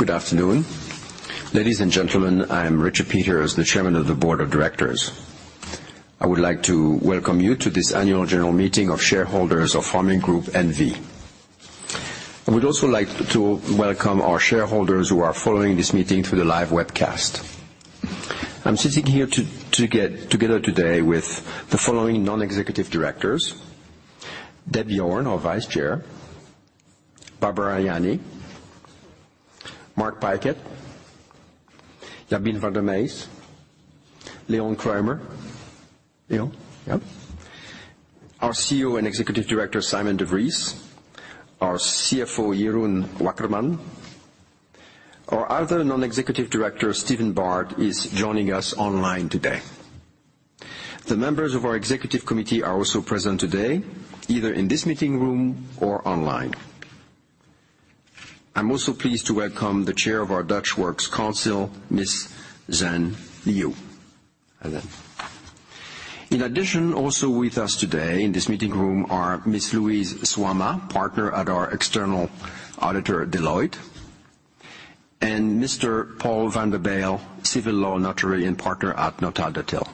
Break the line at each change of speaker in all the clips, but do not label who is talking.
Good afternoon. Ladies and gentlemen, I am Richard Peters, the Chairman of the Board of Directors. I would like to welcome you to this annual general meeting of shareholders of Pharming Group N.V. I would also like to welcome our shareholders who are following this meeting through the live webcast. I'm sitting here to getting together today with the following non-executive directors: Deb Jorn, our Vice Chair; Barbara Yanni, Mark Pykett, Jabine van der Meijs, Léon Kruimer. Léon? Yep. Our CEO and Executive Director, Sijmen de Vries; our CFO, Jeroen Wakkerman. Our other non-executive director, Steven Baert, is joining us online today. The members of our executive committee are also present today, either in this meeting room or online. I'm also pleased to welcome the chair of our Dutch Works Council, Miss Xian Liu. Hi, Xian. In addition, also with us today in this meeting room are Miss Louise Zwama, partner at our external auditor, Deloitte, and Mr. Paul van der Bijl, civil law notary and partner at NautaDutilh.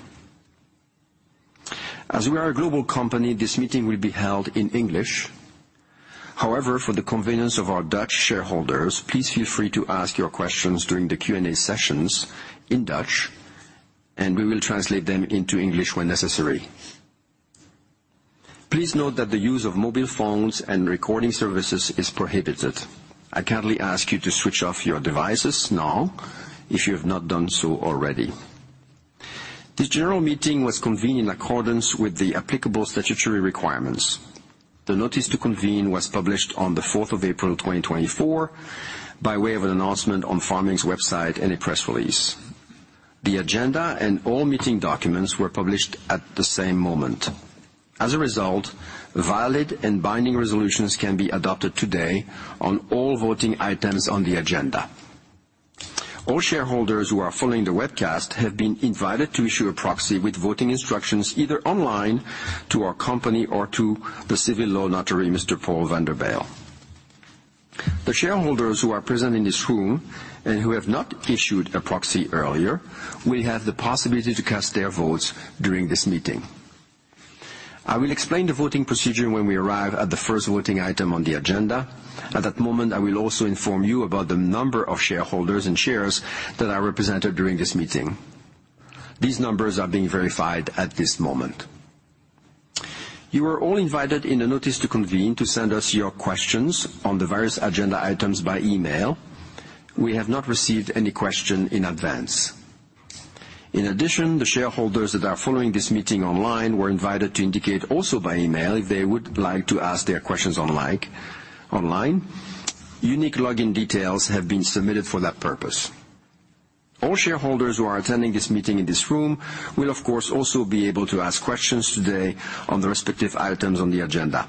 As we are a global company, this meeting will be held in English. However, for the convenience of our Dutch shareholders, please feel free to ask your questions during the Q&A sessions in Dutch, and we will translate them into English when necessary. Please note that the use of mobile phones and recording services is prohibited. I kindly ask you to switch off your devices now if you have not done so already. This general meeting was convened in accordance with the applicable statutory requirements. The notice to convene was published on the fourth of April 2024, by way of an announcement on Pharming's website and a press release. The agenda and all meeting documents were published at the same moment. As a result, valid and binding resolutions can be adopted today on all voting items on the agenda. All shareholders who are following the webcast have been invited to issue a proxy with voting instructions, either online to our company or to the civil law notary, Mr. Paul van der Bijl. The shareholders who are present in this room and who have not issued a proxy earlier, will have the possibility to cast their votes during this meeting. I will explain the voting procedure when we arrive at the first voting item on the agenda. At that moment, I will also inform you about the number of shareholders and shares that are represented during this meeting. These numbers are being verified at this moment. You were all invited in the notice to convene to send us your questions on the various agenda items by email. We have not received any question in advance. In addition, the shareholders that are following this meeting online were invited to indicate also by email if they would like to ask their questions online, online. Unique login details have been submitted for that purpose. All shareholders who are attending this meeting in this room will, of course, also be able to ask questions today on the respective items on the agenda.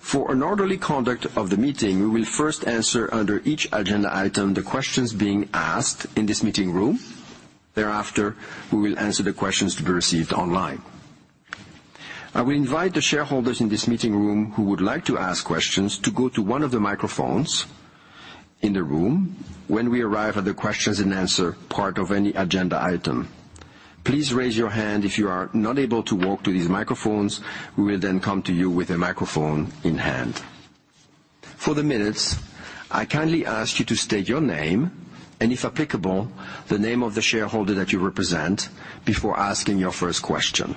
For an orderly conduct of the meeting, we will first answer under each agenda item, the questions being asked in this meeting room. Thereafter, we will answer the questions to be received online. I will invite the shareholders in this meeting room who would like to ask questions, to go to one of the microphones in the room when we arrive at the questions and answer part of any agenda item. Please raise your hand if you are not able to walk to these microphones, we will then come to you with a microphone in hand. For the minutes, I kindly ask you to state your name, and if applicable, the name of the shareholder that you represent before asking your first question.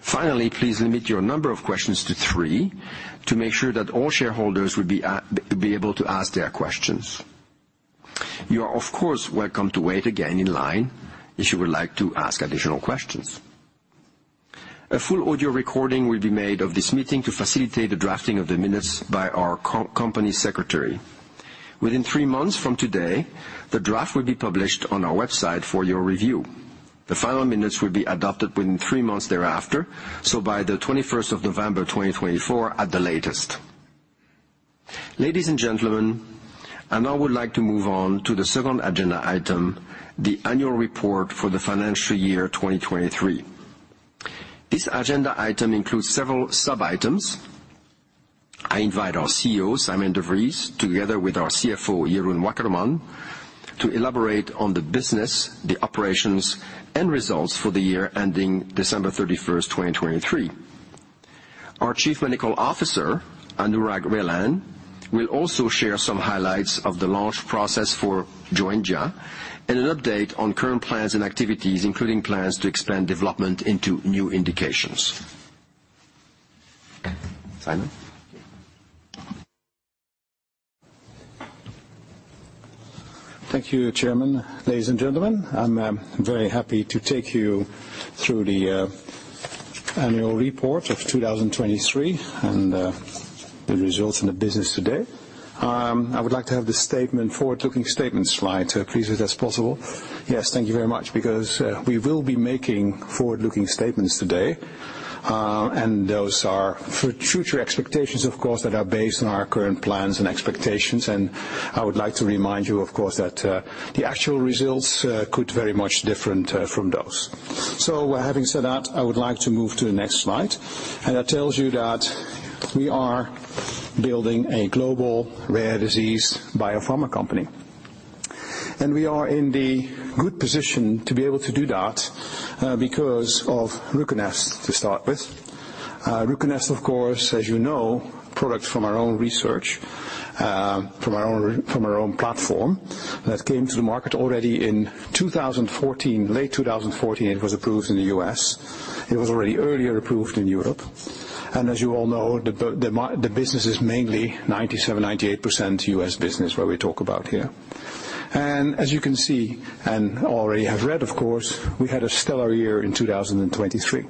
Finally, please limit your number of questions to three, to make sure that all shareholders will be able to ask their questions. You are, of course, welcome to wait again in line if you would like to ask additional questions. A full audio recording will be made of this meeting to facilitate the drafting of the minutes by our Company Secretary. Within three months from today, the draft will be published on our website for your review. The final minutes will be adopted within three months thereafter, so by the 21st of November, 2024 at the latest. Ladies and gentlemen, I now would like to move on to the second agenda item, the annual report for the financial year 2023. This agenda item includes several sub-items. I invite our CEO, Sijmen de Vries, together with our CFO, Jeroen Wakkerman, to elaborate on the business, the operations, and results for the year ending December 31, 2023. Our Chief Medical Officer, Anurag Relan, will also share some highlights of the launch process for Joenja, and an update on current plans and activities, including plans to expand development into new indications. Sijmen?
Thank you, Chairman. Ladies and gentlemen, I'm very happy to take you through the annual report of 2023, and the results in the business today. I would like to have the statement, forward-looking statements slide, please, as possible. Yes, thank you very much. Because we will be making forward-looking statements today, and those are for future expectations, of course, that are based on our current plans and expectations. And I would like to remind you, of course, that the actual results could very much different from those. So having said that, I would like to move to the next slide, and that tells you that... We are building a global rare disease biopharma company. And we are in the good position to be able to do that because of RUCONEST, to start with. RUCONEST, of course, as you know, product from our own research, from our own, from our own platform, that came to the market already in 2014. Late 2014, it was approved in the U.S. It was already earlier approved in Europe, and as you all know, the business is mainly 97%-98% U.S. business, where we talk about here. And as you can see, and already have read, of course, we had a stellar year in 2023.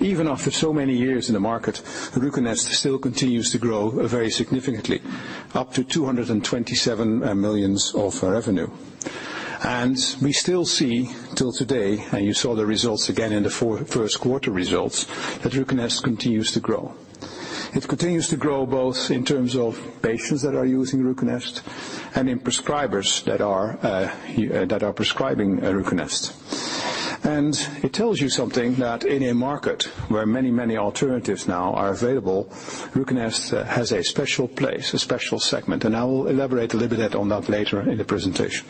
Even after so many years in the market, RUCONEST still continues to grow very significantly, up to $227 million of revenue. And we still see till today, and you saw the results again in the first quarter results, that RUCONEST continues to grow. It continues to grow both in terms of patients that are using RUCONEST and in prescribers that are prescribing RUCONEST. And it tells you something that in a market where many, many alternatives now are available, RUCONEST has a special place, a special segment, and I will elaborate a little bit on that later in the presentation.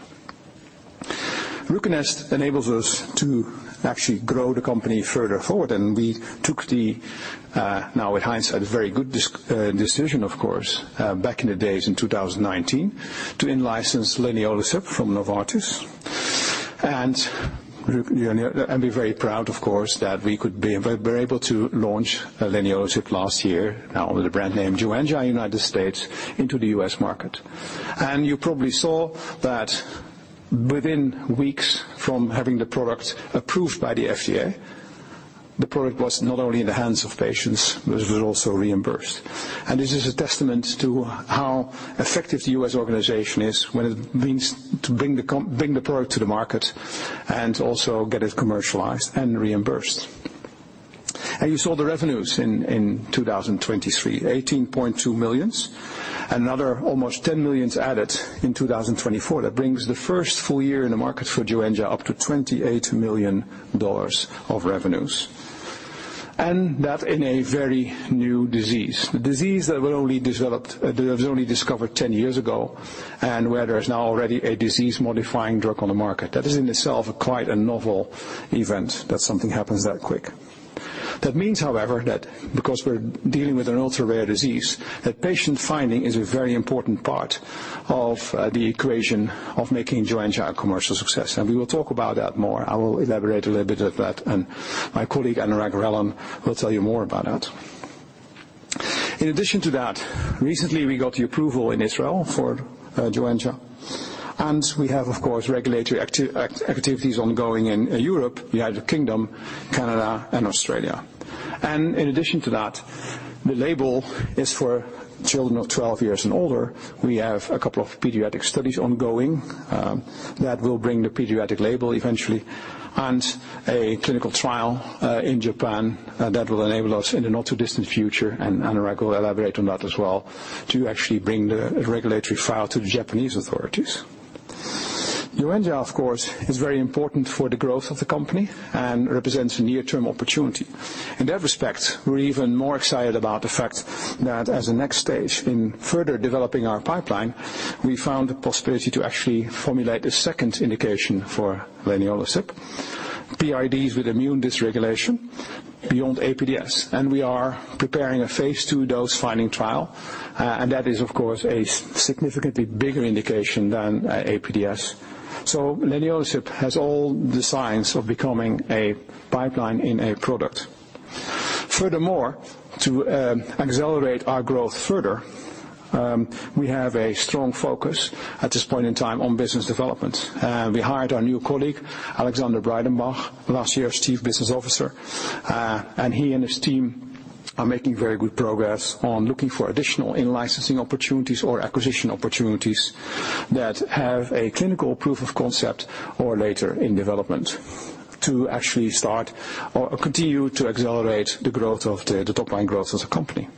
RUCONEST enables us to actually grow the company further forward, and we took the, now in hindsight, a very good decision, of course, back in the days in 2019 to in-license leniolisib from Novartis. And we're very proud, of course, that we were able to launch leniolisib last year, now with the brand name Joenja in United States, into the U.S. market. You probably saw that within weeks from having the product approved by the FDA, the product was not only in the hands of patients, but it was also reimbursed. This is a testament to how effective the US organization is when it means to bring the product to the market and also get it commercialized and reimbursed. You saw the revenues in 2023, $18.2 million, another almost $10 million added in 2024. That brings the first full year in the market for Joenja up to $28 million of revenues. That in a very new disease, a disease that were only developed, that was only discovered 10 years ago, and where there is now already a disease-modifying drug on the market. That is in itself quite a novel event, that something happens that quick. That means, however, that because we're dealing with an ultra-rare disease, that patient finding is a very important part of the equation of making Joenja a commercial success, and we will talk about that more. I will elaborate a little bit of that, and my colleague, Anurag Relan, will tell you more about that. In addition to that, recently, we got the approval in Israel for Joenja, and we have, of course, regulatory activities ongoing in Europe, United Kingdom, Canada, and Australia. In addition to that, the label is for children of 12 years and older. We have a couple of pediatric studies ongoing that will bring the pediatric label eventually, and a clinical trial in Japan that will enable us in the not-too-distant future, and Anurag will elaborate on that as well, to actually bring the regulatory file to the Japanese authorities. Joenja, of course, is very important for the growth of the company and represents a near-term opportunity. In that respect, we're even more excited about the fact that as a next stage in further developing our pipeline, we found the possibility to actually formulate a second indication for leniolisib, PIDs with immune dysregulation beyond APDS, and we are preparing a phase two dose-finding trial. That is, of course, a significantly bigger indication than APDS. So leniolisib has all the signs of becoming a pipeline in a product. Furthermore, to accelerate our growth further, we have a strong focus at this point in time on business development. We hired our new colleague, Alexander Breidenbach, last year, Chief Business Officer, and he and his team are making very good progress on looking for additional in-licensing opportunities or acquisition opportunities that have a clinical proof of concept or later in development to actually start or continue to accelerate the growth of the top-line growth as a company.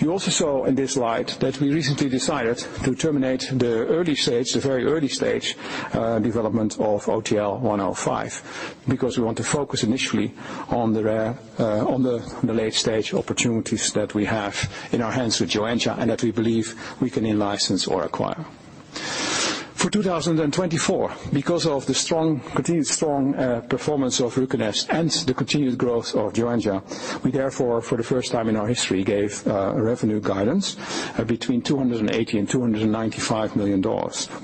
You also saw in this slide that we recently decided to terminate the early stage, the very early stage, development of OTL-105, because we want to focus initially on the rare, on the late-stage opportunities that we have in our hands with Joenja, and that we can in-license or acquire. For 2024, because of the strong, continued strong performance of RUCONEST and the continued growth of Joenja, we therefore, for the first time in our history, gave a revenue guidance between $280 million and $295 million,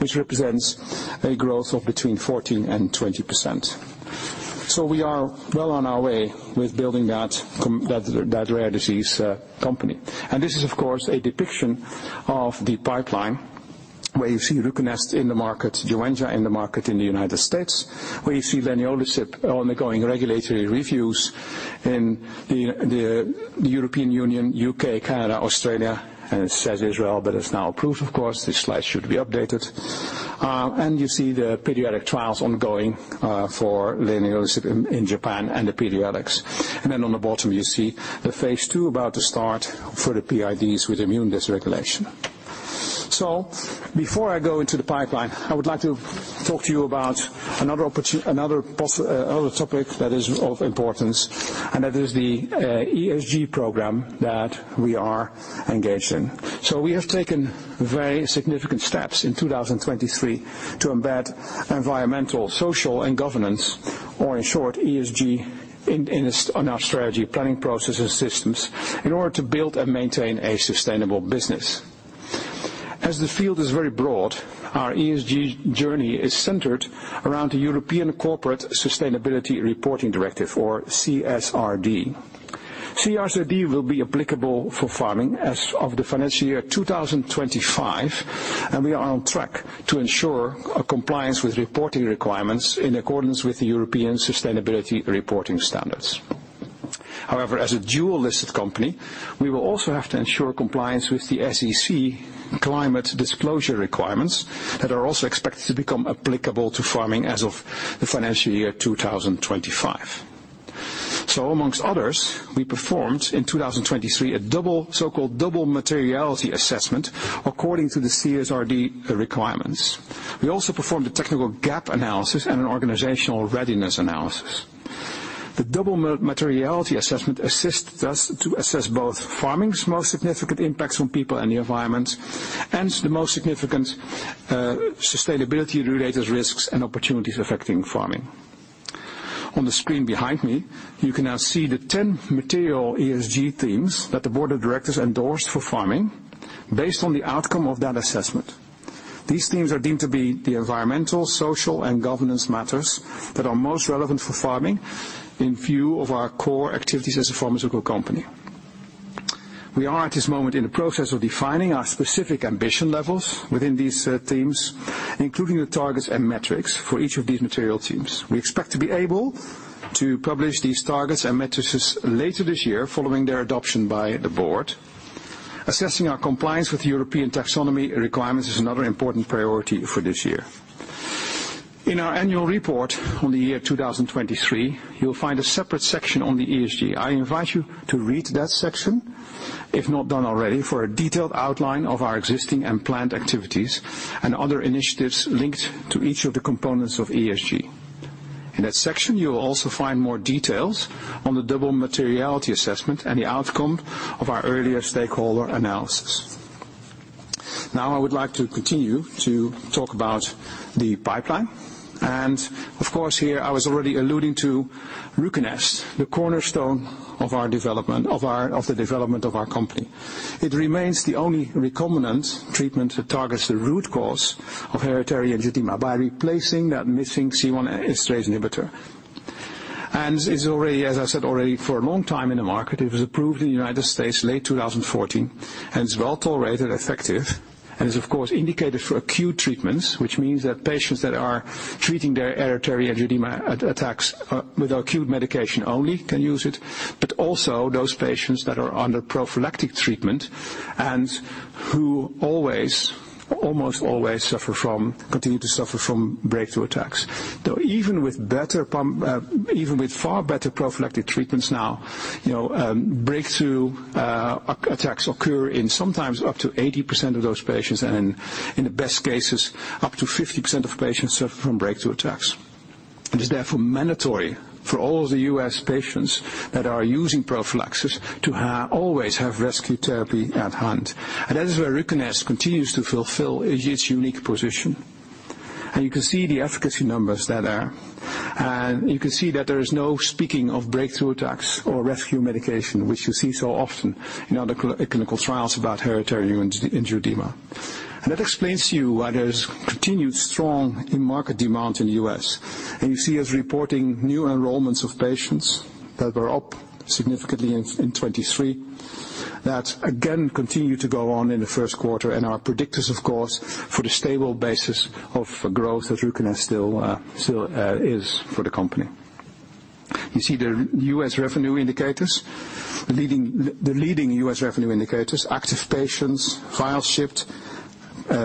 which represents a growth of between 14% and 20%. So we are well on our way with building that rare disease company. And this is, of course, a depiction of the pipeline, where you see RUCONEST in the market, Joenja in the market in the United States, where you see leniolisib ongoing regulatory reviews in the European Union, U.K., Canada, Australia, and it says Israel, but it's now approved, of course. This slide should be updated. And you see the pediatric trials ongoing for leniolisib in Japan and the pediatrics. Then on the bottom, you see the phase two about to start for the PIDs with immune dysregulation. Before I go into the pipeline, I would like to talk to you about another opportunity—another possibility—another topic that is of importance, and that is the ESG program that we are engaged in. We have taken very significant steps in 2023 to embed environmental, social, and governance, or in short, ESG, in our strategy planning processes systems, in order to build and maintain a sustainable business. As the field is very broad, our ESG journey is centered around the European Corporate Sustainability Reporting Directive, or CSRD. CSRD will be applicable for Pharming as of the financial year 2025, and we are on track to ensure a compliance with reporting requirements in accordance with the European Sustainability Reporting Standards. However, as a dual-listed company, we will also have to ensure compliance with the SEC climate disclosure requirements that are also expected to become applicable to Pharming as of the financial year 2025. So amongst others, we performed in 2023, a double, so-called double materiality assessment, according to the CSRD requirements. We also performed a technical gap analysis and an organizational readiness analysis. The double materiality assessment assists us to assess both Pharming's most significant impacts on people and the environment, and the most significant, sustainability-related risks and opportunities affecting Pharming. On the screen behind me, you can now see the 10 material ESG themes that the board of directors endorsed for Pharming based on the outcome of that assessment. These themes are deemed to be the environmental, social, and governance matters that are most relevant for Pharming in view of our core activities as a pharmaceutical company. We are, at this moment, in the process of defining our specific ambition levels within these themes, including the targets and metrics for each of these material themes. We expect to be able to publish these targets and metrics later this year, following their adoption by the board. Assessing our compliance with European taxonomy requirements is another important priority for this year. In our annual report on the year 2023, you'll find a separate section on the ESG. I invite you to read that section, if not done already, for a detailed outline of our existing and planned activities, and other initiatives linked to each of the components of ESG. In that section, you will also find more details on the double materiality assessment and the outcome of our earlier stakeholder analysis. Now, I would like to continue to talk about the pipeline. And of course, here I was already alluding to RUCONEST, the cornerstone of our development, of the development of our company. It remains the only recombinant treatment that targets the root cause of hereditary angioedema by replacing that missing C1 esterase inhibitor. And it's already, as I said already, for a long time in the market. It was approved in the United States, late 2014, and it's well-tolerated, effective, and is, of course, indicated for acute treatments, which means that patients that are treating their hereditary angioedema attacks with acute medication only can use it, but also those patients that are under prophylactic treatment and who always, almost always continue to suffer from breakthrough attacks. Though, even with far better prophylactic treatments now, you know, breakthrough attacks occur in sometimes up to 80% of those patients, and in the best cases, up to 50% of patients suffer from breakthrough attacks. It is therefore mandatory for all the U.S. patients that are using prophylaxis to always have rescue therapy at hand. And that is where RUCONEST continues to fulfill its unique position. You can see the efficacy numbers that are. You can see that there is no speaking of breakthrough attacks or rescue medication, which you see so often in other clinical trials about hereditary angioedema. That explains to you why there's continued strong in-market demand in the US. You see us reporting new enrollments of patients that were up significantly in 2023. That again continues to go on in the first quarter and are predictors, of course, for the stable basis of growth that RUCONEST still is for the company. You see the US revenue indicators, the leading US revenue indicators, active patients, vials shipped,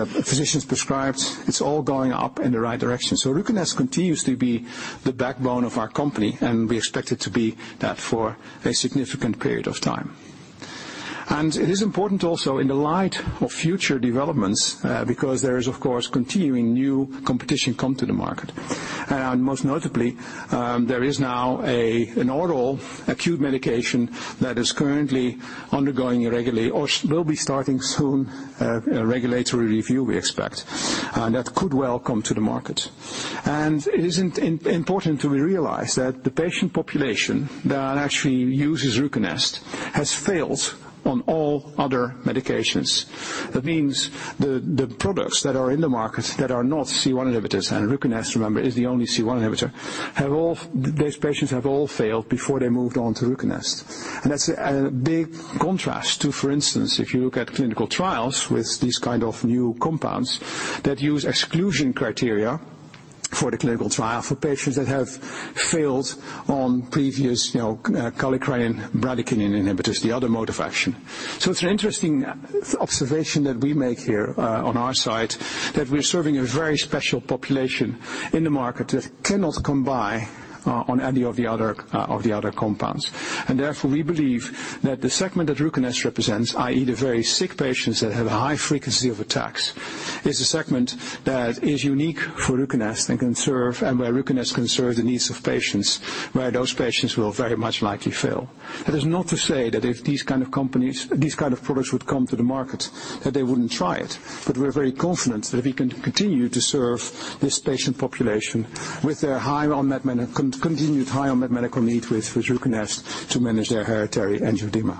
physicians prescribed; it's all going up in the right direction. So RUCONEST continues to be the backbone of our company, and we expect it to be that for a significant period of time. It is important also in the light of future developments, because there is, of course, continuing new competition come to the market. And most notably, there is now a, an oral acute medication that is currently undergoing a or will be starting soon, a regulatory review, we expect, and that could well come to the market. And it is important to realize that the patient population that actually uses RUCONEST has failed on all other medications. That means the, the products that are in the market that are not C1 inhibitors, and RUCONEST, remember, is the only C1 inhibitor, have all-- those patients have all failed before they moved on to RUCONEST. And that's a, a big contrast to, for instance, if you look at clinical trials with these kind of new compounds that use exclusion criteria-... for the clinical trial for patients that have failed on previous, you know, kallikrein bradykinin inhibitors, the other mode of action. So it's an interesting observation that we make here, on our side, that we're serving a very special population in the market that cannot combine, on any of the other, of the other compounds. And therefore, we believe that the segment that RUCONEST represents, i.e., the very sick patients that have a high frequency of attacks, is a segment that is unique for RUCONEST and can serve- and where RUCONEST can serve the needs of patients, where those patients will very much likely fail. That is not to say that if these kind of companies, these kind of products would come to the market, that they wouldn't try it. But we're very confident that we can continue to serve this patient population with their high unmet continued high unmet medical need with RUCONEST to manage their hereditary angioedema.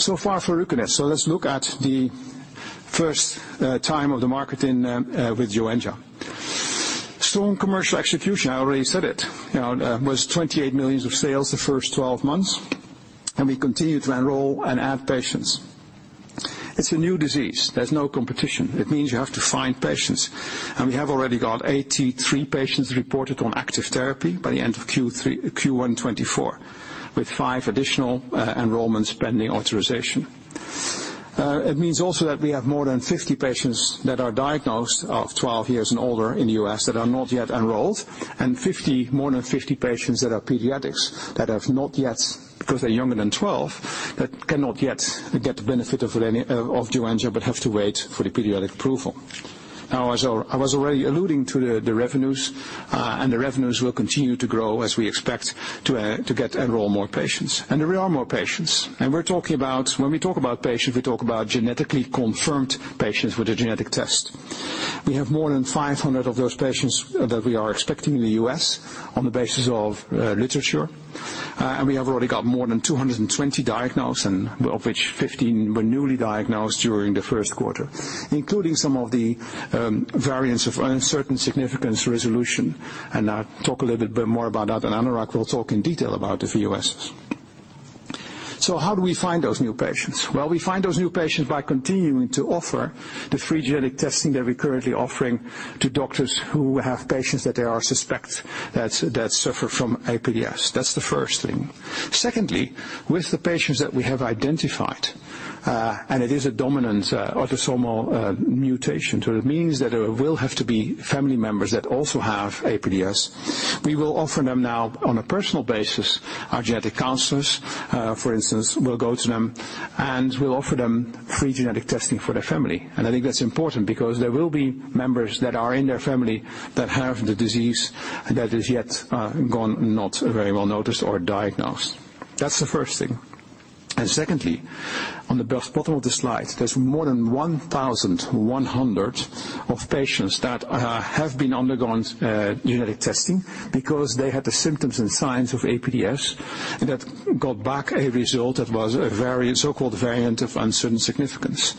So far for RUCONEST. So let's look at the first time of the market in with Joenja. Strong commercial execution, I already said it. You know, was $28 million of sales the first 12 months, and we continue to enroll and add patients. It's a new disease. There's no competition. It means you have to find patients, and we have already got 83 patients reported on active therapy by the end of Q1 2024, with five additional enrollments pending authorization. It means also that we have more than 50 patients that are diagnosed of 12 years and older in the U.S. that are not yet enrolled, and 50, more than 50 patients that are pediatrics, that have not yet because they're younger than 12, that cannot yet get the benefit of Joenja, but have to wait for the pediatric approval. Now, as I was already alluding to the revenues, and the revenues will continue to grow as we expect to enroll more patients. And there are more patients. And we're talking about when we talk about patients, we talk about genetically confirmed patients with a genetic test. We have more than 500 of those patients that we are expecting in the U.S. on the basis of literature. And we have already got more than 220 diagnosed, and of which 15 were newly diagnosed during the first quarter, including some of the variants of uncertain significance resolution. I'll talk a little bit more about that, and Anurag will talk in detail about the VUSs. So how do we find those new patients? Well, we find those new patients by continuing to offer the free genetic testing that we're currently offering to doctors who have patients that they suspect suffer from APDS. That's the first thing. Secondly, with the patients that we have identified, and it is a dominant autosomal mutation, so it means that there will have to be family members that also have APDS. We will offer them now, on a personal basis, our genetic counselors. For instance, we'll go to them, and we'll offer them free genetic testing for their family. And I think that's important because there will be members that are in their family that have the disease that is yet gone not very well noticed or diagnosed. That's the first thing. And secondly, on the bottom of the slide, there's more than 1,100 patients that have undergone genetic testing because they had the symptoms and signs of APDS that got back a result that was a variant, so-called variant of uncertain significance.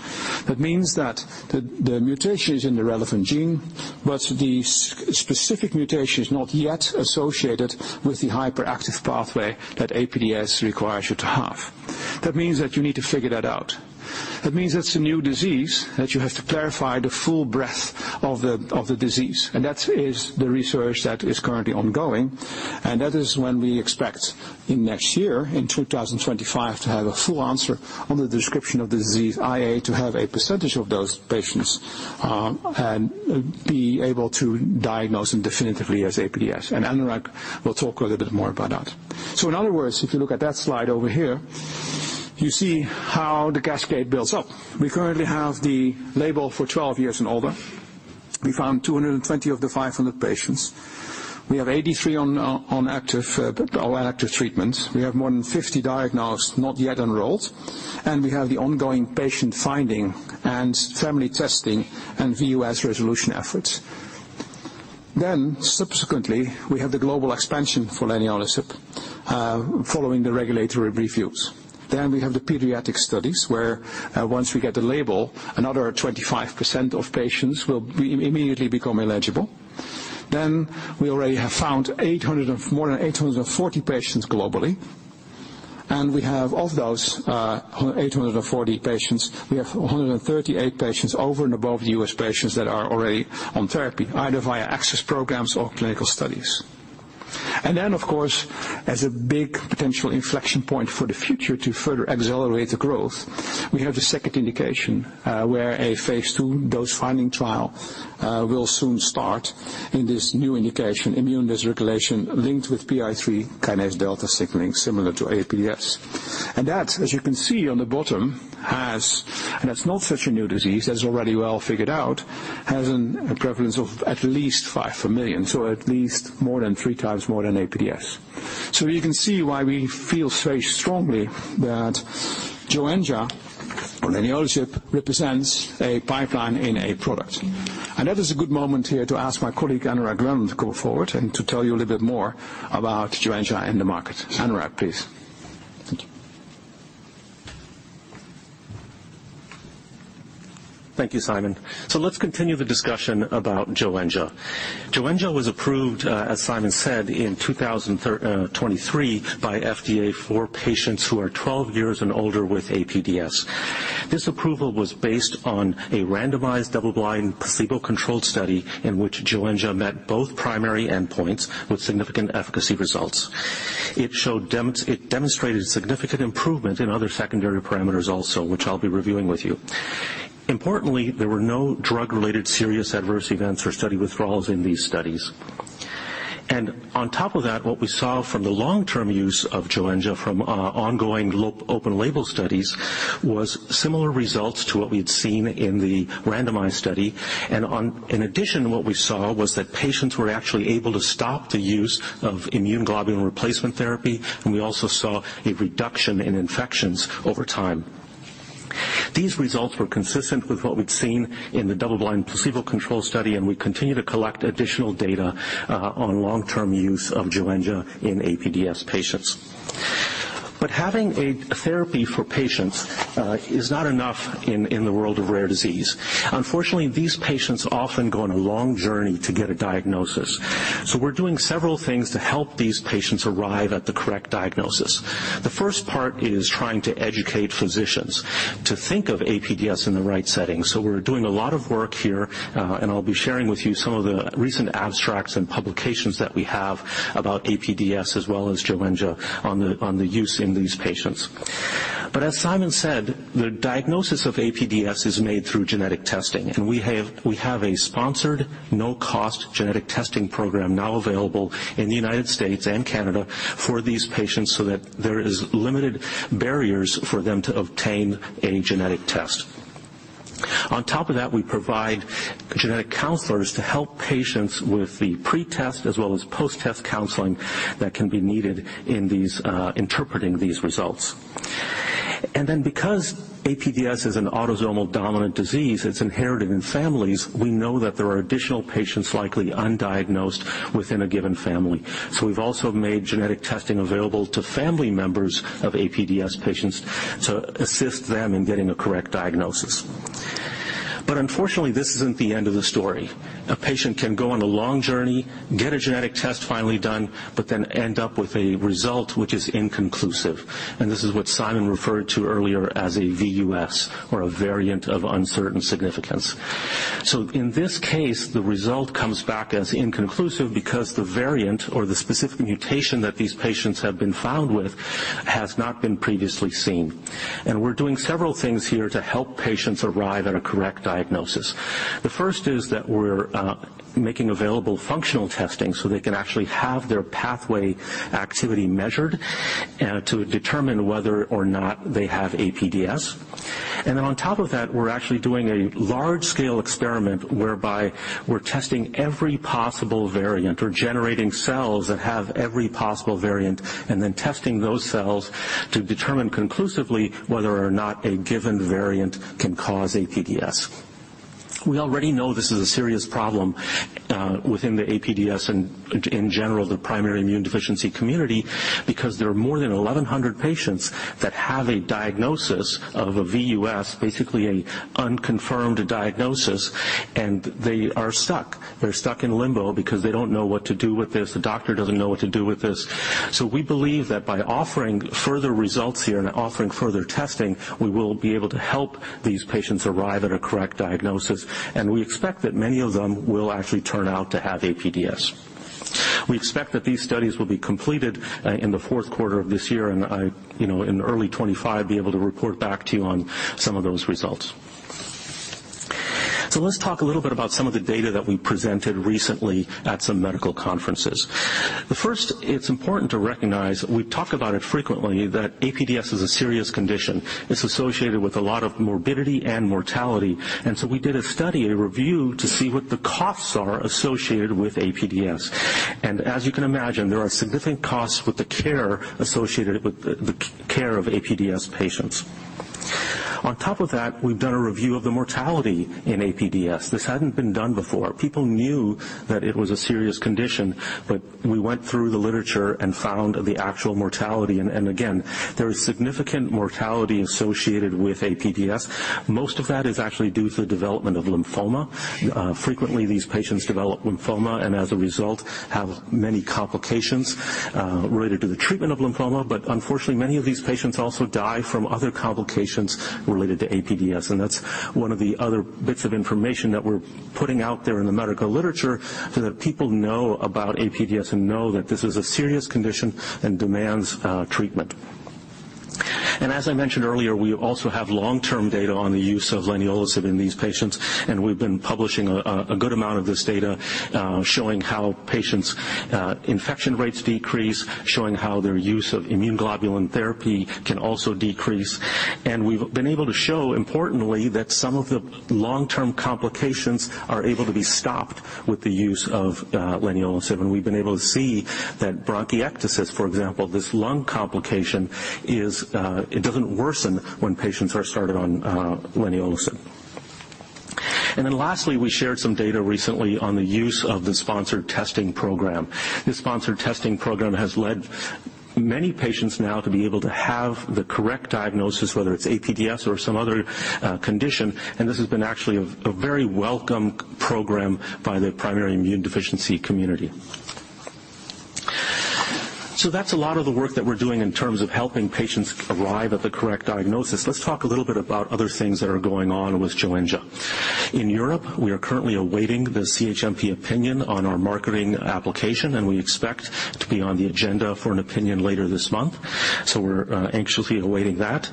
That means that the mutation is in the relevant gene, but the specific mutation is not yet associated with the hyperactive pathway that APDS requires you to have. That means that you need to figure that out. That means it's a new disease, that you have to clarify the full breadth of the, of the disease, and that is the research that is currently ongoing. And that is when we expect in next year, in 2025, to have a full answer on the description of the disease, i.e., to have a percentage of those patients, and be able to diagnose them definitively as APDS. And Anurag will talk a little bit more about that. So in other words, if you look at that slide over here, you see how the cascade builds up. We currently have the label for 12 years and older. We found 220 of the 500 patients. We have 83 on active treatment. We have more than 50 diagnosed, not yet enrolled, and we have the ongoing patient finding and family testing and VUS resolution efforts. Then subsequently, we have the global expansion for leniolisib following the regulatory reviews. Then we have the pediatric studies, where once we get the label, another 25% of patients will immediately become eligible. Then we already have found more than 840 patients globally, and we have, of those, 840 patients, we have 138 patients over and above the U.S. patients that are already on therapy, either via access programs or clinical studies. And then, of course, as a big potential inflection point for the future to further accelerate the growth, we have the second indication, where a phase two dose-finding trial will soon start in this new indication, immune dysregulation linked with PI3 kinase delta signaling, similar to APDS. That, as you can see on the bottom, and it's not such a new disease, that's already well figured out, has a prevalence of at least five per million, so at least more than three times more than APDS. So you can see why we feel very strongly that Joenja or leniolisib represents a pipeline in a product. That is a good moment here to ask my colleague, Anurag Relan, to come forward and to tell you a little bit more about Joenja in the market. Anurag, please. Thank you.
Thank you, Simon. So let's continue the discussion about Joenja. Joenja was approved, as Simon said, in 2023 by FDA for patients who are 12 years and older with APDS. This approval was based on a randomized, double-blind, placebo-controlled study in which Joenja met both primary endpoints with significant efficacy results. It demonstrated significant improvement in other secondary parameters also, which I'll be reviewing with you. Importantly, there were no drug-related serious adverse events or study withdrawals in these studies. And on top of that, what we saw from the long-term use of Joenja from ongoing open label studies was similar results to what we had seen in the randomized study. In addition, what we saw was that patients were actually able to stop the use of immune globulin replacement therapy, and we also saw a reduction in infections over time. These results were consistent with what we'd seen in the double-blind, placebo-controlled study, and we continue to collect additional data on long-term use of Joenja in APDS patients. But having a therapy for patients is not enough in the world of rare disease. Unfortunately, these patients often go on a long journey to get a diagnosis, so we're doing several things to help these patients arrive at the correct diagnosis. The first part is trying to educate physicians to think of APDS in the right setting. So we're doing a lot of work here, and I'll be sharing with you some of the recent abstracts and publications that we have about APDS as well as Joenja on the, on the use in these patients. But as Simon said, the diagnosis of APDS is made through genetic testing, and we have, we have a sponsored no-cost genetic testing program now available in the United States and Canada for these patients so that there is limited barriers for them to obtain a genetic test. On top of that, we provide genetic counselors to help patients with the pre-test as well as post-test counseling that can be needed in these, interpreting these results. And then, because APDS is an autosomal dominant disease, it's inherited in families, we know that there are additional patients, likely undiagnosed, within a given family. So we've also made genetic testing available to family members of APDS patients to assist them in getting a correct diagnosis. But unfortunately, this isn't the end of the story. A patient can go on a long journey, get a genetic test finally done, but then end up with a result which is inconclusive, and this is what Simon referred to earlier as a VUS, or a variant of uncertain significance. So in this case, the result comes back as inconclusive because the variant or the specific mutation that these patients have been found with has not been previously seen, and we're doing several things here to help patients arrive at a correct diagnosis. The first is that we're making available functional testing so they can actually have their pathway activity measured to determine whether or not they have APDS. And then on top of that, we're actually doing a large-scale experiment whereby we're testing every possible variant or generating cells that have every possible variant, and then testing those cells to determine conclusively whether or not a given variant can cause APDS. We already know this is a serious problem within the APDS and in general, the primary immune deficiency community, because there are more than 1,100 patients that have a diagnosis of a VUS, basically a unconfirmed diagnosis, and they are stuck. They're stuck in limbo because they don't know what to do with this. The doctor doesn't know what to do with this. So we believe that by offering further results here and offering further testing, we will be able to help these patients arrive at a correct diagnosis, and we expect that many of them will actually turn out to have APDS. We expect that these studies will be completed in the fourth quarter of this year, and you know, in early 2025, be able to report back to you on some of those results. So let's talk a little bit about some of the data that we presented recently at some medical conferences. But first, it's important to recognize, we talk about it frequently, that APDS is a serious condition. It's associated with a lot of morbidity and mortality, and so we did a study, a review, to see what the costs are associated with APDS. And as you can imagine, there are significant costs with the care associated with the care of APDS patients. On top of that, we've done a review of the mortality in APDS. This hadn't been done before. People knew that it was a serious condition, but we went through the literature and found the actual mortality, and again, there is significant mortality associated with APDS. Most of that is actually due to the development of lymphoma. Frequently, these patients develop lymphoma and, as a result, have many complications related to the treatment of lymphoma. But unfortunately, many of these patients also die from other complications related to APDS, and that's one of the other bits of information that we're putting out there in the medical literature so that people know about APDS and know that this is a serious condition and demands treatment. As I mentioned earlier, we also have long-term data on the use of leniolisib in these patients, and we've been publishing a good amount of this data, showing how patients' infection rates decrease, showing how their use of immune globulin therapy can also decrease. And we've been able to show, importantly, that some of the long-term complications are able to be stopped with the use of leniolisib, and we've been able to see that bronchiectasis, for example, this lung complication, doesn't worsen when patients are started on leniolisib. And then lastly, we shared some data recently on the use of the sponsored testing program. This sponsored testing program has led many patients now to be able to have the correct diagnosis, whether it's APDS or some other condition, and this has been actually a very welcome program by the primary immune deficiency community. So that's a lot of the work that we're doing in terms of helping patients arrive at the correct diagnosis. Let's talk a little bit about other things that are going on with Joenja. In Europe, we are currently awaiting the CHMP opinion on our marketing application, and we expect to be on the agenda for an opinion later this month. So we're anxiously awaiting that.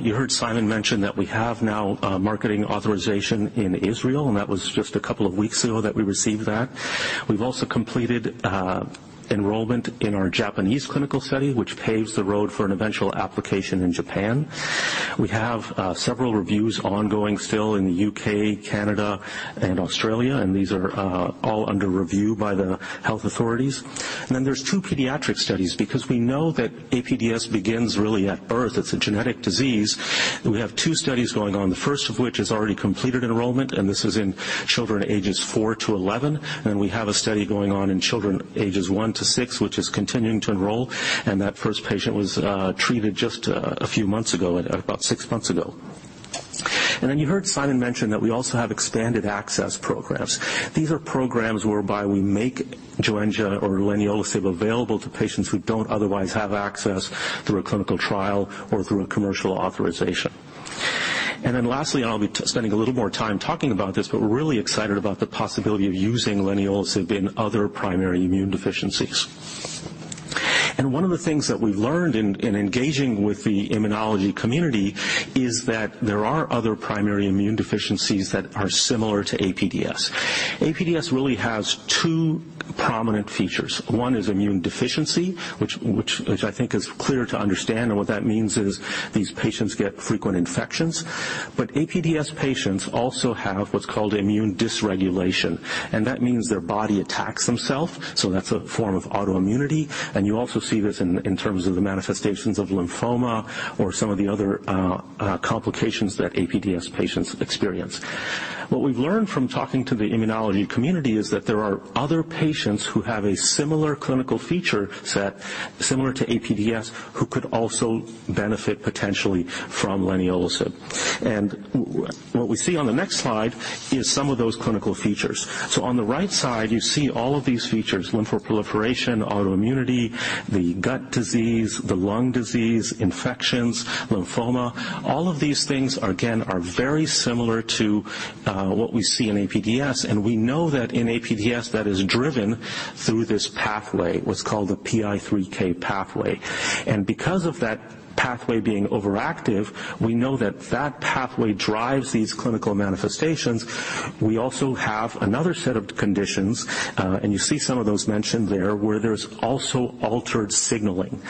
You heard Simon mention that we have now a marketing authorization in Israel, and that was just a couple of weeks ago that we received that. We've also completed enrollment in our Japanese clinical study, which paves the road for an eventual application in Japan. We have several reviews ongoing still in the UK, Canada, and Australia, and these are all under review by the health authorities. Then there's two pediatric studies. Because we know that APDS begins really at birth, it's a genetic disease, we have two studies going on, the first of which is already completed enrollment, and this is in children ages 4-11. We have a study going on in children ages 1-6, which is continuing to enroll, and that first patient was treated just a few months ago, at about 6 months ago. Then you heard Simon mention that we also have expanded access programs. These are programs whereby we make Joenja or leniolisib available to patients who don't otherwise have access through a clinical trial or through a commercial authorization. And then lastly, I'll be spending a little more time talking about this, but we're really excited about the possibility of using leniolisib in other primary immune deficiencies. And one of the things that we've learned in engaging with the immunology community is that there are other primary immune deficiencies that are similar to APDS. APDS really has two prominent features. One is immune deficiency, which I think is clear to understand, and what that means is these patients get frequent infections. But APDS patients also have what's called immune dysregulation, and that means their body attacks themselves. So that's a form of autoimmunity, and you also see this in terms of the manifestations of lymphoma or some of the other complications that APDS patients experience. What we've learned from talking to the immunology community is that there are other patients who have a similar clinical feature set, similar to APDS, who could also benefit potentially from leniolisib. And what we see on the next slide is some of those clinical features. So on the right side, you see all of these features, lymphoproliferation, autoimmunity, the gut disease, the lung disease, infections, lymphoma. All of these things, again, are very similar to what we see in APDS, and we know that in APDS, that is driven through this pathway, what's called the PI3K pathway. And because of that pathway being overactive, we know that that pathway drives these clinical manifestations. We also have another set of conditions, and you see some of those mentioned there, where there's also altered signaling.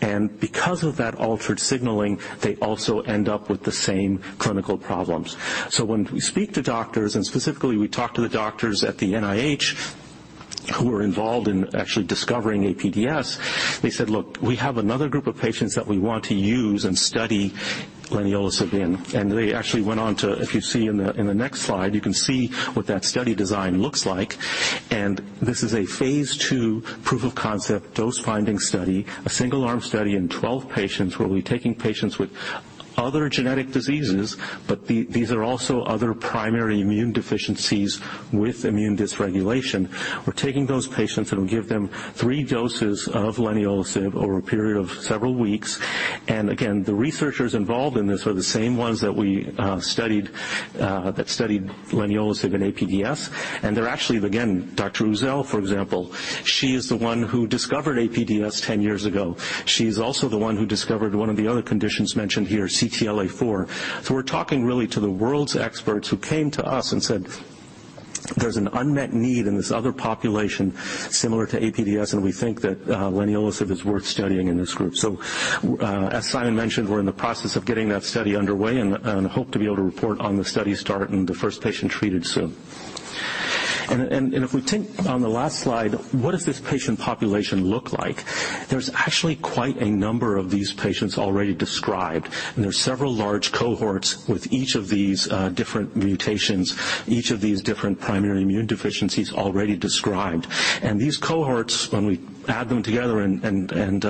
And because of that altered signaling, they also end up with the same clinical problems. So when we speak to doctors, and specifically, we talk to the doctors at the NIH, who were involved in actually discovering APDS, they said, "Look, we have another group of patients that we want to use and study leniolisib in." And they actually went on to... If you see in the next slide, you can see what that study design looks like. And this is a phase 2 proof of concept, dose-finding study, a single-arm study in 12 patients, where we'll be taking patients with other genetic diseases, but these are also other primary immune deficiencies with immune dysregulation. We're taking those patients, and we'll give them three doses of leniolisib over a period of several weeks. And again, the researchers involved in this are the same ones that we studied that studied leniolisib in APDS. And they're actually, again, Dr. Uzel, for example, she is the one who discovered APDS ten years ago. She's also the one who discovered one of the other conditions mentioned here, CTLA-4. So we're talking really to the world's experts who came to us and said, "There's an unmet need in this other population similar to APDS, and we think that leniolisib is worth studying in this group." So, as Simon mentioned, we're in the process of getting that study underway and hope to be able to report on the study start and the first patient treated soon. If we take on the last slide, what does this patient population look like? There's actually quite a number of these patients already described, and there are several large cohorts with each of these different mutations, each of these different primary immune deficiencies already described. These cohorts, when we add them together and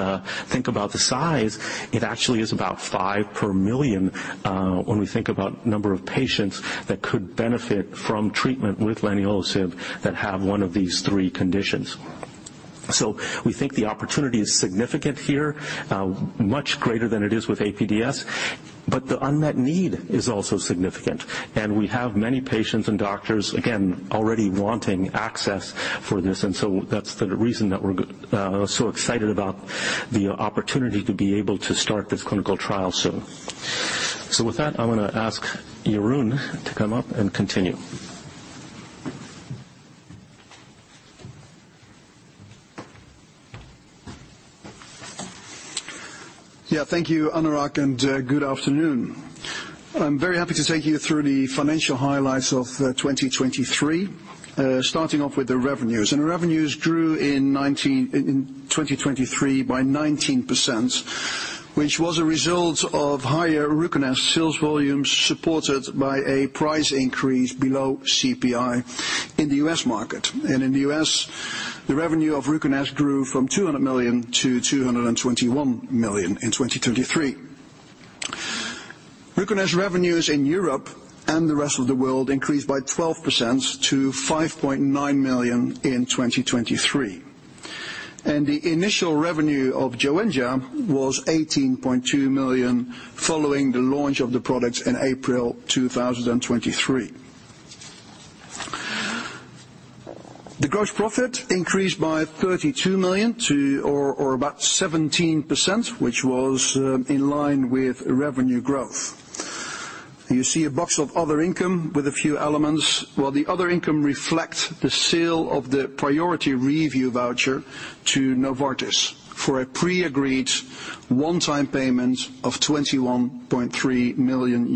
think about the size, it actually is about five per million when we think about number of patients that could benefit from treatment with leniolisib that have one of these three conditions. So we think the opportunity is significant here, much greater than it is with APDS, but the unmet need is also significant. And we have many patients and doctors, again, already wanting access for this, and so that's the reason that we're so excited about the opportunity to be able to start this clinical trial soon. So with that, I'm going to ask Jeroen to come up and continue.
Yeah. Thank you, Anurag, and, good afternoon. I'm very happy to take you through the financial highlights of 2023, starting off with the revenues. Revenues grew in 2023 by 19%, which was a result of higher RUCONEST sales volumes, supported by a price increase below CPI in the US market. In the US, the revenue of RUCONEST grew from $200 million to $221 million in 2023. RUCONEST revenues in Europe and the rest of the world increased by 12% to $5.9 million in 2023. The initial revenue of Joenja was $18.2 million, following the launch of the product in April 2023. The gross profit increased by $32 million to, or about 17%, which was in line with revenue growth. You see a box of other income with a few elements. Well, the other income reflects the sale of the Priority Review Voucher to Novartis for a pre-agreed one-time payment of $21.3 million.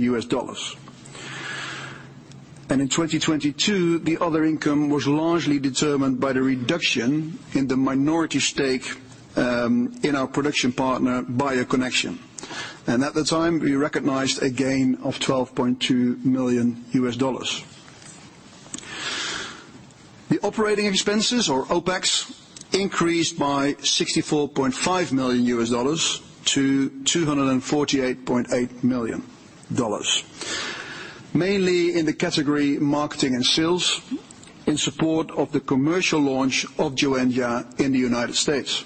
And in 2022, the other income was largely determined by the reduction in the minority stake in our production partner, BioConnection. And at the time, we recognized a gain of $12.2 million. The operating expenses, or OpEx, increased by $64.5 million to $248.8 million, mainly in the category marketing and sales, in support of the commercial launch of Joenja in the United States.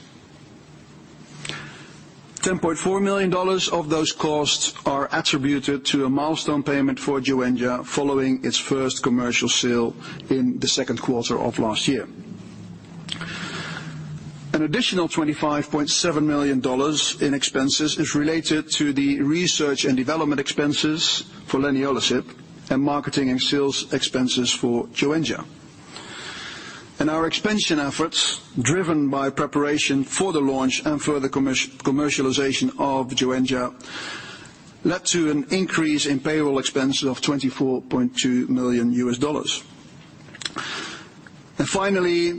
$10.4 million of those costs are attributed to a milestone payment for Joenja, following its first commercial sale in the second quarter of last year. An additional $25.7 million in expenses is related to the research and development expenses for leniolisib, and marketing and sales expenses for Joenja. Our expansion efforts, driven by preparation for the launch and further commercialization of Joenja, led to an increase in payroll expenses of $24.2 million. Finally,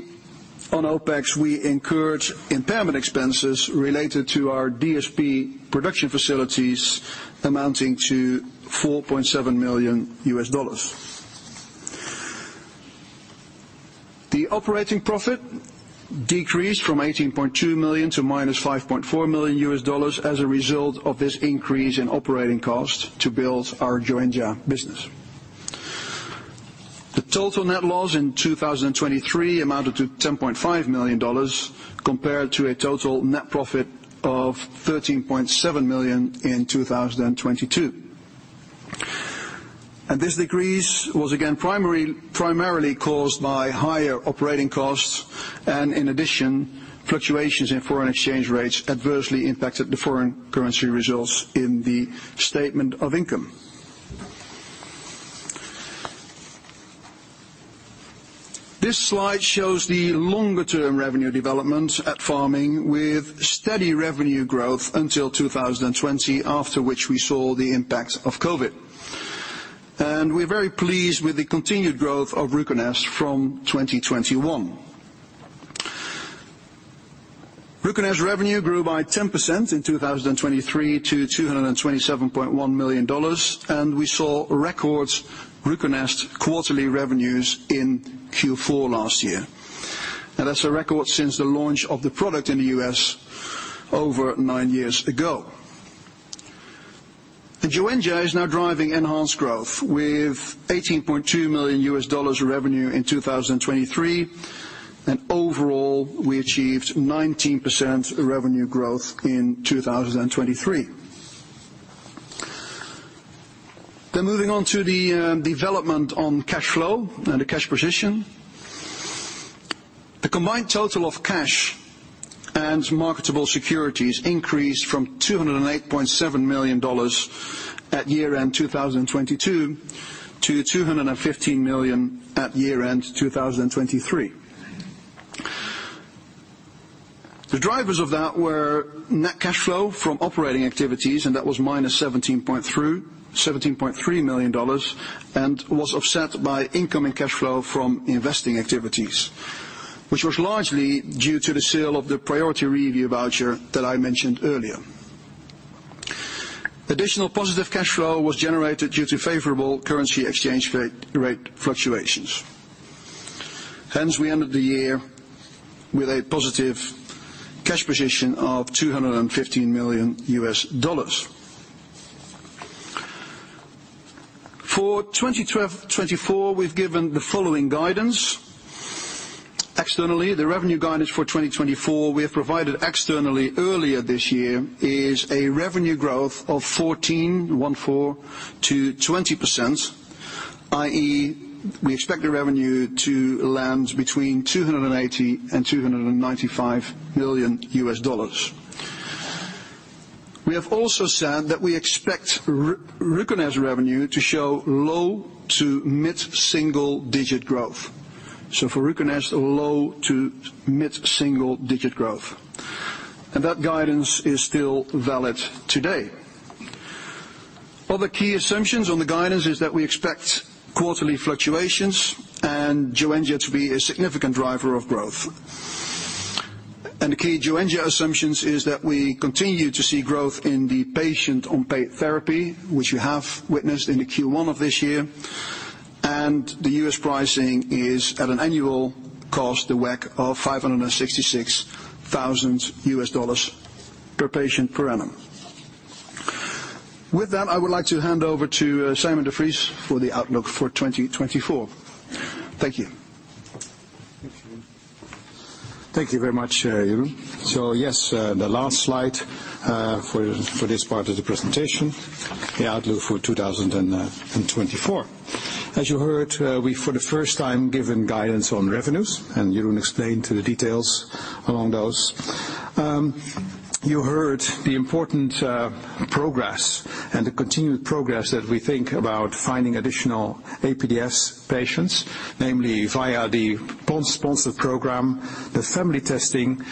on OpEx, we incurred impairment expenses related to our DSP production facilities, amounting to $4.7 million. The operating profit decreased from $18.2 million to -$5.4 million as a result of this increase in operating costs to build our Joenja business. The total net loss in 2023 amounted to $10.5 million, compared to a total net profit of $13.7 million in 2022. This decrease was again primarily caused by higher operating costs, and in addition, fluctuations in foreign exchange rates adversely impacted the foreign currency results in the statement of income. This slide shows the longer-term revenue development at Pharming, with steady revenue growth until 2020, after which we saw the impact of Covid. We're very pleased with the continued growth of RUCONEST from 2021. RUCONEST revenue grew by 10% in 2023 to $227.1 million, and we saw record RUCONEST quarterly revenues in Q4 last year. Now, that's a record since the launch of the product in the US over nine years ago. The Joenja is now driving enhanced growth, with $18.2 million in revenue in 2023, and overall, we achieved 19% revenue growth in 2023. Then moving on to the development on cash flow and the cash position. The combined total of cash and marketable securities increased from $208.7 million at year-end 2022, to $215 million at year-end 2023. The drivers of that were net cash flow from operating activities, and that was -$17.3 million, and was offset by incoming cash flow from investing activities, which was largely due to the sale of the priority review voucher that I mentioned earlier. Additional positive cash flow was generated due to favorable currency exchange rate fluctuations. Hence, we ended the year with a positive cash position of $215 million. For 2024, we've given the following guidance. Externally, the revenue guidance for 2024, we have provided externally earlier this year, is a revenue growth of 14%-20%, i.e., we expect the revenue to land between $280 million and $295 million. We have also said that we expect RUCONEST revenue to show low to mid-single digit growth. So for RUCONEST, low to mid-single digit growth, and that guidance is still valid today. Other key assumptions on the guidance is that we expect quarterly fluctuations and Joenja to be a significant driver of growth. The key Joenja assumptions is that we continue to see growth in the patients on therapy, which you have witnessed in the Q1 of this year... and the U.S. pricing is at an annual cost, the WAC of $566,000 per patient per annum. With that, I would like to hand over to Sijmen de Vries for the outlook for 2024. Thank you.
Thank you. Thank you very much, Jeroen. So yes, the last slide, for this part of the presentation, the outlook for 2024. As you heard, we for the first time given guidance on revenues, and Jeroen explained to the details along those. You heard the important progress and the continued progress that we think about finding additional APDS patients, namely via the sponsored program, the family testing,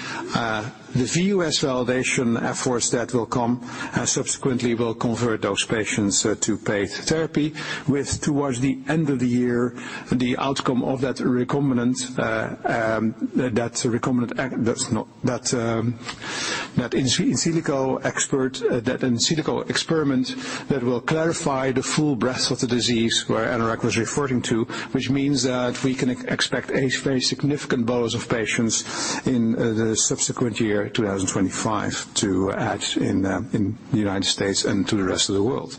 the VUS validation efforts that will come and subsequently will convert those patients, to paid therapy, with towards the end of the year, the outcome of that recombinant, that recombinant act... That's not that in silico expert that in silico experiment that will clarify the full breadth of the disease, where Anurag was referring to, which means that we can expect a very significant bonus of patients in the subsequent year, 2025, to add in the United States and to the rest of the world.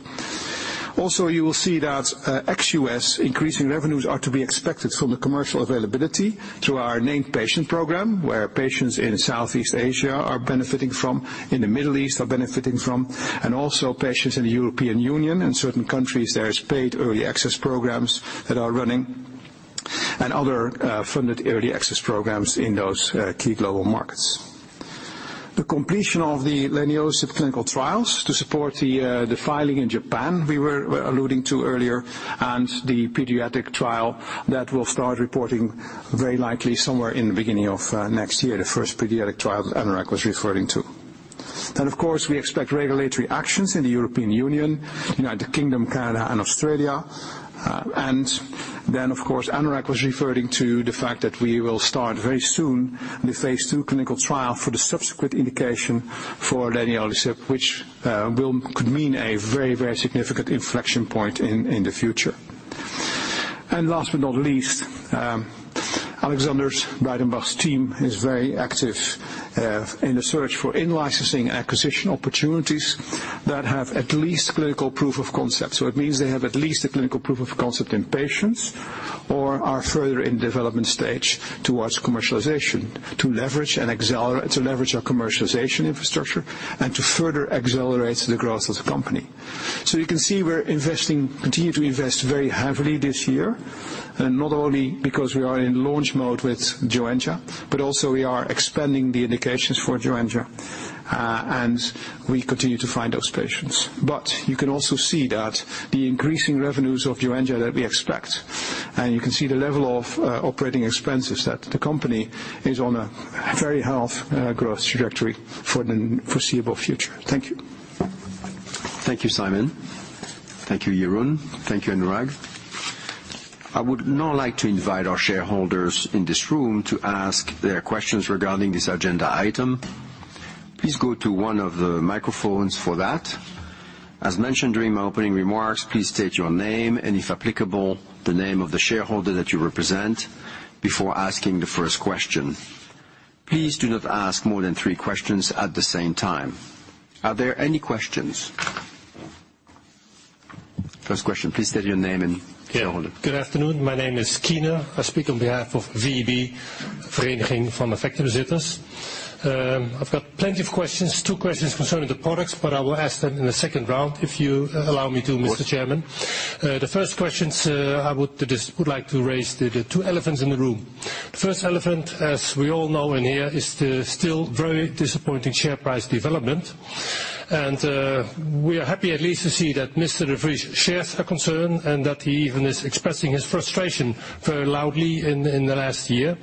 Also, you will see that ex US, increasing revenues are to be expected from the commercial availability through our named patient program, where patients in Southeast Asia are benefiting from, in the Middle East are benefiting from, and also patients in the European Union. In certain countries, there is paid early access programs that are running, and other funded early access programs in those key global markets. The completion of the leniolisib clinical trials to support the filing in Japan, we were alluding to earlier, and the pediatric trial that will start reporting very likely somewhere in the beginning of next year, the first pediatric trial that Anurag was referring to. Then, of course, we expect regulatory actions in the European Union, United Kingdom, Canada, and Australia. And then, of course, Anurag was referring to the fact that we will start very soon the phase two clinical trial for the subsequent indication for leniolisib, which could mean a very, very significant inflection point in the future. And last but not least, Alexander Breidenbach's team is very active in the search for in-licensing acquisition opportunities that have at least clinical proof of concept. It means they have at least a clinical proof of concept in patients or are further in development stage towards commercialization, to leverage our commercialization infrastructure and to further accelerate the growth of the company. You can see we're investing, continue to invest very heavily this year, and not only because we are in launch mode with Joenja, but also we are expanding the indications for Joenja, and we continue to find those patients. But you can also see that the increasing revenues of Joenja that we expect, and you can see the level of operating expenses, that the company is on a very healthy growth trajectory for the foreseeable future. Thank you.
Thank you, Simon. Thank you, Jeroen. Thank you, Anurag. I would now like to invite our shareholders in this room to ask their questions regarding this agenda item. Please go to one of the microphones for that. As mentioned during my opening remarks, please state your name, and if applicable, the name of the shareholder that you represent before asking the first question. Please do not ask more than three questions at the same time. Are there any questions? First question, please state your name and shareholder.
Yeah. Good afternoon. My name is Keyner. I speak on behalf of VEB, Vereniging van Effectenbezitters. I've got plenty of questions. Two questions concerning the products, but I will ask them in the second round, if you allow me to, Mr. Chairman.
Of course.
The first questions, I would like to raise the two elephants in the room. The first elephant, as we all know in here, is the still very disappointing share price development. We are happy at least to see that Mr. de Vries shares our concern and that he even is expressing his frustration very loudly in the last year.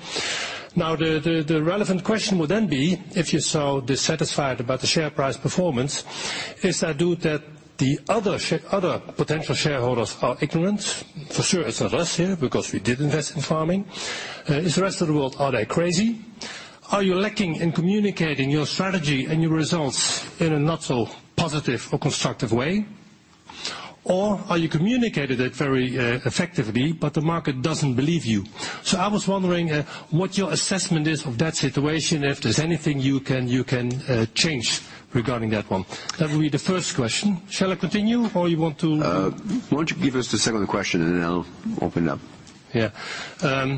Now, the relevant question would then be: if you're so dissatisfied about the share price performance, is that due to the other potential shareholders are ignorant? For sure, it's not us here, because we did invest in Pharming. Is the rest of the world, are they crazy? Are you lacking in communicating your strategy and your results in a not so positive or constructive way? Or are you communicating it very effectively, but the market doesn't believe you? So I was wondering what your assessment is of that situation, if there's anything you can change regarding that one. That will be the first question. Shall I continue, or you want to-
Why don't you give us the second question, and then I'll open it up?
Yeah.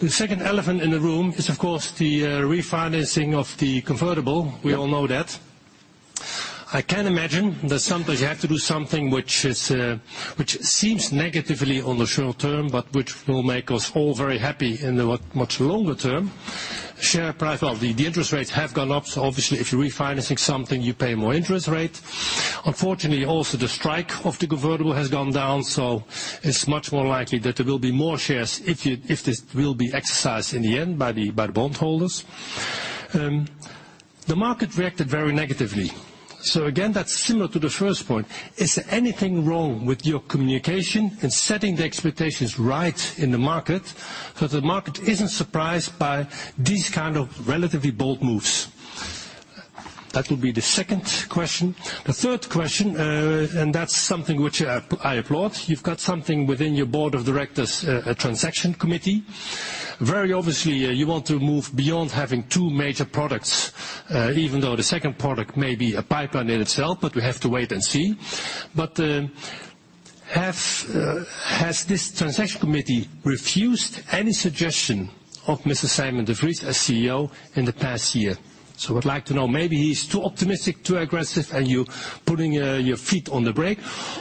The second elephant in the room is, of course, the refinancing of the convertible.
Yeah.
We all know that. I can imagine that sometimes you have to do something which is, which seems negatively on the short term, but which will make us all very happy in the much, much longer term. Share price... Well, the, the interest rates have gone up, so obviously, if you're refinancing something, you pay more interest rate. Unfortunately, also, the strike of the convertible has gone down, so it's much more likely that there will be more shares if you- if this will be exercised in the end by the- by the bondholders. The market reacted very negatively. So again, that's similar to the first point. Is there anything wrong with your communication in setting the expectations right in the market, so the market isn't surprised by these kind of relatively bold moves? ... That will be the second question. The third question, and that's something which I applaud. You've got something within your board of directors, a transaction committee. Very obviously, you want to move beyond having two major products, even though the second product may be a pipeline in itself, but we have to wait and see. But, have, has this transaction committee refused any suggestion of Mr. Simon de Vries as CEO in the past year? So I'd like to know, maybe he's too optimistic, too aggressive, and you're putting your feet on the brake,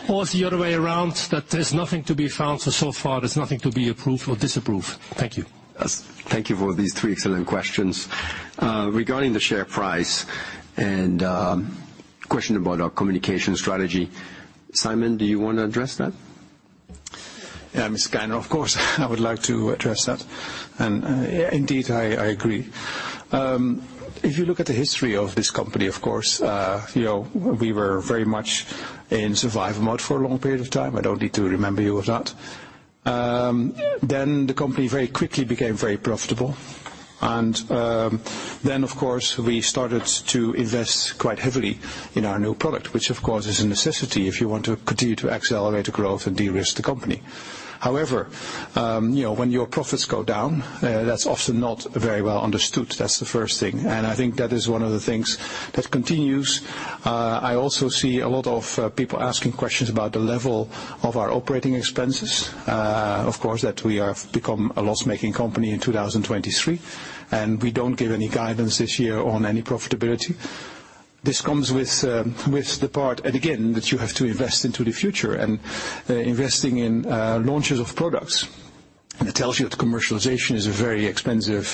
or is the other way around, that there's nothing to be found, so far there's nothing to be approved or disapproved? Thank you.
Thank you for these three excellent questions. Regarding the share price and question about our communication strategy, Simon, do you want to address that?
Yeah, Mr. Keyner, of course, I would like to address that. Indeed, I agree. If you look at the history of this company, of course, you know, we were very much in survival mode for a long period of time. I don't need to remember you of that. Then the company very quickly became very profitable. Then, of course, we started to invest quite heavily in our new product, which of course is a necessity if you want to continue to accelerate the growth and de-risk the company. However, you know, when your profits go down, that's often not very well understood. That's the first thing, and I think that is one of the things that continues. I also see a lot of people asking questions about the level of our operating expenses. Of course, that we have become a loss-making company in 2023, and we don't give any guidance this year on any profitability. This comes with the part, and again, that you have to invest into the future and investing in launches of products. And it tells you that commercialization is a very expensive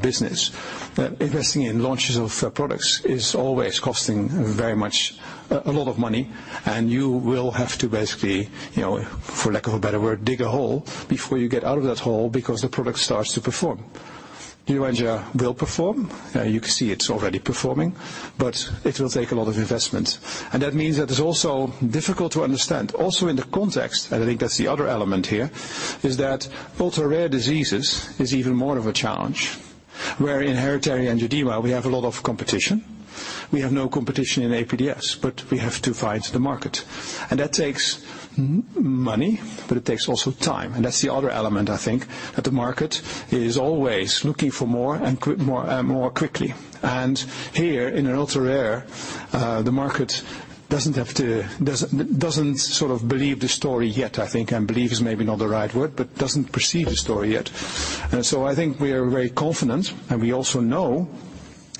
business. But investing in launches of products is always costing very much, a lot of money, and you will have to basically, you know, for lack of a better word, dig a hole before you get out of that hole because the product starts to perform. Leniolisib will perform. You can see it's already performing, but it will take a lot of investment. That means that it's also difficult to understand, also in the context, and I think that's the other element here, is that ultra-rare diseases is even more of a challenge. Where in hereditary angioedema, we have a lot of competition. We have no competition in APDS, but we have to find the market. And that takes money, but it takes also time. And that's the other element, I think, that the market is always looking for more and more quickly. And here, in an ultra-rare, the market doesn't have to... doesn't sort of believe the story yet, I think, and believe is maybe not the right word, but doesn't perceive the story yet. And so I think we are very confident, and we also know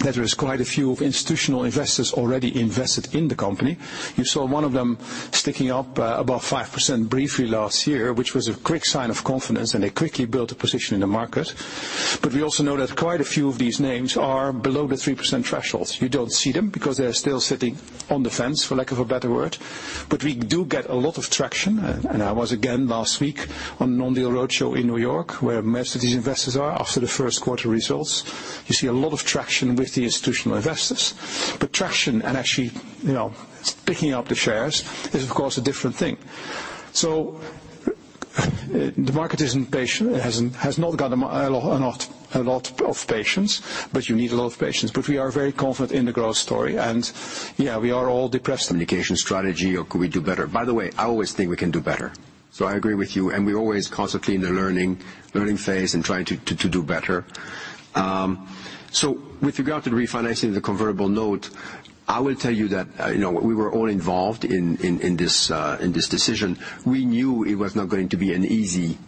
that there is quite a few of institutional investors already invested in the company. You saw one of them sticking up above 5% briefly last year, which was a quick sign of confidence, and they quickly built a position in the market. But we also know that quite a few of these names are below the 3% thresholds. You don't see them because they're still sitting on the fence, for lack of a better word. But we do get a lot of traction, and I was, again, last week on the road show in New York, where most of these investors are after the first quarter results. You see a lot of traction with the institutional investors, but traction and actually, you know, picking up the shares is, of course, a different thing. So the market is impatient. It has not got a lot of patience, but you need a lot of patience. But we are very confident in the growth story, and yeah, we are all depressed.
Communication strategy or could we do better? By the way, I always think we can do better. So I agree with you, and we're always constantly in a learning, learning phase and trying to do better. So with regard to the refinancing of the convertible note, I will tell you that, you know, we were all involved in this decision. We knew it was not going to be an easy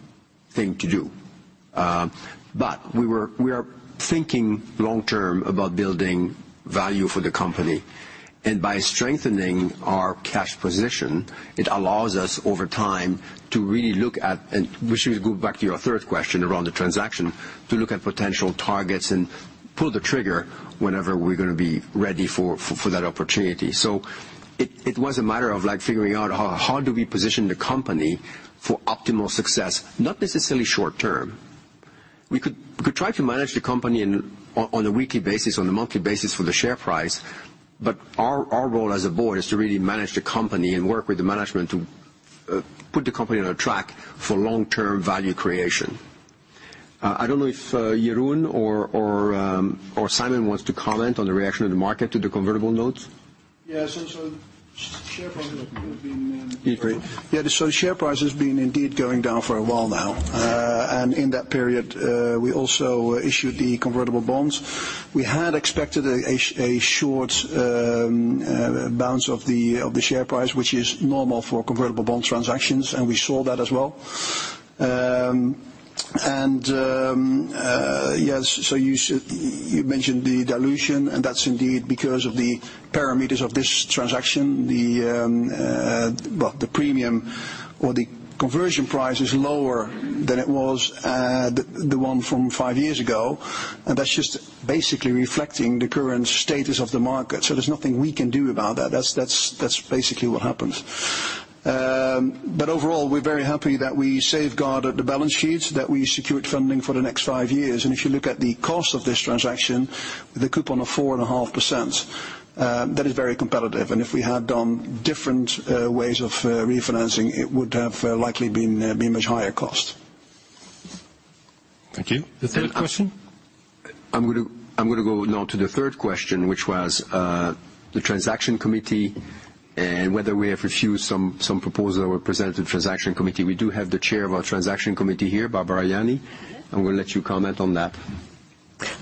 thing to do. But we are thinking long-term about building value for the company. And by strengthening our cash position, it allows us, over time, to really look at... And we should go back to your third question around the transaction, to look at potential targets and pull the trigger whenever we're gonna be ready for that opportunity. So it was a matter of, like, figuring out how do we position the company for optimal success, not necessarily short term. We could try to manage the company on a weekly basis, on a monthly basis for the share price, but our role as a board is to really manage the company and work with the management to put the company on a track for long-term value creation. I don't know if Jeroen or Simon wants to comment on the reaction of the market to the convertible notes?
Yes, so share price has been...
You agree?
Yeah, so share price has been indeed going down for a while now. And in that period, we also issued the convertible bonds. We had expected a short bounce of the share price, which is normal for convertible bond transactions, and we saw that as well. Yes, so you said, you mentioned the dilution, and that's indeed because of the parameters of this transaction. The premium or the conversion price is lower than it was, the one from five years ago, and that's just basically reflecting the current status of the market. So there's nothing we can do about that. That's basically what happens. But overall, we're very happy that we safeguarded the balance sheets, that we secured funding for the next five years. If you look at the cost of this transaction, the coupon of 4.5%, that is very competitive. If we had done different ways of refinancing, it would have likely been much higher cost....
Thank you. The third question?
I'm gonna go now to the third question, which was the Transaction Committee and whether we have refused some proposal or presented Transaction Committee. We do have the chair of our Transaction Committee here, Barbara Yanni. I'm gonna let you comment on that.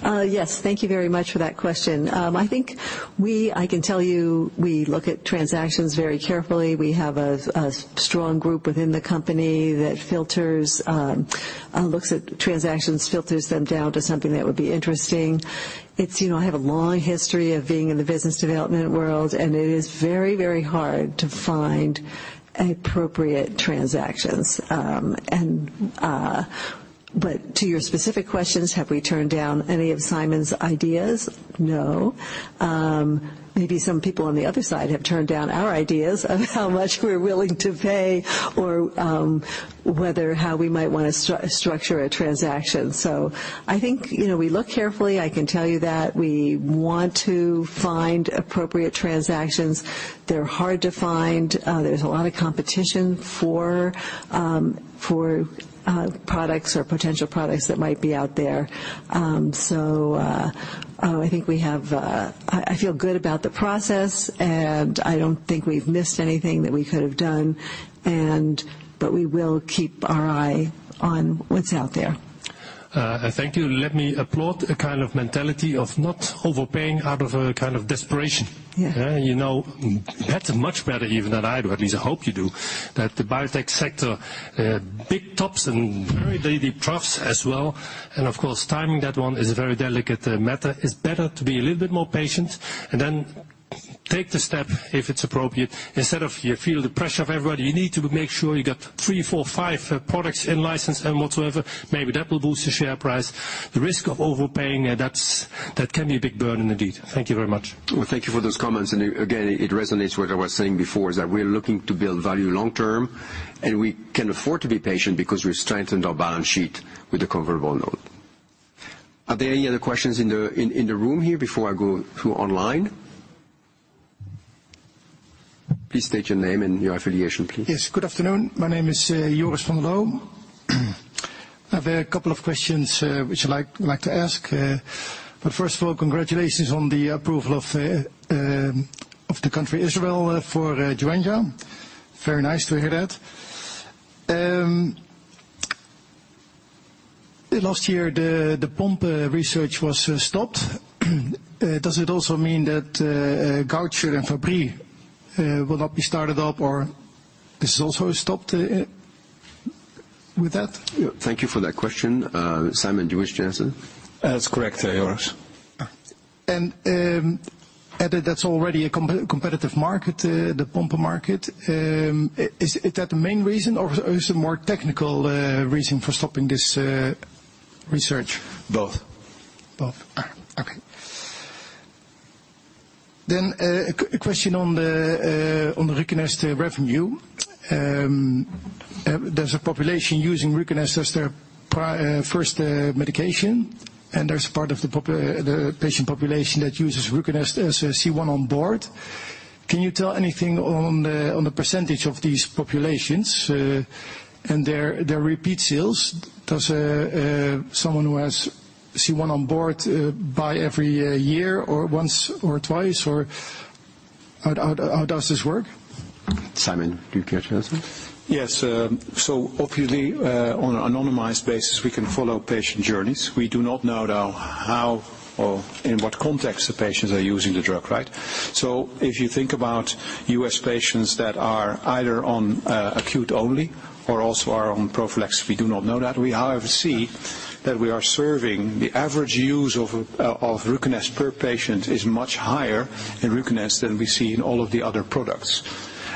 Yes, thank you very much for that question. I think I can tell you, we look at transactions very carefully. We have a strong group within the company that filters, looks at transactions, filters them down to something that would be interesting. It's, you know, I have a long history of being in the business development world, and it is very, very hard to find appropriate transactions. But to your specific questions, have we turned down any of Simon's ideas? No. Maybe some people on the other side have turned down our ideas of how much we're willing to pay or whether how we might wanna structure a transaction. So I think, you know, we look carefully. I can tell you that we want to find appropriate transactions. They're hard to find. There's a lot of competition for products or potential products that might be out there. I feel good about the process, and I don't think we've missed anything that we could have done, but we will keep our eye on what's out there.
Thank you. Let me applaud a kind of mentality of not overpaying out of a kind of desperation.
Yeah.
You know, that's much better even than I do, at least I hope you do, that the biotech sector, big tops and very deep troughs as well. Of course, timing that one is a very delicate matter. It's better to be a little bit more patient and then take the step if it's appropriate, instead of you feel the pressure of everybody. You need to make sure you got three, four, five products and license and whatsoever. Maybe that will boost the share price, the risk of overpaying, and that's, that can be a big burden, indeed. Thank you very much.
Well, thank you for those comments. Again, it resonates what I was saying before, is that we're looking to build value long term, and we can afford to be patient because we've strengthened our balance sheet with the convertible note. Are there any other questions in the room here before I go to online? Please state your name and your affiliation, please. Yes, good afternoon. My name is Joris van der Louw. I have a couple of questions, which I'd like to ask. But first of all, congratulations on the approval of the country Israel for Joenja. Very nice to hear that. Last year, the Pompe research was stopped. Does it also mean that Gaucher and Fabry will not be started up, or this is also stopped with that? Thank you for that question. Simon, do you wish to answer?
That's correct, Joris. That's already a competitive market, the Pompe market. Is that the main reason or is a more technical reason for stopping this research?
Both. Both. Ah, okay. Then, a Q&A question on the RUCONEST revenue. There's a population using RUCONEST as their first medication, and there's a part of the patient population that uses RUCONEST as a C1 on demand. Can you tell anything on the percentage of these populations, and their repeat sales? Does someone who has C1 on demand buy every year, or once or twice, or how does this work? Simon, do you care to answer?
Yes. So obviously, on an anonymized basis, we can follow patient journeys. We do not know, though, how or in what context the patients are using the drug, right? So if you think about U.S. patients that are either on acute only or also are on prophylaxis, we do not know that. We, however, see that we are serving the average use of RUCONEST per patient is much higher in RUCONEST than we see in all of the other products.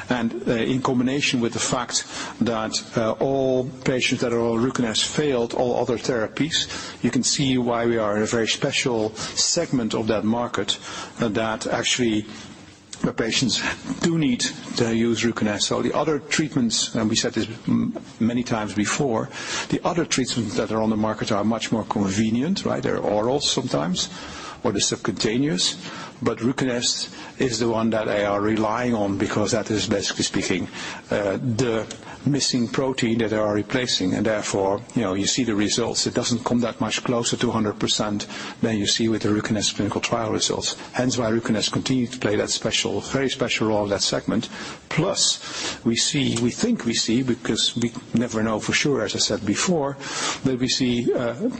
And, in combination with the fact that all patients that are on RUCONEST failed all other therapies, you can see why we are a very special segment of that market, that actually where patients do need to use RUCONEST. So the other treatments, and we said this many times before, the other treatments that are on the market are much more convenient, right? They're oral sometimes, or they're subcutaneous, but RUCONEST is the one that they are relying on because that is, basically speaking, the missing protein that they are replacing, and therefore, you know, you see the results. It doesn't come that much closer to 100% than you see with the RUCONEST clinical trial results. Hence, why RUCONEST continues to play that very special role in that segment. Plus, we see... We think we see, because we never know for sure, as I said before, that we see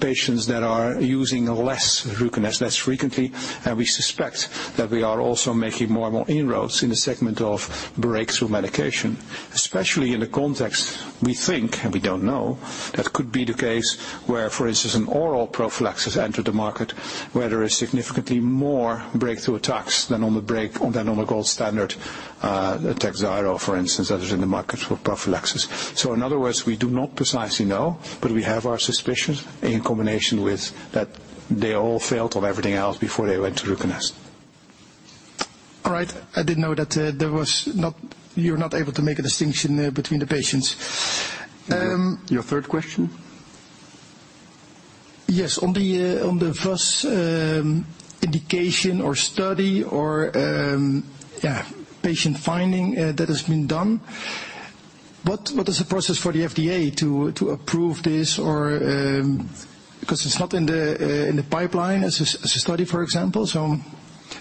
patients that are using less RUCONEST less frequently, and we suspect that we are also making more and more inroads in the segment of breakthrough medication, especially in the context we think, and we don't know, that could be the case where, for instance, an oral prophylaxis entered the market, where there is significantly more breakthrough attacks than on the break, on the normal gold standard, TAKHZYRO, for instance, that is in the market for prophylaxis. So in other words, we do not precisely know, but we have our suspicions in combination with that they all failed of everything else before they went to RUCONEST. All right. I didn't know that, you're not able to make a distinction between the patients.
Your third question?
Yes, on the first indication or study or yeah, patient finding that has been done. What is the process for the FDA to approve this or because it's not in the pipeline as a study, for example, so?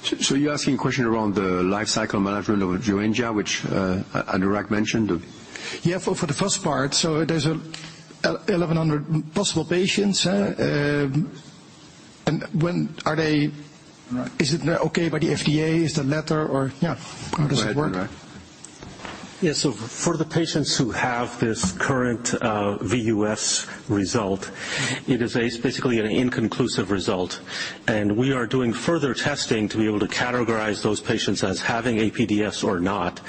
So, you're asking a question around the life cycle management of Joenja, which Anurag mentioned.
Yeah, for the first part. So there's 1,100 possible patients, and when are they-
Right.
Is it okay by the FDA? Is the letter or, yeah, how does it work?
Go ahead, Anurag.
Yes, so for the patients who have this current VUS result, it is basically an inconclusive result, and we are doing further testing to be able to categorize those patients as having APDS or not.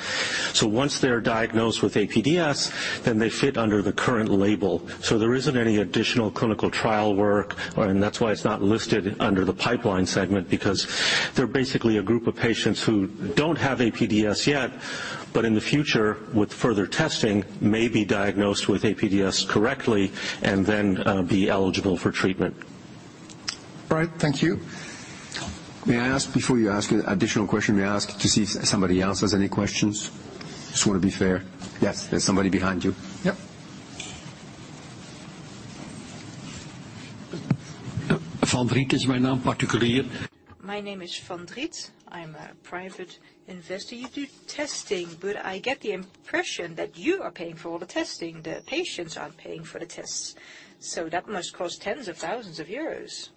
So once they are diagnosed with APDS, then they fit under the current label, so there isn't any additional clinical trial work. And that's why it's not listed under the pipeline segment, because they're basically a group of patients who don't have APDS yet, but in the future, with further testing, may be diagnosed with APDS correctly and then be eligible for treatment.
All right, thank you.
May I ask, before you ask an additional question, may I ask to see if somebody else has any questions? Just want to be fair. Yes, there's somebody behind you. Yep. My name is Van Riet. I'm a private investor. You do testing, but I get the impression that you are paying for all the testing. The patients aren't paying for the tests, so that must cost tens of thousands of euros.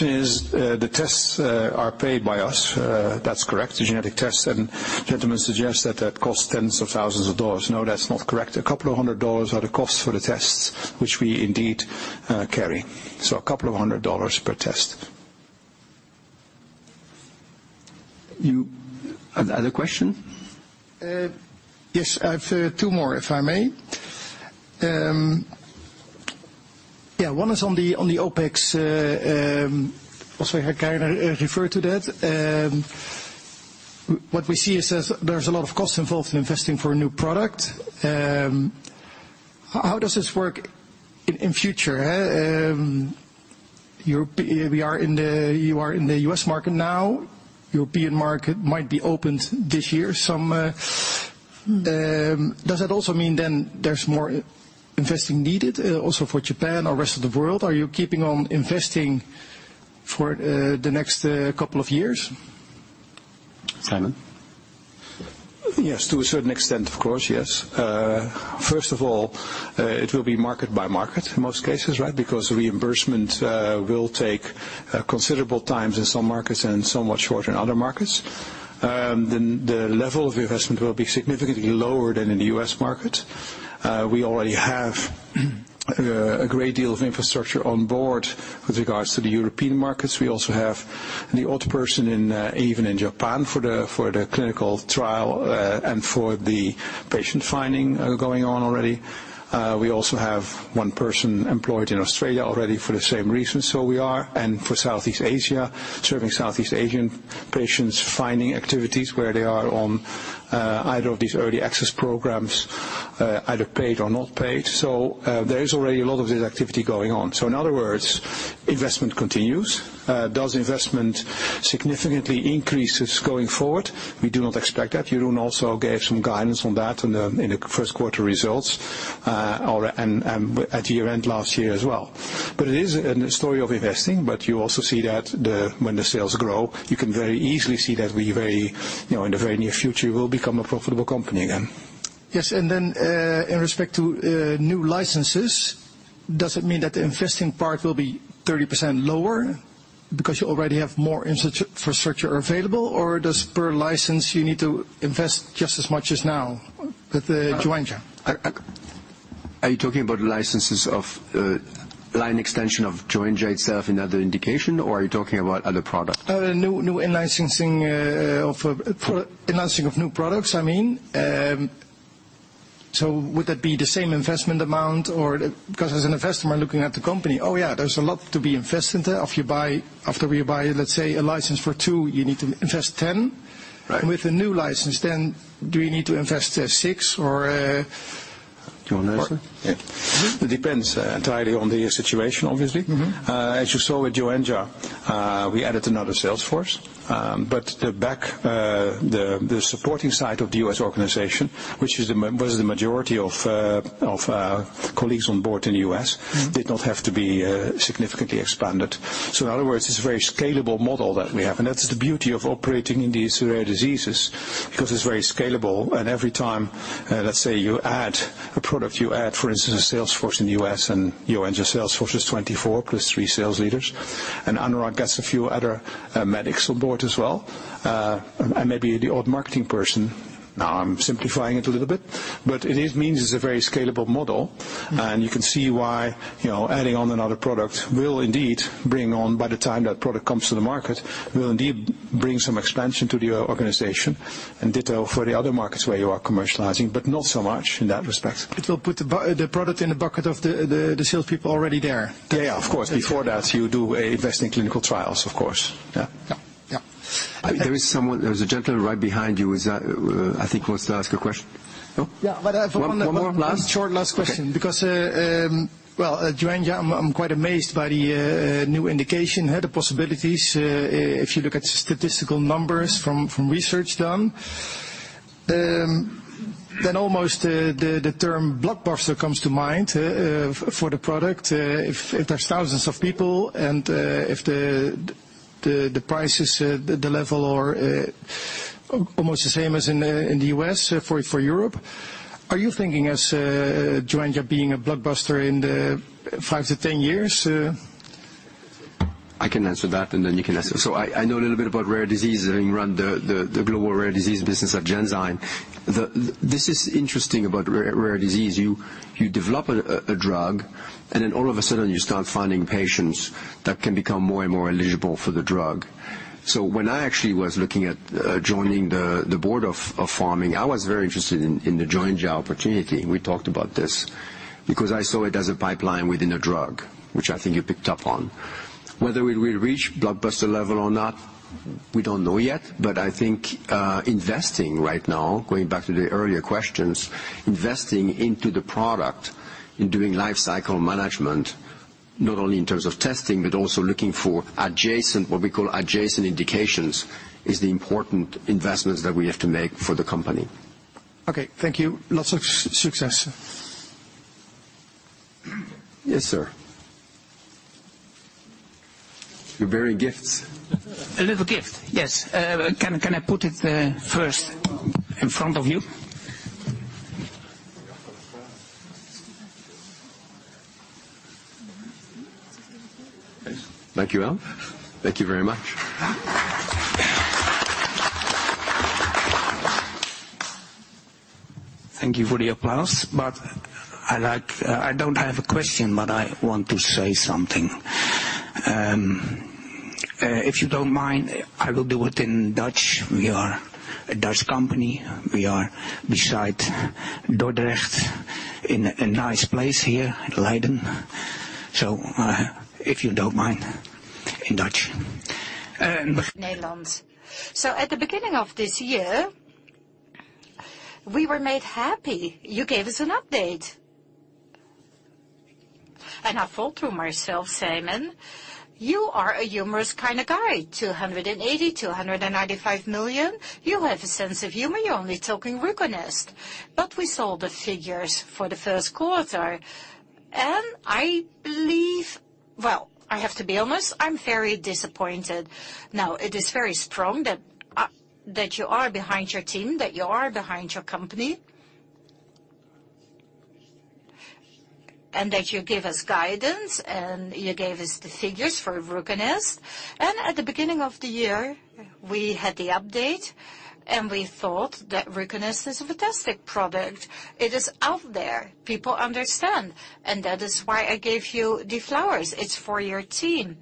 Is the tests are paid by us. That's correct. The genetic tests, and the gentleman suggests that that costs tens of thousands of dollars. No, that's not correct. $200 are the costs for the tests, which we indeed carry. So $200 per test.
You have other question? Yes, I have two more, if I may. Yeah, one is on the OpEx, also I kind of refer to that. What we see is as there's a lot of cost involved in investing for a new product. How does this work in future, Europe—we are in the, you are in the U.S. market now. European market might be opened this year, some, does that also mean then there's more investing needed, also for Japan or rest of the world? Are you keeping on investing for the next couple of years? Simon?
Yes, to a certain extent, of course, yes. First of all, it will be market by market in most cases, right? Because reimbursement will take considerable times in some markets and somewhat shorter in other markets. Then the level of investment will be significantly lower than in the US market. We already have a great deal of infrastructure on board with regards to the European markets. We also have the odd person in even in Japan for the clinical trial and for the patient finding going on already. We also have one person employed in Australia already for the same reason. And for Southeast Asia, serving Southeast Asian patients, finding activities where they are on either of these early access programs, either paid or not paid. So, there is already a lot of this activity going on. So in other words, investment continues. Does investment significantly increases going forward? We do not expect that. Jeroen also gave some guidance on that in the first quarter results, or and at the year-end last year as well. But it is a story of investing, but you also see that the, when the sales grow, you can very easily see that we very, you know, in the very near future, will become a profitable company again. Yes, and then, in respect to new licenses, does it mean that the investing part will be 30% lower because you already have more infrastructure available? Or does per license you need to invest just as much as now with the Joenja?
Are you talking about licenses of line extension of Joenja itself in other indication, or are you talking about other product? New in-licensing of a product in-licensing of new products, I mean. So would that be the same investment amount or... Because as an investor, I'm looking at the company. Oh, yeah, there's a lot to be invested there. If you buy, after we buy, let's say, a license for 2, you need to invest 10. Right. With a new license, then, do you need to invest six or Jeroen, answer?
It depends entirely on the situation, obviously. Mm-hmm. As you saw with Joenja, we added another sales force, but the supporting side of the US organization, which was the majority of our colleagues on board in the US-
Mm-hmm
Did not have to be significantly expanded. So in other words, it's a very scalable model that we have, and that's the beauty of operating in these rare diseases, because it's very scalable. Every time, let's say you add a product, you add, for instance, a sales force in the US, and Joenja sales force is 24 + 3 sales leaders. And Anurag gets a few other medics on board as well, and maybe the odd marketing person. Now, I'm simplifying it a little bit, but it means it's a very scalable model.
Mm-hmm.
You can see why, you know, adding on another product will indeed bring on, by the time that product comes to the market, will indeed bring some expansion to the organization, and ditto for the other markets where you are commercializing, but not so much in that respect.
It will put the product in the bucket of the salespeople already there.
Yeah, of course. Before that, you do an investment in clinical trials, of course.
Yeah. Yeah. Yeah.
There is someone, there is a gentleman right behind you. Is that, I think he wants to ask a question. No?
Yeah, but,
One more, last.
Short last question.
Okay.
Because, well, at Joenja, I'm quite amazed by the new indication, the possibilities, if you look at statistical numbers from research done.... Then almost the term blockbuster comes to mind for the product. If there's thousands of people and if the price is at the level or almost the same as in the U.S. for Europe. Are you thinking as Joenja being a blockbuster in the 5-10 years?
I can answer that, and then you can answer. So I know a little bit about rare disease, I run the global rare disease business at Genzyme. This is interesting about rare disease. You develop a drug, and then all of a sudden you start finding patients that can become more and more eligible for the drug. So when I actually was looking at joining the board of Pharming, I was very interested in the Joenja opportunity. We talked about this because I saw it as a pipeline within a drug, which I think you picked up on. Whether we will reach blockbuster level or not, we don't know yet, but I think, investing right now, going back to the earlier questions, investing into the product, in doing life cycle management, not only in terms of testing, but also looking for adjacent, what we call adjacent indications, is the important investments that we have to make for the company.
Okay, thank you. Lots of success.
Yes, sir. You're bearing gifts.
A little gift, yes. Can I put it first in front of you?
Thank you, All. Thank you very much.
Thank you for the applause, but I don't have a question, but I want to say something. If you don't mind, I will do it in Dutch. We are a Dutch company. We are beside Dordrecht, in a nice place here at Leiden. So, if you don't mind, in Dutch.
Netherlands. So at the beginning of this year, we were made happy. You gave us an update. And I thought to myself: Simon, you are a humorous kind of guy, $280-$295 million? You have a sense of humor. You're only talking RUCONEST. But we saw the figures for the first quarter, and I believe... Well, I have to be honest, I'm very disappointed. Now, it is very strong that that you are behind your team, that you are behind your company. And that you give us guidance, and you gave us the figures for RUCONEST. And at the beginning of the year, we had the update, and we thought that RUCONEST is a fantastic product. It is out there, people understand, and that is why I gave you the flowers. It's for your team,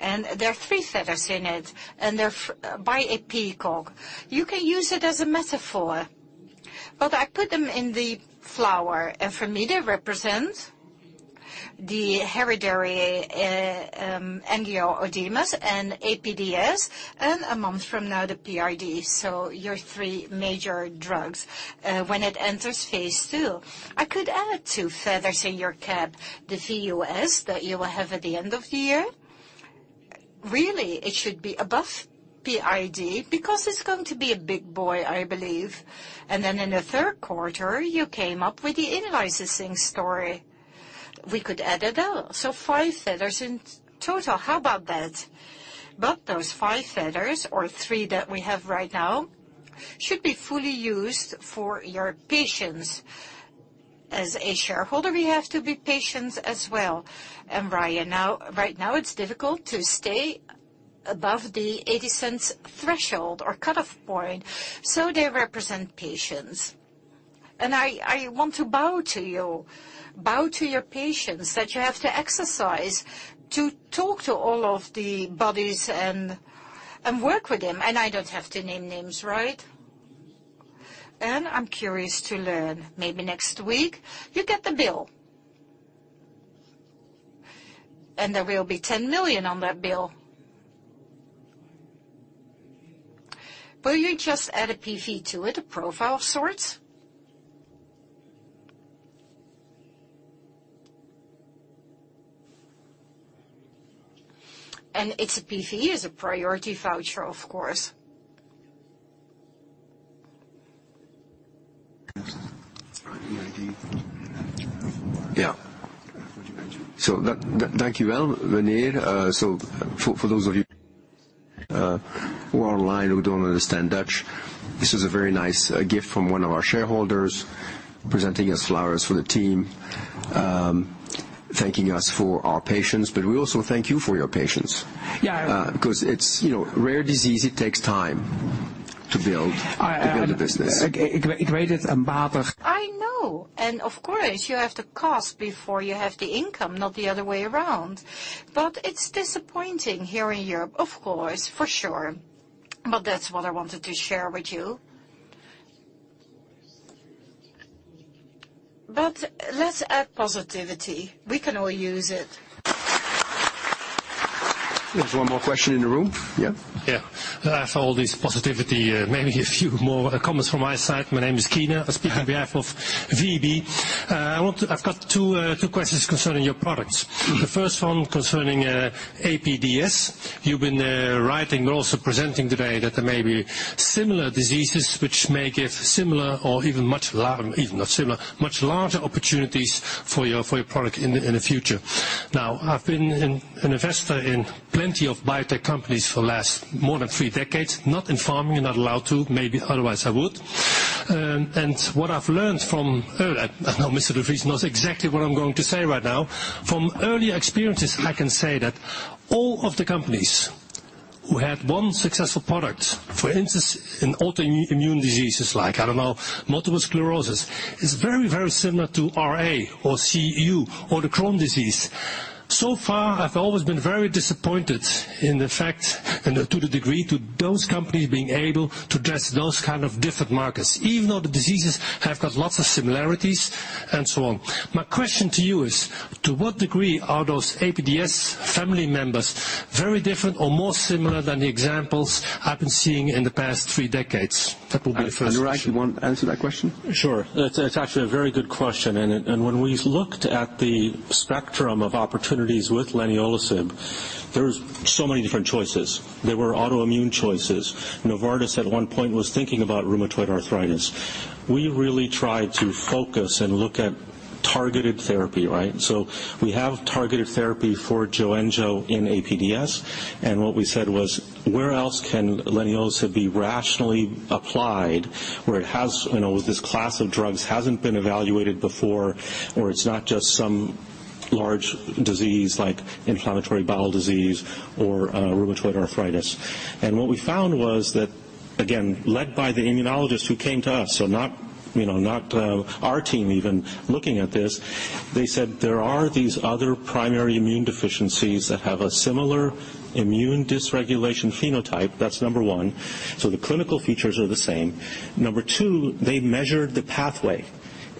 and there are three feathers in it, and they're by a peacock. You can use it as a metaphor, but I put them in the flower, and for me, they represent the hereditary angioedemas and APDS, and a month from now, the PID. So your three major drugs, when it enters phase two. I could add two feathers in your cap, the VUS that you will have at the end of the year. Really, it should be above PID, because it's going to be a big boy, I believe. And then in the third quarter, you came up with the in-licensing story. We could add it up, so five feathers in total. How about that? But those five feathers, or three that we have right now, should be fully used for your patients. As a shareholder, we have to be patient as well. Ryan, now, right now, it's difficult to stay above the $0.80 threshold or cutoff point, so they represent patience. I, I want to bow to you, bow to your patience, that you have to exercise, to talk to all of the bodies and, and work with them. I don't have to name names, right? I'm curious to learn. Maybe next week, you get the bill. There will be $10 million on that bill. Will you just add a PV to it, a profile of sorts? It's a PV, is a priority voucher, of course.
Yeah. So thank you, Al, Rene. So for those of you who are online who don't understand Dutch, this is a very nice gift from one of our shareholders, presenting us flowers for the team, thanking us for our patience, but we also thank you for your patience.
Yeah.
Because it's, you know, rare disease, it takes time to build-
I, I-
to build a business.
I know, and of course, you have the cost before you have the income, not the other way around. But it's disappointing here in Europe, of course, for sure. But that's what I wanted to share with you. But let's add positivity. We can all use it. ...
There's one more question in the room? Yeah.
Yeah. After all this positivity, maybe a few more comments from my side. My name is Marcel Keyner. I speak on behalf of VEB. I've got two questions concerning your products.
Mm-hmm.
The first one concerning APDS. You've been writing, but also presenting today, that there may be similar diseases which may give similar or even much larger, even not similar, much larger opportunities for your, for your product in the, in the future. Now, I've been an investor in plenty of biotech companies for the last more than three decades, not in pharma, you're not allowed to, maybe otherwise I would. And what I've learned from early experiences. I know Mr. de Vries knows exactly what I'm going to say right now. From early experiences, I can say that all of the companies who had one successful product, for instance, in autoimmune diseases, like, I don't know, multiple sclerosis, is very, very similar to RA or CU or the Crohn's disease. So far, I've always been very disappointed in the fact and to the degree, to those companies being able to address those kind of different markets, even though the diseases have got lots of similarities and so on. My question to you is, to what degree are those APDS family members very different or more similar than the examples I've been seeing in the past three decades? That will be the first question.
Anurag, you want to answer that question?
Sure. It's actually a very good question, and when we looked at the spectrum of opportunities with leniolisib, there was so many different choices. There were autoimmune choices. Novartis, at one point, was thinking about rheumatoid arthritis. We really tried to focus and look at targeted therapy, right? So we have targeted therapy for Joenja in APDS, and what we said was, where else can leniolisib be rationally applied, where it has... You know, this class of drugs hasn't been evaluated before, or it's not just some large disease like inflammatory bowel disease or rheumatoid arthritis. And what we found was that, again, led by the immunologist who came to us, so not, you know, not our team even looking at this, they said there are these other primary immune deficiencies that have a similar immune dysregulation phenotype. That's number one. So the clinical features are the same. Number two, they measured the pathway,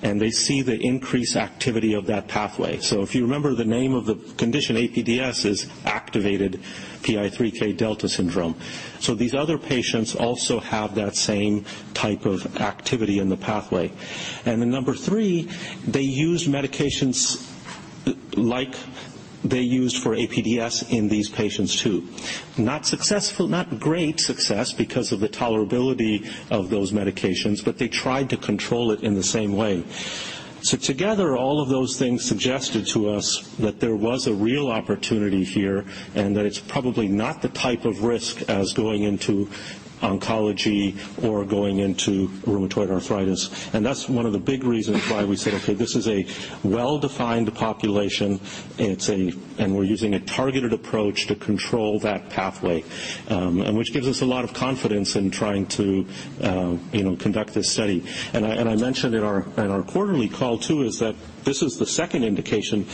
and they see the increased activity of that pathway. So if you remember the name of the condition, APDS, is Activated PI3K Delta Syndrome. So these other patients also have that same type of activity in the pathway. And then number three, they use medications like they used for APDS in these patients, too. Not successful, not great success, because of the tolerability of those medications, but they tried to control it in the same way. So together, all of those things suggested to us that there was a real opportunity here, and that it's probably not the type of risk as going into oncology or going into rheumatoid arthritis. That's one of the big reasons why we said, "Okay, this is a well-defined population, and it's a, and we're using a targeted approach to control that pathway," and which gives us a lot of confidence in trying to, you know, conduct this study. And I, and I mentioned in our, in our quarterly call, too, is that this is the second indication.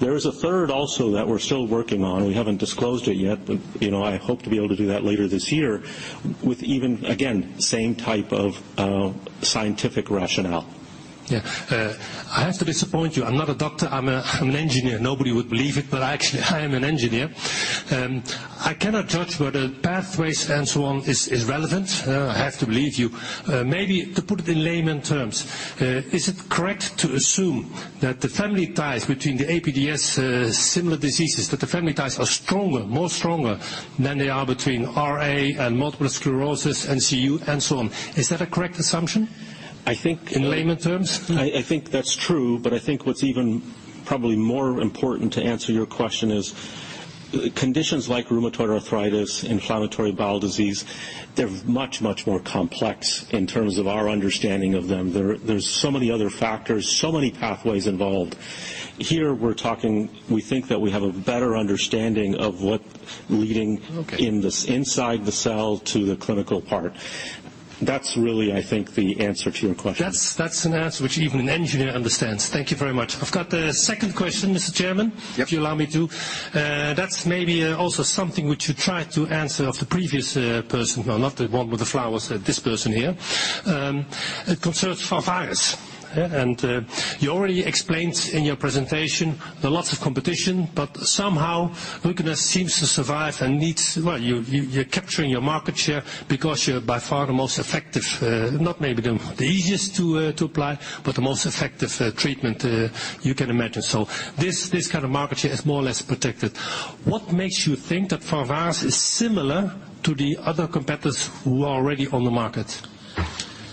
There is a third also that we're still working on. We haven't disclosed it yet, but, you know, I hope to be able to do that later this year with even, again, same type of, scientific rationale.
Yeah. I have to disappoint you. I'm not a doctor. I'm an engineer. Nobody would believe it, but actually, I am an engineer. I cannot judge whether pathways and so on is relevant. I have to believe you. Maybe to put it in layman terms, is it correct to assume that the family ties between the APDS, similar diseases, that the family ties are stronger, more stronger than they are between RA and multiple sclerosis and CU and so on? Is that a correct assumption-
I think- ...
in layman's terms?
I think that's true, but I think what's even probably more important, to answer your question, is conditions like rheumatoid arthritis, inflammatory bowel disease, they're much, much more complex in terms of our understanding of them. There's so many other factors, so many pathways involved. Here, we're talking - We think that we have a better understanding of what leading-
Okay...
inside the cell to the clinical part. That's really, I think, the answer to your question.
That's, that's an answer which even an engineer understands. Thank you very much. I've got a second question, Mr. Chairman-
Yep...
if you allow me to. That's maybe also something which you tried to answer of the previous person, well, not the one with the flowers, this person here. It concerns Pharvaris, yeah? And you already explained in your presentation there's lots of competition, but somehow RUCONEST seems to survive and needs-- Well, you're capturing your market share because you're by far the most effective, not maybe the easiest to apply, but the most effective treatment you can imagine. So this kind of market share is more or less protected. What makes you think that Pharvaris is similar to the other competitors who are already on the market?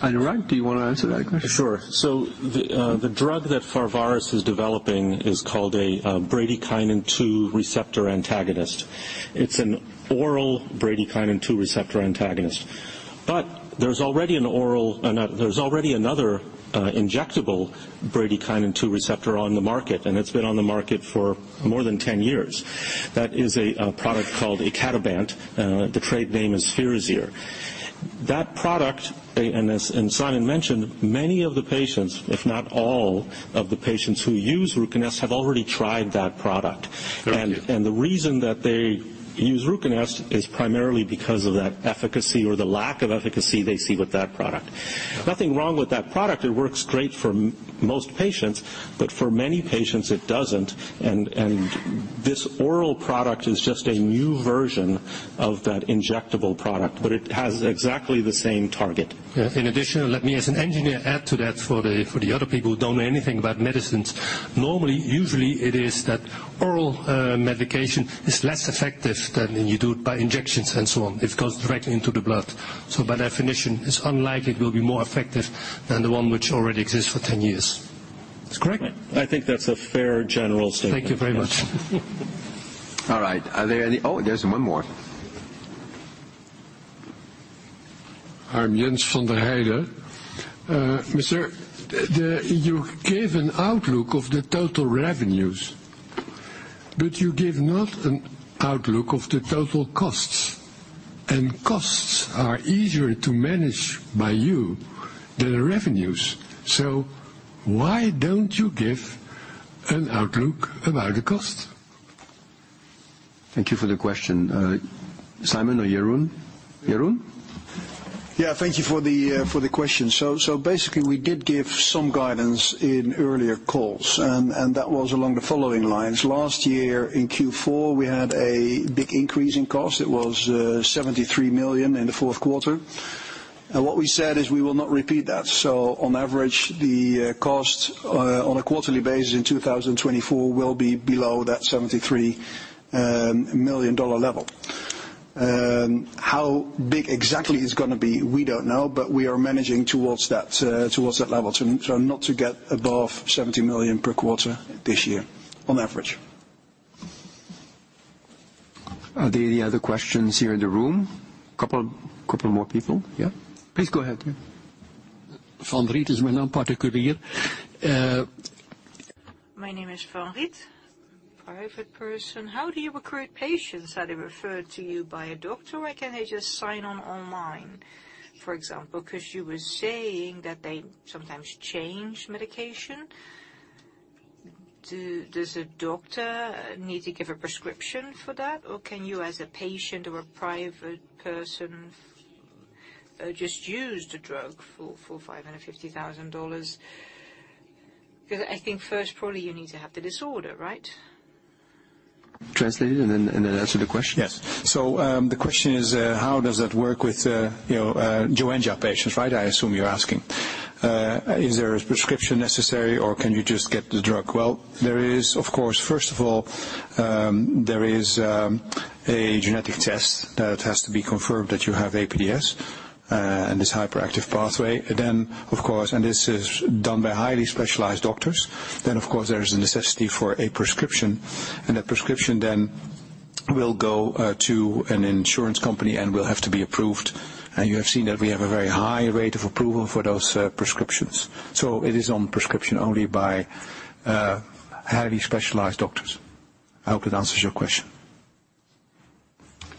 Anurag, do you want to answer that question?
Sure. So the drug that Pharvaris is developing is called a bradykinin B2 receptor antagonist. It's an oral bradykinin B2 receptor antagonist, but there's already another injectable bradykinin B2 receptor antagonist on the market, and it's been on the market for more than 10 years. That is a product called Icatibant. The trade name is Firazyr.
...That product, and as Simon mentioned, many of the patients, if not all of the patients who use RUCONEST, have already tried that product. Thank you.
The reason that they use RUCONEST is primarily because of that efficacy or the lack of efficacy they see with that product. Nothing wrong with that product. It works great for most patients, but for many patients it doesn't, and this oral product is just a new version of that injectable product, but it has exactly the same target. Yeah. In addition, let me, as an engineer, add to that for the other people who don't know anything about medicines. Normally, usually it is that oral medication is less effective than when you do it by injections and so on. It goes directly into the blood, so by definition, it's unlikely it will be more effective than the one which already exists for 10 years. That's correct? I think that's a fair general statement. Thank you very much.
All right, are there any... Oh, there's one more. I'm Jens van der Heide. Mister, you gave an outlook of the total revenues, but you give not an outlook of the total costs, and costs are easier to manage by you than the revenues. So why don't you give an outlook about the cost? Thank you for the question. Simon or Jeroen? Jeroen?
Yeah, thank you for the, for the question. So, so basically, we did give some guidance in earlier calls, and, and that was along the following lines. Last year, in Q4, we had a big increase in cost. It was $73 million in the fourth quarter, and what we said is we will not repeat that. So on average, the cost on a quarterly basis in 2024 will be below that $73 million-dollar level. How big exactly it's gonna be, we don't know, but we are managing towards that, towards that level. So not to get above $70 million per quarter this year on average.
Are there any other questions here in the room? Couple, couple more people. Yeah. Please, go ahead. Van Riet is my name, particulier. My name is Van Riet, private person. How do you recruit patients? Are they referred to you by a doctor, or can they just sign on online, for example? 'Cause you were saying that they sometimes change medication. Does a doctor need to give a prescription for that, or can you as a patient or a private person just use the drug for $550,000? 'Cause I think first, probably you need to have the disorder, right? Translate it, and then, and then answer the question.
Yes. So, the question is, how does that work with, you know, Joenja patients, right? I assume you're asking. Is there a prescription necessary or can you just get the drug? Well, there is, of course—first of all, there is, a genetic test that has to be confirmed that you have APDS, and this hyperactive pathway. Then, of course... And this is done by highly specialized doctors. Then, of course, there is a necessity for a prescription, and that prescription then will go, to an insurance company and will have to be approved. And you have seen that we have a very high rate of approval for those, prescriptions. So it is on prescription only by, highly specialized doctors. I hope that answers your question.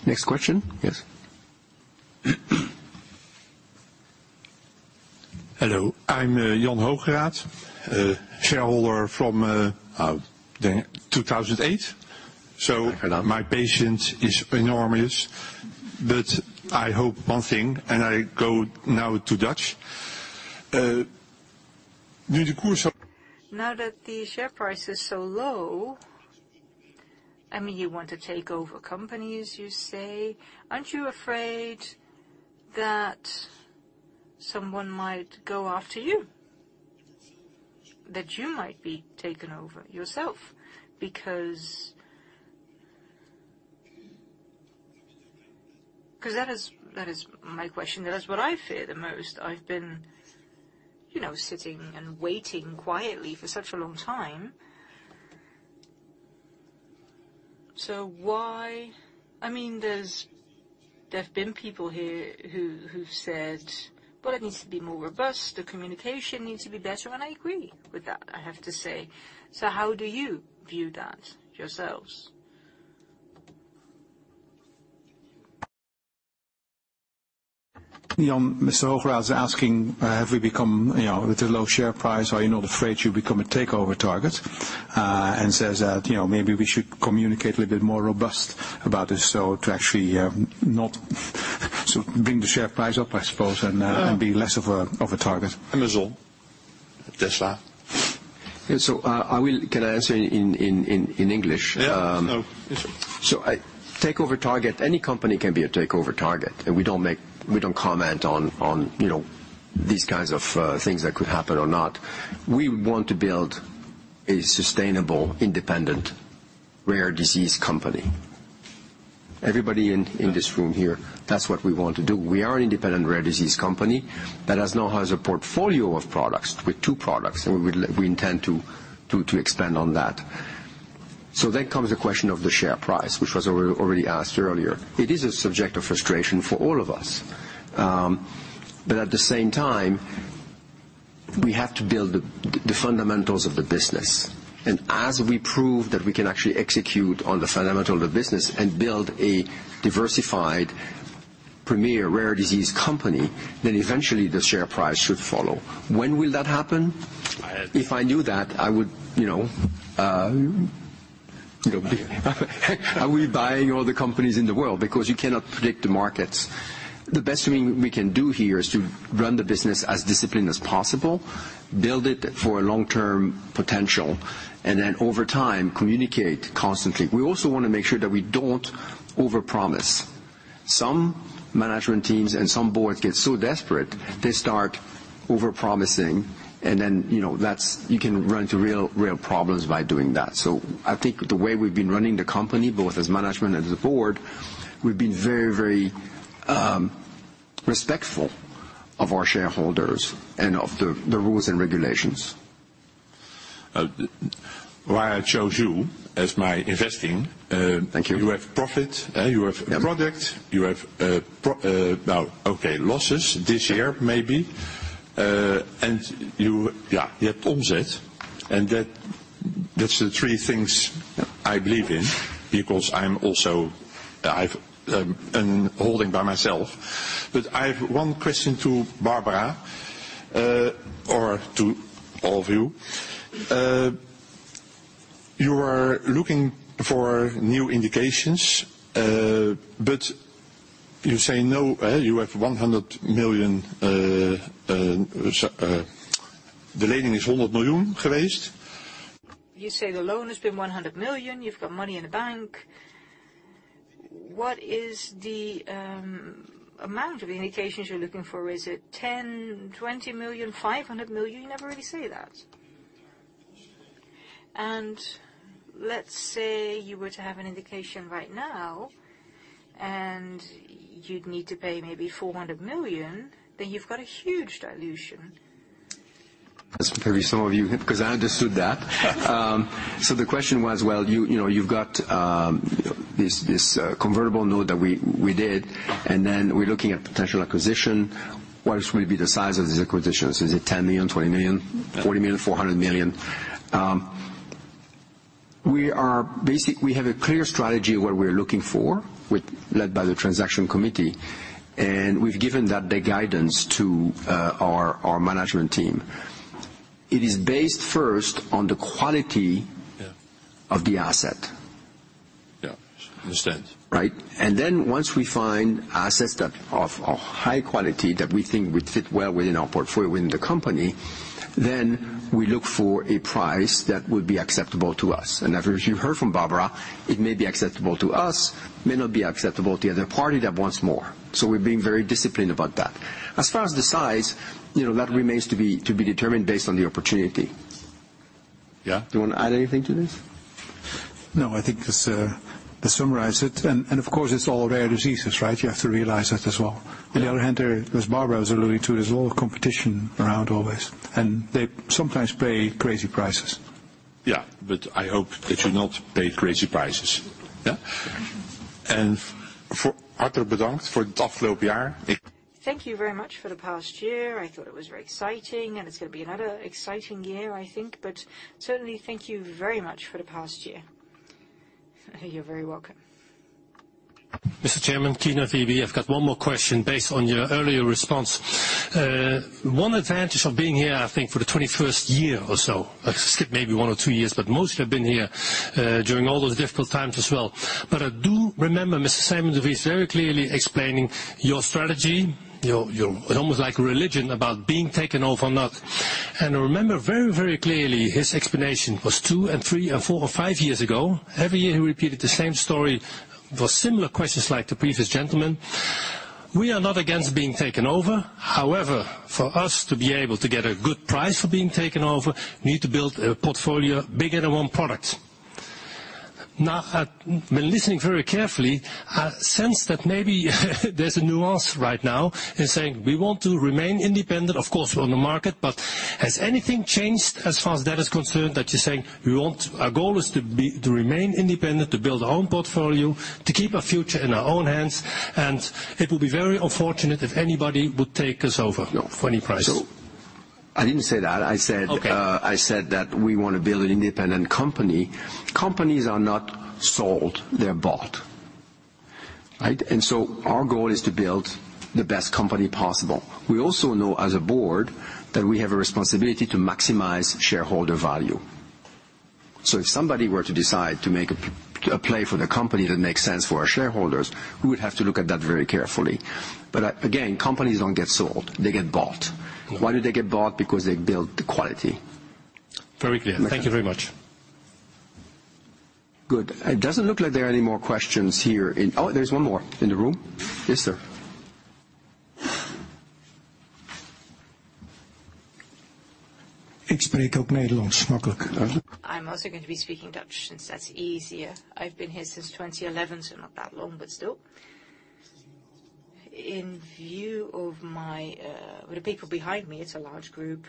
Next question. Yes. Hello, I'm Jan Hoogeraad, shareholder from 2008. Hi, Hogeraad. So my patience is enormous, but I hope one thing, and I go now to Dutch. Now that the share price is so low, I mean, you want to take over companies, you say. Aren't you afraid that someone might go after you? That you might be taken over yourself, because... 'Cause that is, that is my question, and that's what I fear the most. I've been, you know, sitting and waiting quietly for such a long time. So why... I mean, there's- there have been people here who, who've said, "Well, it needs to be more robust. The communication needs to be better." And I agree with that, I have to say. So how do you view that yourselves?
Jon, Mr. Hogeraad is asking, have we become, you know, with the low share price, are you not afraid you become a takeover target, and says that, you know, maybe we should communicate a little bit more robust about this, so to actually not to bring the share price up, I suppose, and be less of a target.
Amazon. Tesla.
So, can I answer in English?
Yeah. Oh, yes, sir.
So, takeover target, any company can be a takeover target, and we don't comment on, you know, these kinds of things that could happen or not. We want to build a sustainable, independent, rare disease company. Everybody in this room here, that's what we want to do. We are an independent rare disease company that now has a portfolio of products, with two products, and we intend to expand on that. So then comes the question of the share price, which was already asked earlier. It is a subject of frustration for all of us. But at the same time-
...We have to build the fundamentals of the business. And as we prove that we can actually execute on the fundamental of the business and build a diversified, premier, rare disease company, then eventually the share price should follow. When will that happen? I- If I knew that, I would, you know, I would be buying all the companies in the world, because you cannot predict the markets. The best thing we can do here is to run the business as disciplined as possible, build it for a long-term potential, and then over time, communicate constantly. We also want to make sure that we don't overpromise. Some management teams and some boards get so desperate, they start overpromising, and then, you know, that's you can run into real, real problems by doing that. So I think the way we've been running the company, both as management and as a board, we've been very, very, respectful of our shareholders and of the, the rules and regulations. Why I chose you as my investing Thank you. You have profit. Yeah A product, you have, well, okay, losses this year, maybe. And you, yeah, you have onset, and that, that's the three things I believe in, because I'm also, I've, I'm holding by myself. But I have one question to Barbara, or to all of you. You are looking for new indications, but you say, "No," you have $100 million, so, You say the loan has been $100 million, you've got money in the bank. What is the amount of indications you're looking for? Is it $10 million, $20 million, $500 million? You never really say that. And let's say you were to have an indication right now, and you'd need to pay maybe $400 million, then you've got a huge dilution. That's maybe some of you, 'cause I understood that. So the question was, well, you know, you've got this convertible note that we did, and then we're looking at potential acquisition. What will be the size of these acquisitions? Is it $10 million, $20 million-$40 million, $400 million? We have a clear strategy of what we're looking for, led by the Transaction Committee, and we've given that the guidance to our management team. It is based first on the quality- Yeah of the asset. Yeah. Understand. Right? And then once we find assets that of high quality that we think would fit well within our portfolio, within the company, then we look for a price that would be acceptable to us. And as you heard from Barbara, it may be acceptable to us, may not be acceptable to the other party that wants more. So we're being very disciplined about that. As far as the size, you know, that remains to be determined based on the opportunity. Yeah. Do you want to add anything to this?
No, I think this, to summarize it, and, of course, it's all rare diseases, right? You have to realize that as well.
Yeah.
On the other hand, there, as Barbara is alluding to, there's a lot of competition around always, and they sometimes pay crazy prices. Yeah, but I hope that you not pay crazy prices. Yeah? And for... Thank you very much for the past year. I thought it was very exciting, and it's gonna be another exciting year, I think, but certainly, thank you very much for the past year. You're very welcome.
Mr. Chairman, Keno VB, I've got one more question based on your earlier response. One advantage of being here, I think, for the 21st year or so, I skipped maybe 1 or 2 years, but mostly I've been here during all those difficult times as well. But I do remember Mr. Simon de Vries very clearly explaining your strategy, your, your, almost like a religion, about being taken over or not. And I remember very, very clearly his explanation was 2 and 3, and 4 or 5 years ago. Every year, he repeated the same story for similar questions like the previous gentleman: "We are not against being taken over. However, for us to be able to get a good price for being taken over, we need to build a portfolio bigger than one product." Now, I've been listening very carefully. I sense that maybe there's a nuance right now in saying, "We want to remain independent. Of course, we're on the market," but has anything changed as far as that is concerned, that you're saying, "We want... Our goal is to be-- to remain independent, to build our own portfolio, to keep our future in our own hands, and it will be very unfortunate if anybody would take us over-
No.
for any price?
I didn't say that. I said-
Okay.
I said that we want to build an independent company. Companies are not sold, they're bought, right? And so our goal is to build the best company possible. We also know, as a board, that we have a responsibility to maximize shareholder value. So if somebody were to decide to make a play for the company that makes sense for our shareholders, we would have to look at that very carefully. But again, companies don't get sold, they get bought.
Mm-hmm.
Why do they get bought? Because they build the quality.
Very clear.
Okay.
Thank you very much.
Good. It doesn't look like there are any more questions here in... Oh, there's one more in the room. Yes, sir. I'm also going to be speaking Dutch since that's easier. I've been here since 2011, so not that long, but still. In view of my, the people behind me, it's a large group.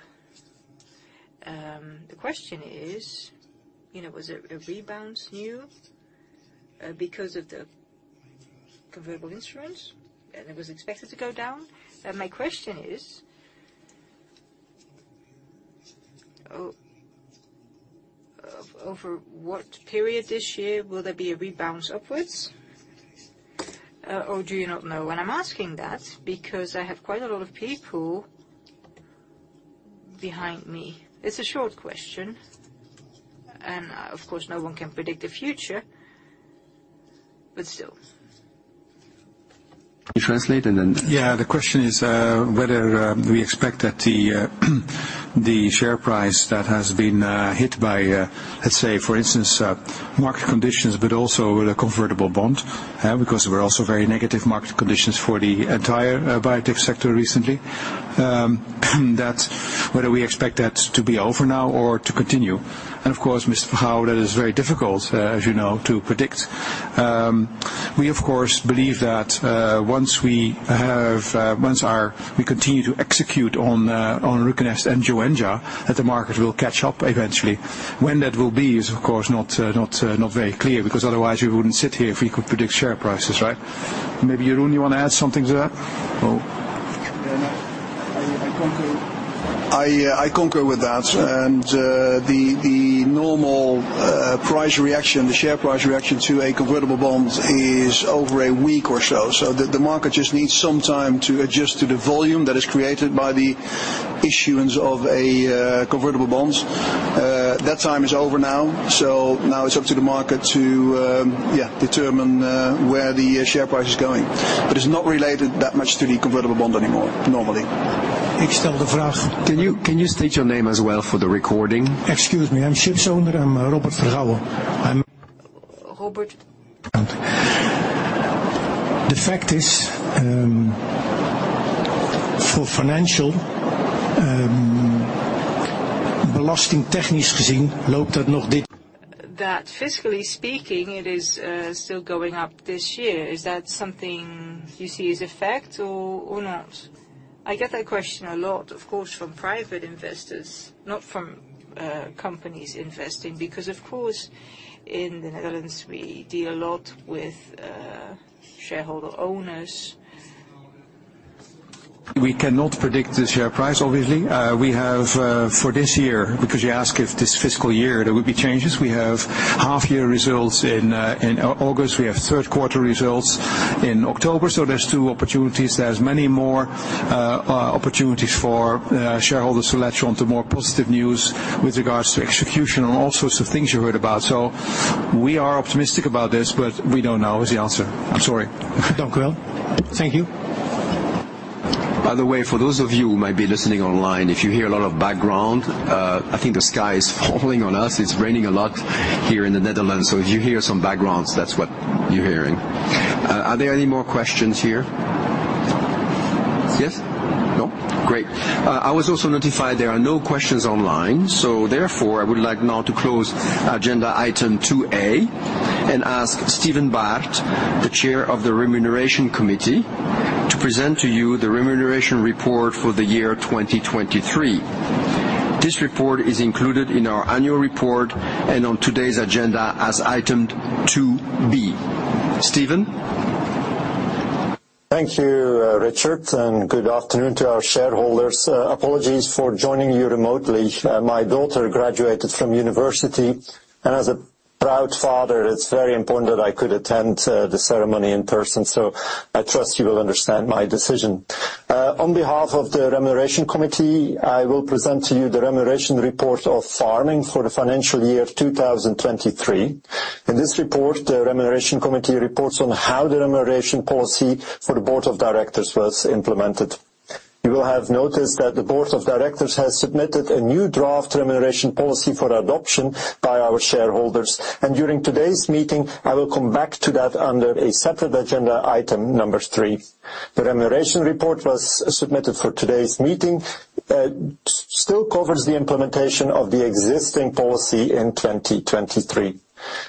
The question is, you know, was it a rebound new, because of the convertible instruments, and it was expected to go down. And my question is, over what period this year will there be a rebalance upwards? Or do you not know? And I'm asking that because I have quite a lot of people behind me. It's a short question, and of course, no one can predict the future, but still. You translate and then-
Yeah, the question is whether we expect that the share price that has been hit by, let's say for instance, market conditions, but also with a convertible bond, because there were also very negative market conditions for the entire biotech sector recently. That, whether we expect that to be over now or to continue. And of course, Mr. Vergouw, that is very difficult, as you know, to predict. We, of course, believe that once we continue to execute on RUCONEST and Joenja, that the market will catch up eventually. When that will be is, of course, not very clear, because otherwise we wouldn't sit here if we could predict share prices, right? Maybe, Jeroen, you want to add something to that? Oh. Yeah, I concur. I concur with that. And, the normal price reaction, the share price reaction to a convertible bond is over a week or so. So the market just needs some time to adjust to the volume that is created by the issuance of a convertible bond. That time is over now, so now it's up to the market to determine where the share price is going. But it's not related that much to the convertible bond anymore, normally.
Can you state your name as well for the recording? Excuse me. I'm Shipson, and I'm Robert Vergouw. Robert? The fact is, for financial, That fiscally speaking, it is still going up this year. Is that something you see as a fact or not? I get that question a lot, of course, from private investors, not from companies investing, because of course, in the Netherlands, we deal a lot with shareholder owners.
We cannot predict the share price, obviously. We have for this year, because you asked if this fiscal year there would be changes. We have half year results in August. We have third quarter results in October, so there's two opportunities. There's many more opportunities for shareholders to latch on to more positive news with regards to execution and all sorts of things you heard about. So we are optimistic about this, but we don't know is the answer. I'm sorry. Thank you.
By the way, for those of you who might be listening online, if you hear a lot of background, I think the sky is falling on us. It's raining a lot here in the Netherlands, so if you hear some backgrounds, that's what you're hearing. Are there any more questions here? Yes? No. Great. I was also notified there are no questions online, so therefore, I would like now to close agenda item 2A, and ask Steven Baert, the Chair of the Remuneration Committee, to present to you the remuneration report for the year 2023. This report is included in our annual report and on today's agenda as item 2B. Steven?
Thank you, Richard, and good afternoon to our shareholders. Apologies for joining you remotely. My daughter graduated from university, and as a proud father, it's very important that I could attend the ceremony in person, so I trust you will understand my decision. On behalf of the Remuneration Committee, I will present to you the remuneration report of Pharming for the financial year 2023. In this report, the Remuneration Committee reports on how the remuneration policy for the Board of Directors was implemented. You will have noticed that the Board of Directors has submitted a new draft remuneration policy for adoption by our shareholders, and during today's meeting, I will come back to that under a separate agenda, item number three. The remuneration report was submitted for today's meeting, still covers the implementation of the existing policy in 2023.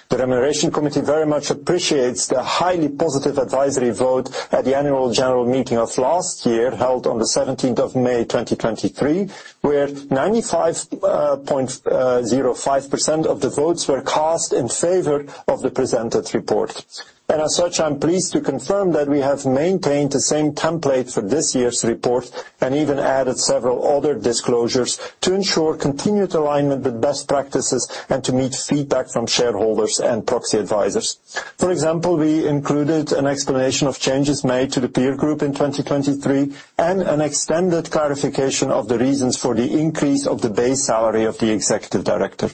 The Remuneration Committee very much appreciates the highly positive advisory vote at the Annual General Meeting of last year, held on the 17th of May, 2023, where 95.05% of the votes were cast in favor of the presented report. And as such, I'm pleased to confirm that we have maintained the same template for this year's report and even added several other disclosures to ensure continued alignment with best practices and to meet feedback from shareholders and proxy advisors. For example, we included an explanation of changes made to the peer group in 2023 and an extended clarification of the reasons for the increase of the base salary of the executive director.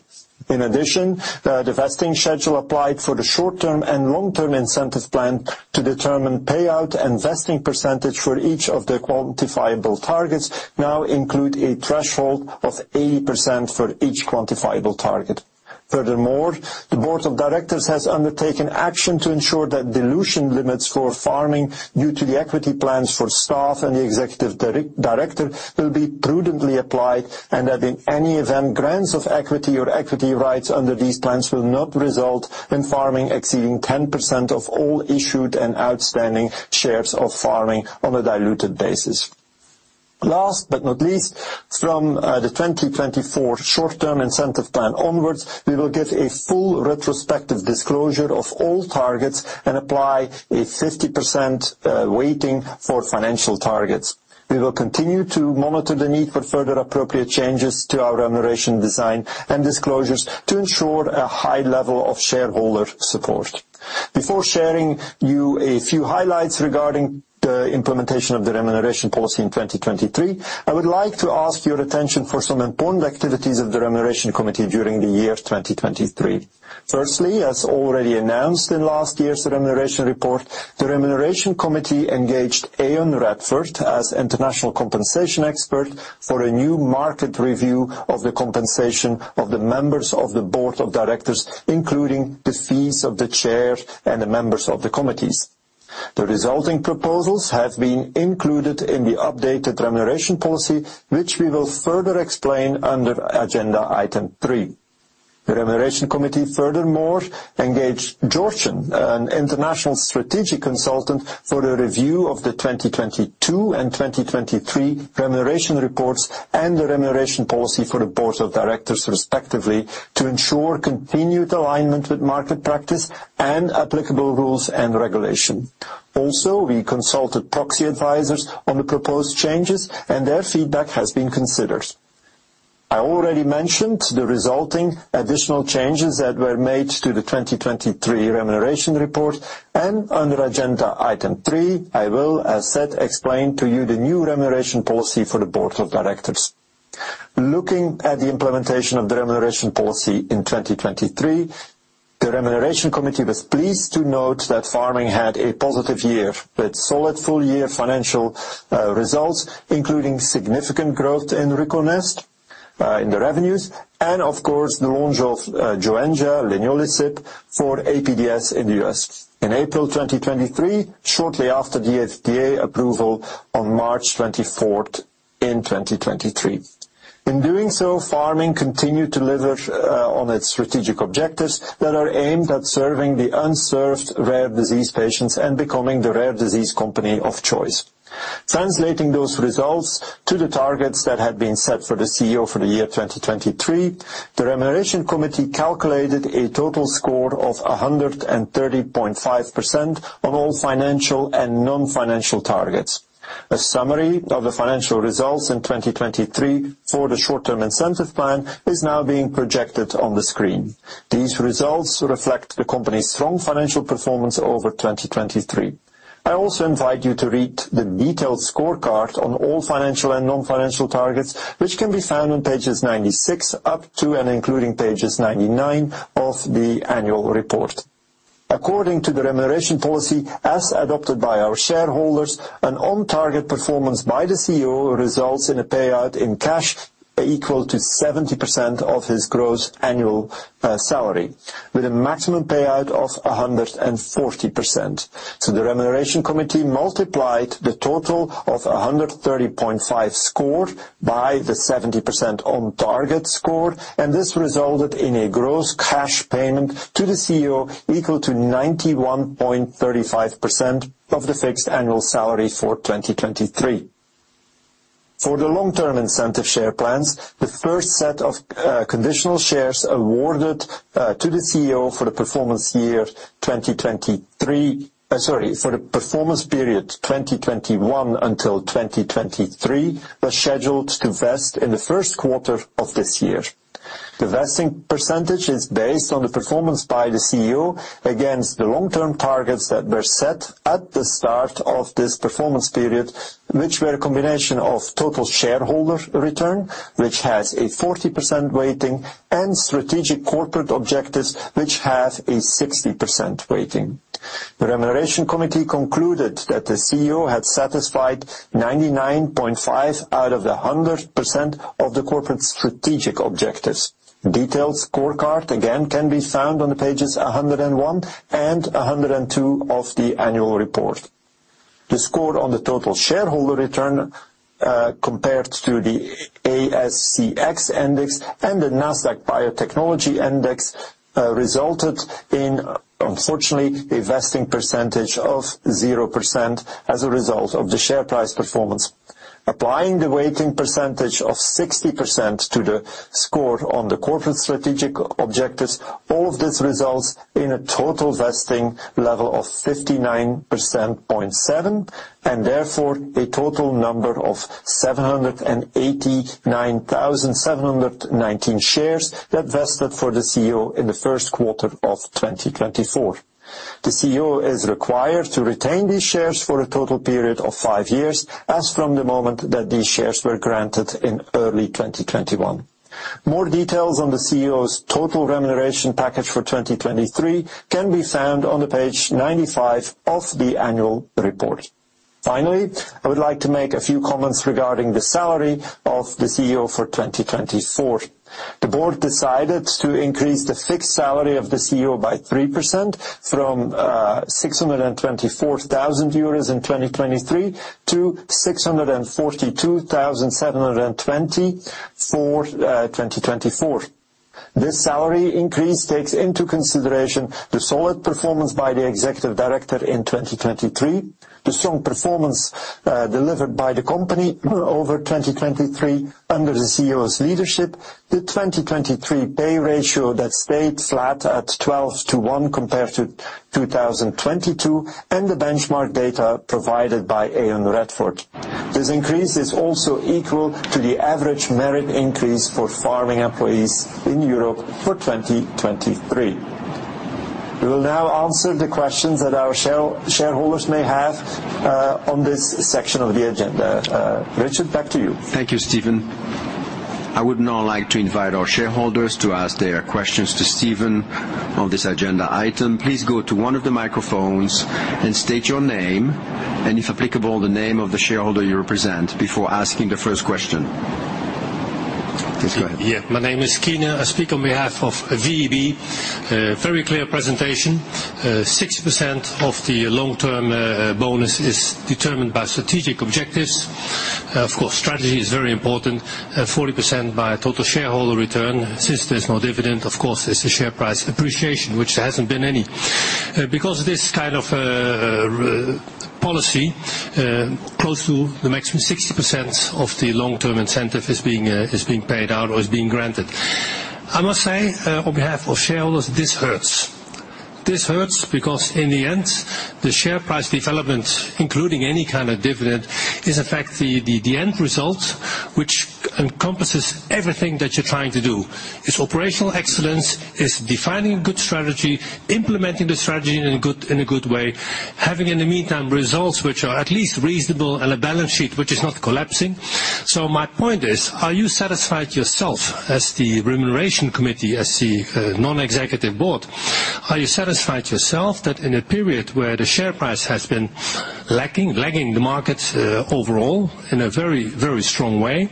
In addition, the vesting schedule applied for the short-term and long-term incentive plan to determine payout and vesting percentage for each of the quantifiable targets now include a threshold of 80% for each quantifiable target. Furthermore, the Board of Directors has undertaken action to ensure that dilution limits for Pharming due to the equity plans for staff and the executive director, will be prudently applied, and that in any event, grants of equity or equity rights under these plans will not result in Pharming exceeding 10% of all issued and outstanding shares of Pharming on a diluted basis. Last but not least, from the 2024 short-term incentive plan onwards, we will give a full retrospective disclosure of all targets and apply a 50% weighting for financial targets. We will continue to monitor the need for further appropriate changes to our remuneration design and disclosures to ensure a high level of shareholder support. Before sharing you a few highlights regarding the implementation of the remuneration policy in 2023, I would like to ask your attention for some important activities of the Remuneration Committee during the year 2023. Firstly, as already announced in last year's remuneration report, the Remuneration Committee engaged Aon Radford as international compensation expert for a new market review of the compensation of the members of the Board of Directors, including the fees of the chair and the members of the committees. The resulting proposals have been included in the updated remuneration policy, which we will further explain under agenda item three. The Remuneration Committee furthermore engaged Georgeson, an international strategic consultant, for the review of the 2022 and 2023 remuneration reports and the remuneration policy for the Board of Directors, respectively, to ensure continued alignment with market practice and applicable rules and regulations. Also, we consulted proxy advisors on the proposed changes, and their feedback has been considered. I already mentioned the resulting additional changes that were made to the 2023 remuneration report, and under agenda item three, I will, as said, explain to you the new remuneration policy for the Board of Directors. Looking at the implementation of the remuneration policy in 2023, the Remuneration Committee was pleased to note that Pharming had a positive year, with solid full year financial results, including significant growth in RUCONEST in the revenues, and of course, the launch of Joenja, leniolisib, for APDS in the U.S. In April 2023, shortly after the FDA approval on March 24th, 2023. In doing so, Pharming continued to deliver on its strategic objectives that are aimed at serving the unserved rare disease patients and becoming the rare disease company of choice. Translating those results to the targets that had been set for the CEO for the year 2023, the Remuneration Committee calculated a total score of 130.5% on all financial and non-financial targets. A summary of the financial results in 2023 for the short-term incentive plan is now being projected on the screen. These results reflect the company's strong financial performance over 2023. I also invite you to read the detailed scorecard on all financial and non-financial targets, which can be found on pages 96 up to and including pages 99 of the annual report. According to the remuneration policy, as adopted by our shareholders, an on-target performance by the CEO results in a payout in cash equal to 70% of his gross annual salary, with a maximum payout of 140%. So the Remuneration Committee multiplied the total of 130.5 score by the 70% on-target score, and this resulted in a gross cash payment to the CEO equal to 91.35% of the fixed annual salary for 2023. For the long-term incentive share plans, the first set of conditional shares awarded to the CEO for the performance year 2023... for the performance period 2021 until 2023, was scheduled to vest in the first quarter of this year. The vesting percentage is based on the performance by the CEO against the long-term targets that were set at the start of this performance period, which were a combination of total shareholder return, which has a 40% weighting, and strategic corporate objectives, which have a 60% weighting. The Remuneration Committee concluded that the CEO had satisfied 99.5 out of the 100% of the corporate strategic objectives. Detailed scorecard, again, can be found on the pages 101 and 102 of the annual report. The score on the total shareholder return, compared to the AScX index and the Nasdaq Biotechnology Index, resulted in, unfortunately, a vesting percentage of 0% as a result of the share price performance. Applying the weighting percentage of 60% to the score on the corporate strategic objectives, all of this results in a total vesting level of 59.7%, and therefore, a total number of 789,719 shares that vested for the CEO in the first quarter of 2024. The CEO is required to retain these shares for a total period of five years, as from the moment that these shares were granted in early 2021. More details on the CEO's total remuneration package for 2023 can be found on page 95 of the annual report. Finally, I would like to make a few comments regarding the salary of the CEO for 2024. The board decided to increase the fixed salary of the CEO by 3% from 624,000 euros in 2023 to 642,720 for 2024. This salary increase takes into consideration the solid performance by the executive director in 2023, the strong performance delivered by the company over 2023 under the CEO's leadership, the 2023 pay ratio that stayed flat at 12 to 1 compared to 2022, and the benchmark data provided by Aon Radford. This increase is also equal to the average merit increase for pharma employees in Europe for 2023. We will now answer the questions that our shareholders may have on this section of the agenda. Richard, back to you.
Thank you, Steven. I would now like to invite our shareholders to ask their questions to Steven on this agenda item. Please go to one of the microphones and state your name, and, if applicable, the name of the shareholder you represent, before asking the first question. Please go ahead.
Yeah. My name is Keyner. I speak on behalf of VEB. Very clear presentation. 60% of the long-term bonus is determined by strategic objectives. Of course, strategy is very important, 40% by total shareholder return. Since there's no dividend, of course, it's the share price appreciation, which there hasn't been any. Because of this kind of policy, close to the maximum 60% of the long-term incentive is being paid out or is being granted. I must say, on behalf of shareholders, this hurts. This hurts because in the end, the share price development, including any kind of dividend, is in fact, the end result, which encompasses everything that you're trying to do. It's operational excellence, it's defining a good strategy, implementing the strategy in a good way, having, in the meantime, results which are at least reasonable and a balance sheet which is not collapsing. So my point is, are you satisfied yourself, as the remuneration committee, as the non-executive board, are you satisfied yourself that in a period where the share price has been lacking, lagging the market, overall in a very, very strong way,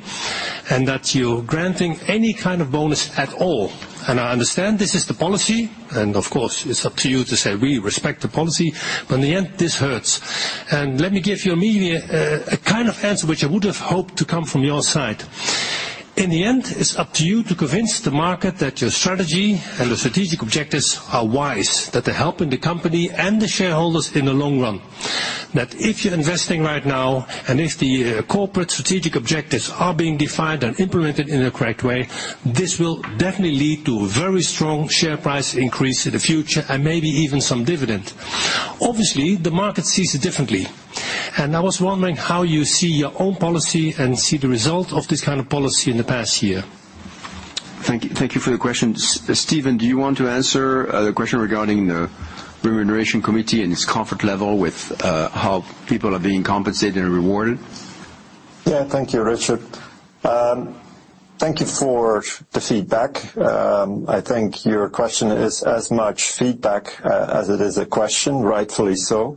and that you're granting any kind of bonus at all? And I understand this is the policy, and of course, it's up to you to say, "We respect the policy." But in the end, this hurts. And let me give you a kind of answer, which I would have hoped to come from your side. In the end, it's up to you to convince the market that your strategy and the strategic objectives are wise, that they're helping the company and the shareholders in the long run. That if you're investing right now, and if the corporate strategic objectives are being defined and implemented in a correct way, this will definitely lead to very strong share price increase in the future, and maybe even some dividend. Obviously, the market sees it differently, and I was wondering how you see your own policy and see the result of this kind of policy in the past year.
Thank you. Thank you for the question. Stephen, do you want to answer the question regarding the remuneration committee and its comfort level with how people are being compensated and rewarded?
Yeah. Thank you, Richard. Thank you for the feedback. I think your question is as much feedback as it is a question, rightfully so.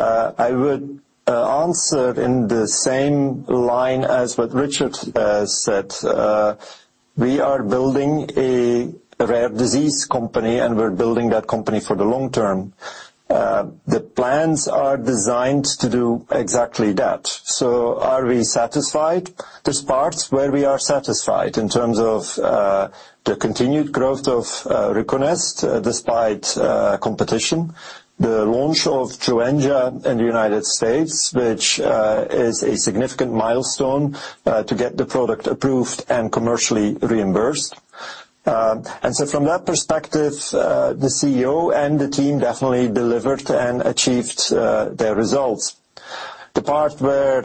I would answer in the same line as what Richard said. We are building a rare disease company, and we're building that company for the long term. The plans are designed to do exactly that. So are we satisfied? There's parts where we are satisfied in terms of the continued growth of RUCONEST despite competition. The launch of Joenja in the United States, which is a significant milestone to get the product approved and commercially reimbursed. And so from that perspective, the CEO and the team definitely delivered and achieved their results. The part where,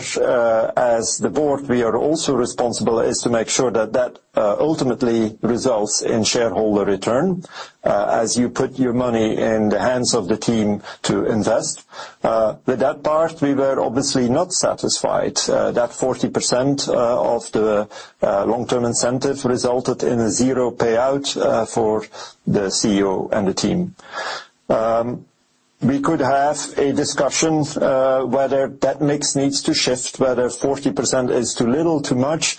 as the board, we are also responsible, is to make sure that that ultimately results in shareholder return, as you put your money in the hands of the team to invest. With that part, we were obviously not satisfied, that 40% of the long-term incentive resulted in a zero payout, for the CEO and the team. We could have a discussion, whether that mix needs to shift, whether 40% is too little, too much.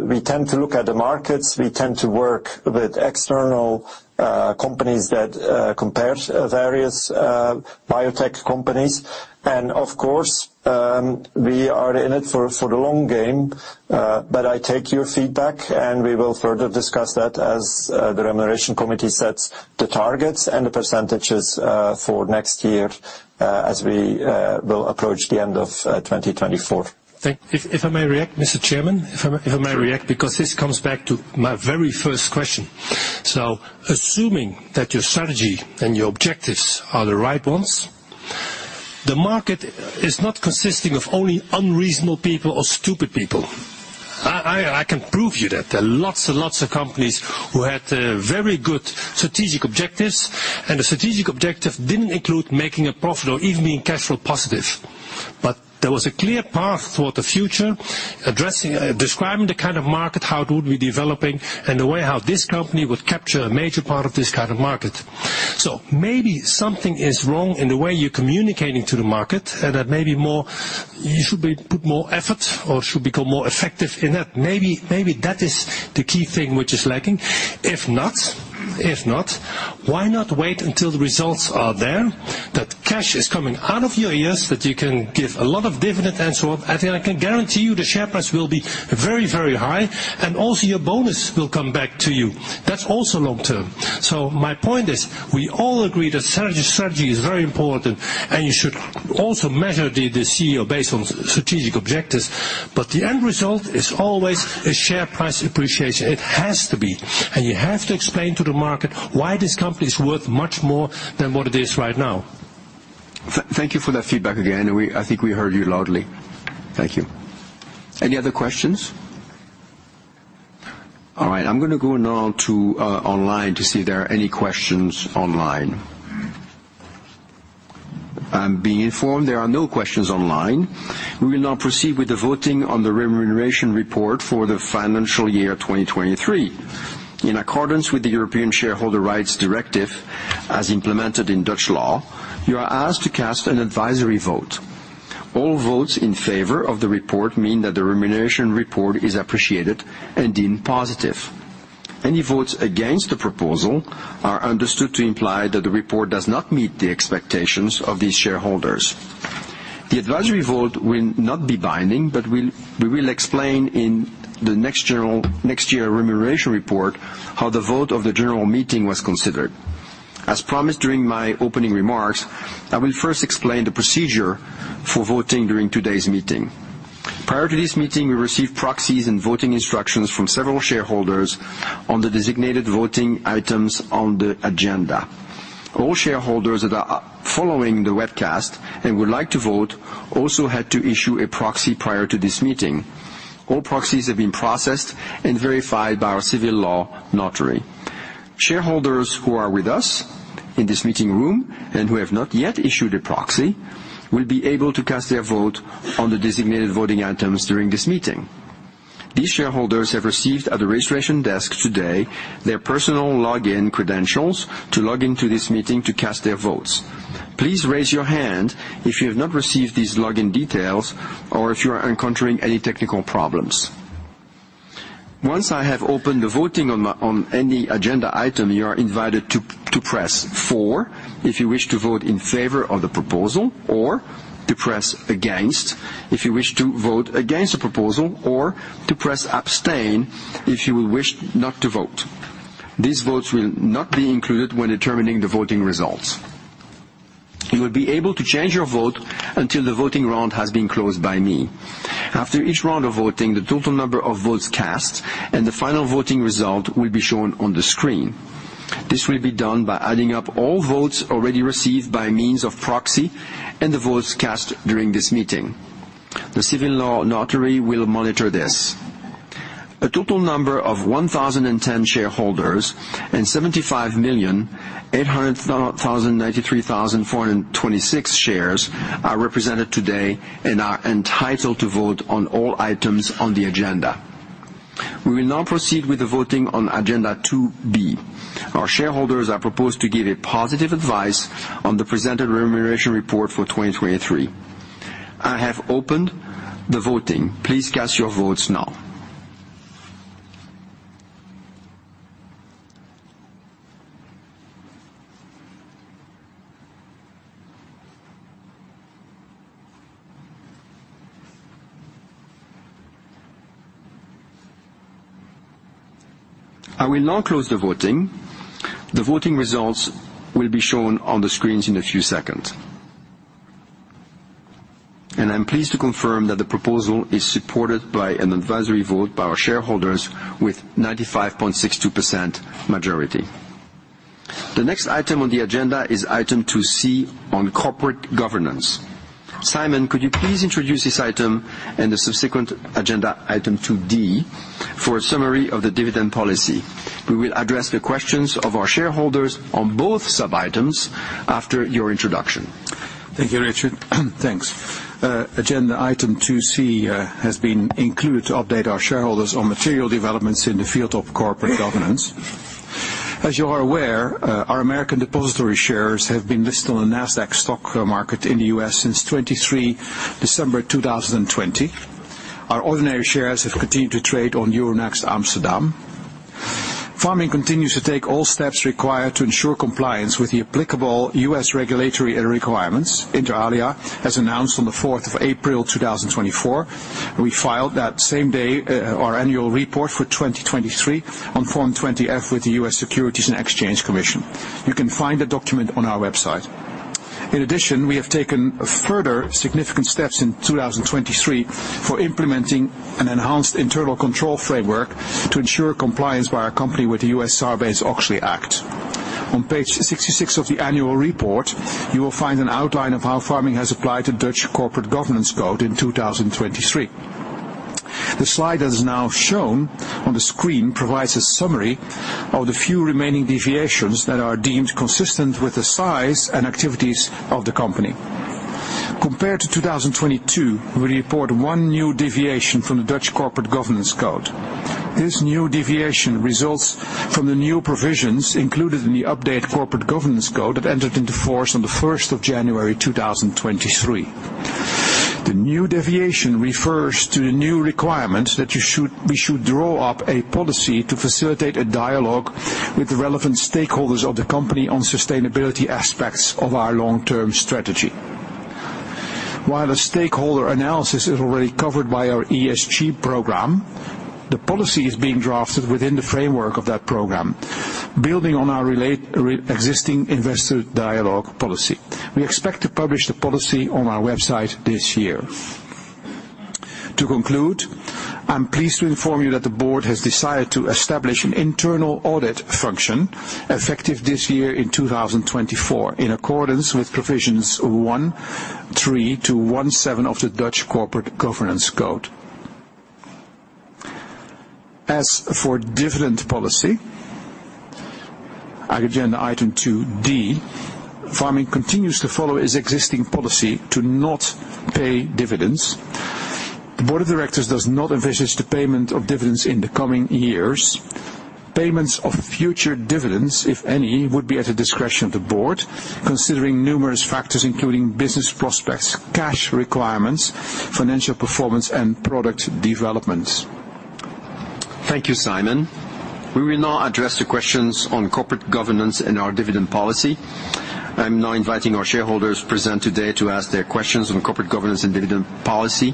We tend to look at the markets. We tend to work with external companies that compare various biotech companies. And of course, we are in it for the long game. But I take your feedback, and we will further discuss that as the remuneration committee sets the targets and the percentages for next year as we will approach the end of 2024.
Thank you. If I may react, Mr. Chairman.
Sure.
because this comes back to my very first question. So assuming that your strategy and your objectives are the right ones, the market is not consisting of only unreasonable people or stupid people. I, I, I can prove you that. There are lots and lots of companies who had very good strategic objectives, and the strategic objective didn't include making a profit or even being cash flow positive. But there was a clear path toward the future, addressing, describing the kind of market, how it would be developing, and the way how this company would capture a major part of this kind of market. So maybe something is wrong in the way you're communicating to the market, and that maybe more, you should be, put more effort or should become more effective in that. Maybe, maybe that is the key thing which is lacking. If not, if not, why not wait until the results are there, that cash is coming out of your ears, that you can give a lot of dividend and so on? And then I can guarantee you, the share price will be very, very high, and also your bonus will come back to you. That's also long term. So my point is, we all agree that strategy, strategy is very important, and you should also measure the, the CEO based on strategic objectives. But the end result is always a share price appreciation. It has to be, and you have to explain to the market why this company is worth much more than what it is right now.
Thank you for that feedback again, and we, I think we heard you loudly. Thank you. Any other questions? All right, I'm gonna go now to online to see if there are any questions online. I'm being informed there are no questions online. We will now proceed with the voting on the remuneration report for the financial year 2023. In accordance with the European Shareholder Rights Directive, as implemented in Dutch law, you are asked to cast an advisory vote. All votes in favor of the report mean that the remuneration report is appreciated and deemed positive. Any votes against the proposal are understood to imply that the report does not meet the expectations of these shareholders. The advisory vote will not be binding, but we'll explain in the next general, next year remuneration report, how the vote of the general meeting was considered. As promised during my opening remarks, I will first explain the procedure for voting during today's meeting. Prior to this meeting, we received proxies and voting instructions from several shareholders on the designated voting items on the agenda. All shareholders that are following the webcast and would like to vote also had to issue a proxy prior to this meeting. All proxies have been processed and verified by our civil law notary. Shareholders who are with us in this meeting room and who have not yet issued a proxy will be able to cast their vote on the designated voting items during this meeting. These shareholders have received at the registration desk today their personal login credentials to log into this meeting to cast their votes. Please raise your hand if you have not received these login details or if you are encountering any technical problems. Once I have opened the voting on any agenda item, you are invited to press 4 if you wish to vote in favor of the proposal, or to press against if you wish to vote against the proposal, or to press abstain if you wish not to vote. These votes will not be included when determining the voting results. You will be able to change your vote until the voting round has been closed by me. After each round of voting, the total number of votes cast and the final voting result will be shown on the screen. This will be done by adding up all votes already received by means of proxy and the votes cast during this meeting. The civil law notary will monitor this. A total of 1,010 shareholders and 75,800,093,426 shares are represented today and are entitled to vote on all items on the agenda. We will now proceed with the voting on agenda 2B. Our shareholders are proposed to give a positive advice on the presented remuneration report for 2023. I have opened the voting. Please cast your votes now. I will now close the voting. The voting results will be shown on the screens in a few seconds. I'm pleased to confirm that the proposal is supported by an advisory vote by our shareholders with 95.62% majority. The next item on the agenda is item 2C on corporate governance. Simon, could you please introduce this item and the subsequent agenda item 2D, for a summary of the dividend policy? We will address the questions of our shareholders on both sub-items after your introduction.
Thank you, Richard. Thanks. Agenda item 2C has been included to update our shareholders on material developments in the field of corporate governance. As you are aware, our American depository shares have been listed on the Nasdaq Stock Market in the U.S. since December 23, 2020. Our ordinary shares have continued to trade on Euronext Amsterdam. Pharming continues to take all steps required to ensure compliance with the applicable U.S. regulatory and requirements, inter alia, as announced on April 4, 2024. We filed that same day our annual report for 2023 on Form 20-F with the U.S. Securities and Exchange Commission. You can find the document on our website. In addition, we have taken further significant steps in 2023 for implementing an enhanced internal control framework to ensure compliance by our company with the U.S. Sarbanes-Oxley Act. On page 66 of the annual report, you will find an outline of how Pharming has applied to Dutch Corporate Governance Code in 2023. The slide that is now shown on the screen provides a summary of the few remaining deviations that are deemed consistent with the size and activities of the company. ...Compared to 2022, we report one new deviation from the Dutch Corporate Governance Code. This new deviation results from the new provisions included in the updated Corporate Governance Code that entered into force on the first of January 2023. The new deviation refers to the new requirements that we should draw up a policy to facilitate a dialogue with the relevant stakeholders of the company on sustainability aspects of our long-term strategy. While the stakeholder analysis is already covered by our ESG program, the policy is being drafted within the framework of that program, building on our related pre-existing investor dialogue policy. We expect to publish the policy on our website this year. To conclude, I'm pleased to inform you that the board has decided to establish an internal audit function, effective this year in 2024, in accordance with provisions 1.3-1.7 of the Dutch Corporate Governance Code. As for dividend policy, agenda item 2-D, Pharming continues to follow its existing policy to not pay dividends. The board of directors does not envisage the payment of dividends in the coming years. Payments of future dividends, if any, would be at the discretion of the board, considering numerous factors, including business prospects, cash requirements, financial performance, and product developments.
Thank you, Simon. We will now address the questions on corporate governance and our dividend policy. I'm now inviting our shareholders present today to ask their questions on corporate governance and dividend policy.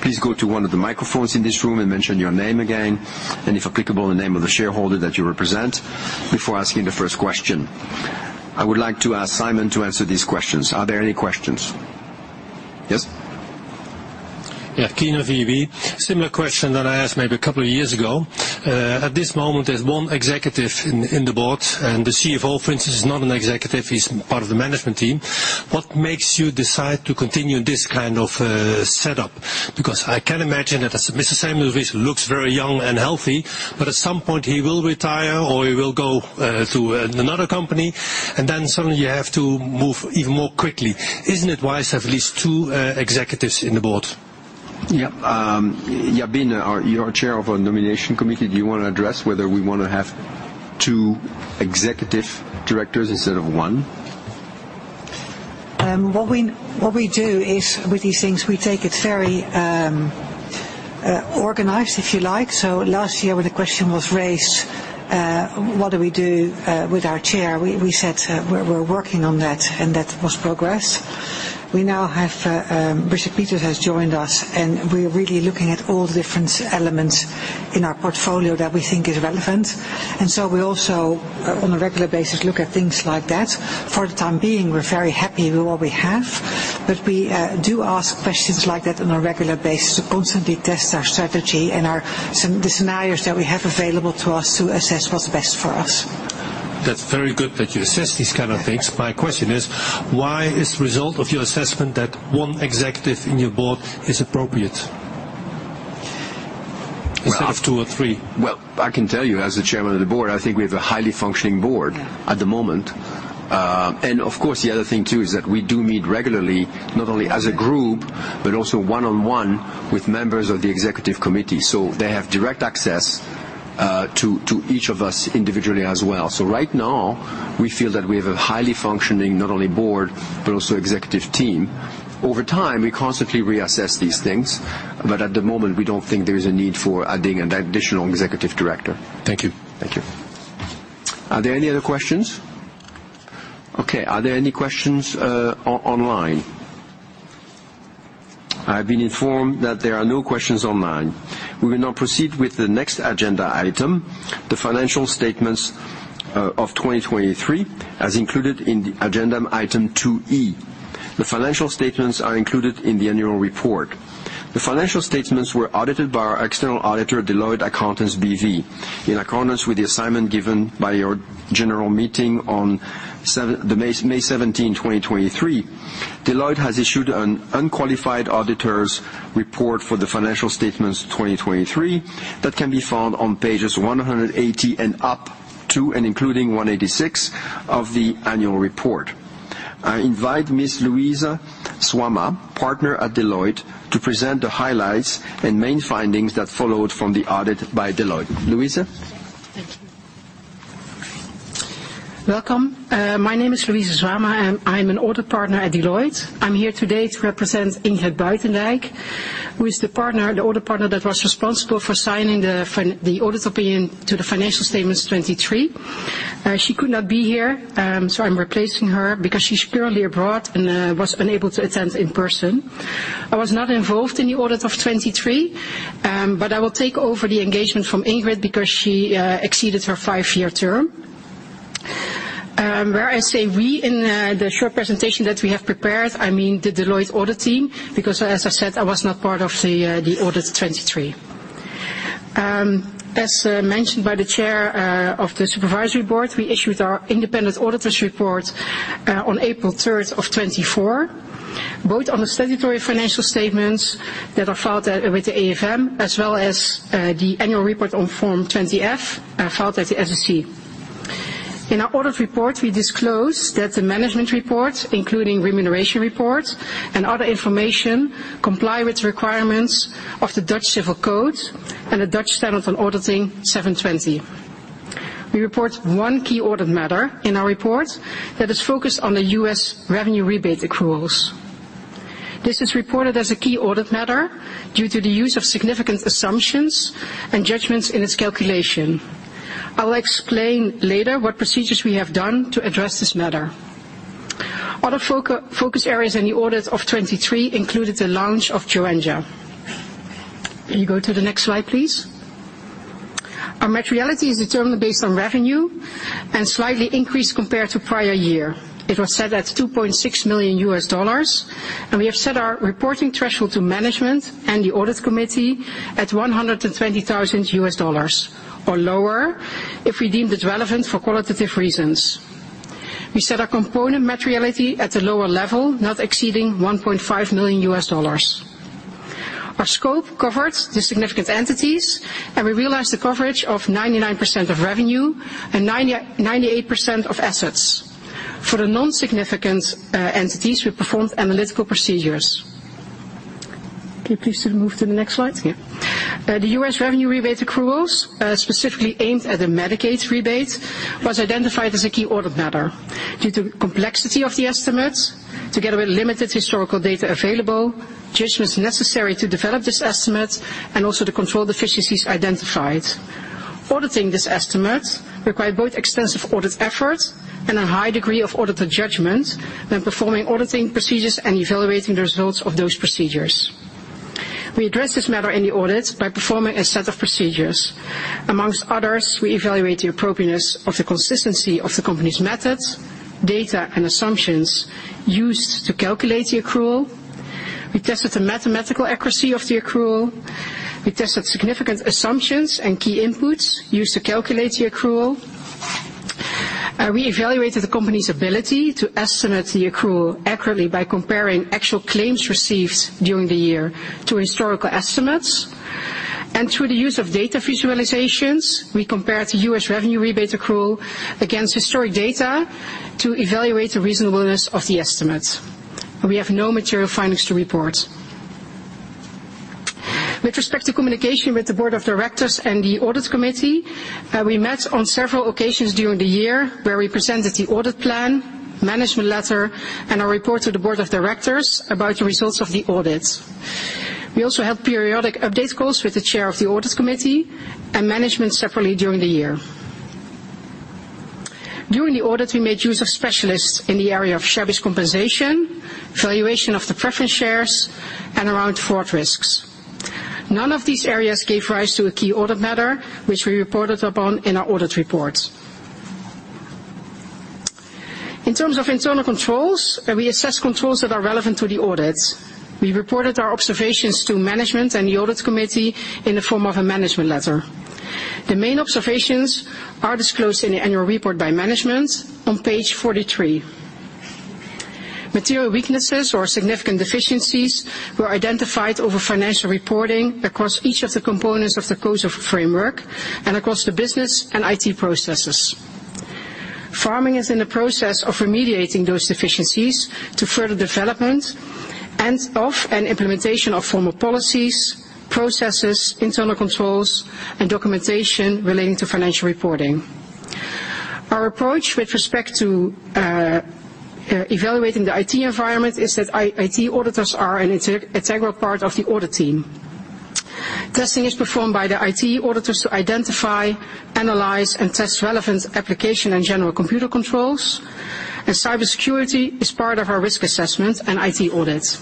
Please go to one of the microphones in this room and mention your name again, and if applicable, the name of the shareholder that you represent, before asking the first question. I would like to ask Simon to answer these questions. Are there any questions? Yes.
Yeah, Keyner, VEB. Similar question that I asked maybe a couple of years ago. At this moment, there's one executive in the board, and the CFO, for instance, is not an executive. He's part of the management team. What makes you decide to continue this kind of setup? Because I can imagine that as Mr. Samuels looks very young and healthy, but at some point he will retire, or he will go to another company, and then suddenly you have to move even more quickly. Isn't it wise to have at least two executives in the board?
Yeah, Jabine, you're chair of our Nomination Committee. Do you want to address whether we want to have two executive directors instead of one?
What we do is, with these things, we take it very organized, if you like. So last year, when the question was raised, what do we do with our chair? We said, we're working on that, and that was progress. We now have, Richard Peters has joined us, and we're really looking at all the different elements in our portfolio that we think is relevant. And so we also, on a regular basis, look at things like that. For the time being, we're very happy with what we have, but we do ask questions like that on a regular basis to constantly test our strategy and the scenarios that we have available to us to assess what's best for us.
That's very good that you assess these kind of things.
Yeah.
My question is, why is the result of your assessment that one executive in your board is appropriate-
Well-
-instead of 2 or 3?
Well, I can tell you, as the Chairman of the Board, I think we have a highly functioning board-
Yeah
At the moment. And of course, the other thing, too, is that we do meet regularly, not only as a group, but also one-on-one with members of the executive committee. So they have direct access to each of us individually as well. So right now, we feel that we have a highly functioning, not only board, but also executive team. Over time, we constantly reassess these things, but at the moment, we don't think there is a need for adding an additional executive director.
Thank you.
Thank you. Are there any other questions? Okay, are there any questions online? I have been informed that there are no questions online. We will now proceed with the next agenda item, the financial statements of 2023, as included in the agenda item 2-E. The financial statements are included in the annual report. The financial statements were audited by our external auditor, Deloitte Accountants B.V. In accordance with the assignment given by your general meeting on May 17, 2023, Deloitte has issued an unqualified auditor's report for the financial statements 2023, that can be found on pages 180 and up to and including 186 of the annual report. I invite Ms. Louise Zwama, partner at Deloitte, to present the highlights and main findings that followed from the audit by Deloitte. Louise?
Thank you. Welcome. My name is Louise Zwama, and I'm an audit partner at Deloitte. I'm here today to represent Ingrid Buitendijk, who is the partner, the audit partner, that was responsible for signing the audit opinion to the financial statements 2023. She could not be here, so I'm replacing her because she's currently abroad and was unable to attend in person. I was not involved in the audit of 2023, but I will take over the engagement from Ingrid because she exceeded her five-year term. Where I say "we" in the short presentation that we have prepared, I mean the Deloitte audit team, because, as I said, I was not part of the audit 2023. As mentioned by the chair of the supervisory board, we issued our independent auditor's report on April 3, 2024, both on the statutory financial statements that are filed with the AFM, as well as the annual report on Form 20-F filed at the SEC. ...
In our audit report, we disclose that the management report, including remuneration report and other information, comply with the requirements of the Dutch Civil Code and the Dutch Standard on Auditing 720. We report one key audit matter in our report that is focused on the US revenue rebate accruals. This is reported as a key audit matter due to the use of significant assumptions and judgments in its calculation. I'll explain later what procedures we have done to address this matter. Other focus areas in the audit of 2023 included the launch of Joenja. Can you go to the next slide, please? Our materiality is determined based on revenue and slightly increased compared to prior year. It was set at $2.6 million, and we have set our reporting threshold to management and the Audit Committee at $120,000 or lower, if we deemed it relevant for qualitative reasons. We set our component materiality at a lower level, not exceeding $1.5 million. Our scope covered the significant entities, and we realized the coverage of 99% of revenue and 98% of assets. For the non-significant entities, we performed analytical procedures. Can you please move to the next slide? Yeah. The US revenue rebate accruals, specifically aimed at the Medicaid rebate, was identified as a key audit matter due to complexity of the estimates, together with limited historical data available, judgments necessary to develop this estimate, and also the control deficiencies identified. Auditing this estimate required both extensive audit effort and a high degree of auditor judgment when performing auditing procedures and evaluating the results of those procedures. We addressed this matter in the audit by performing a set of procedures. Among others, we evaluate the appropriateness of the consistency of the company's methods, data, and assumptions used to calculate the accrual. We tested the mathematical accuracy of the accrual. We tested significant assumptions and key inputs used to calculate the accrual. We evaluated the company's ability to estimate the accrual accurately by comparing actual claims received during the year to historical estimates, and through the use of data visualizations, we compared the U.S. revenue rebate accrual against historic data to evaluate the reasonableness of the estimate. We have no material findings to report. With respect to communication with the board of directors and the audit committee, we met on several occasions during the year where we presented the audit plan, management letter, and our report to the board of directors about the results of the audit. We also held periodic update calls with the chair of the audit committee and management separately during the year. During the audit, we made use of specialists in the area of share-based compensation, valuation of the preference shares, and around fraud risks. None of these areas gave rise to a key audit matter, which we reported upon in our audit report. In terms of internal controls, we assess controls that are relevant to the audit. We reported our observations to management and the audit committee in the form of a management letter. The main observations are disclosed in the annual report by management on page 43. Material weaknesses or significant deficiencies were identified over financial reporting across each of the components of the control framework and across the business and IT processes. Pharming is in the process of remediating those deficiencies to further development and of an implementation of formal policies, processes, internal controls, and documentation relating to financial reporting. Our approach with respect to evaluating the IT environment is that IT auditors are an integral part of the audit team. Testing is performed by the IT auditors to identify, analyze, and test relevant application and general computer controls, and cybersecurity is part of our risk assessment and IT audit.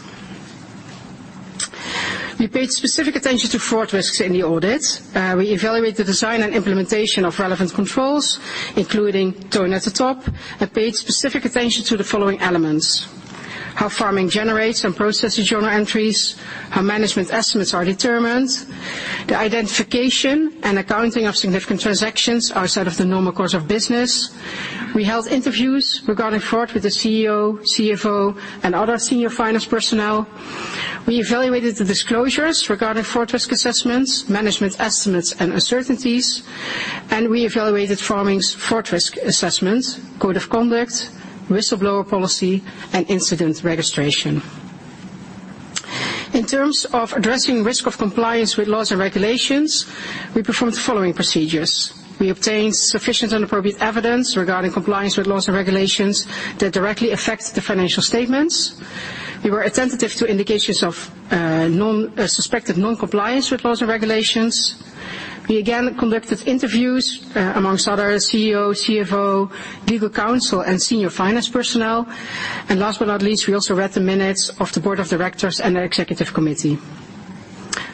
We paid specific attention to fraud risks in the audit. We evaluate the design and implementation of relevant controls, including tone at the top, and paid specific attention to the following elements: how Pharming generates and processes journal entries, how management estimates are determined, the identification and accounting of significant transactions outside of the normal course of business. We held interviews regarding fraud with the CEO, CFO, and other senior finance personnel. We evaluated the disclosures regarding fraud risk assessments, management estimates and uncertainties, and we evaluated Pharming's fraud risk assessment, code of conduct, whistleblower policy, and incident registration. In terms of addressing risk of compliance with laws and regulations, we performed the following procedures. We obtained sufficient and appropriate evidence regarding compliance with laws and regulations that directly affect the financial statements. We were attentive to indications of suspected non-compliance with laws and regulations. We again conducted interviews, among others, CEO, CFO, legal counsel, and senior finance personnel. And last but not least, we also read the minutes of the board of directors and the executive committee.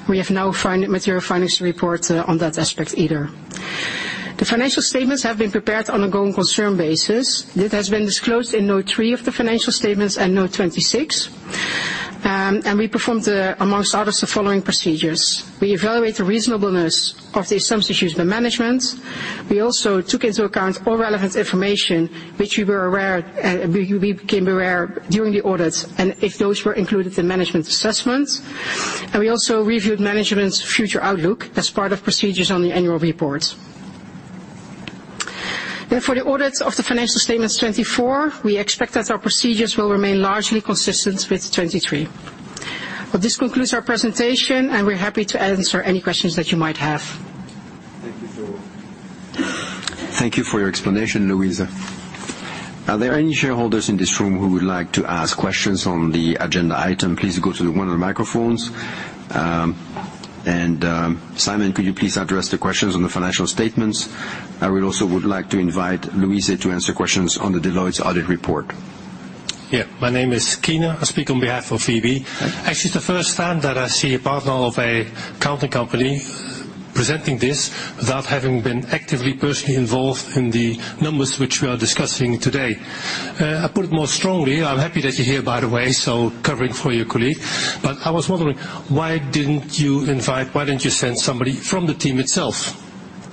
We have no material findings to report on that aspect either. The financial statements have been prepared on a going concern basis. This has been disclosed in note 3 of the financial statements and note 26. And we performed, among others, the following procedures. We evaluate the reasonableness of the assumptions used by management. We also took into account all relevant information, which we were aware, we became aware during the audit, and if those were included in management's assessment.... And we also reviewed management's future outlook as part of procedures on the annual report. Then for the audits of the financial statements 2024, we expect that our procedures will remain largely consistent with 2023. Well, this concludes our presentation, and we're happy to answer any questions that you might have.
Thank you for your explanation, Louise. Are there any shareholders in this room who would like to ask questions on the agenda item? Please go to one of the microphones. Simon, could you please address the questions on the financial statements? I would also like to invite Louise to answer questions on the Deloitte's audit report.
Yeah. My name is Keyner. I speak on behalf of VEB.
Right.
Actually, the first time that I see a partner of an accounting company presenting this without having been actively, personally involved in the numbers which we are discussing today. I put it more strongly, I'm happy that you're here, by the way, so covering for your colleague, but I was wondering, why didn't you invite-- why didn't you send somebody from the team itself?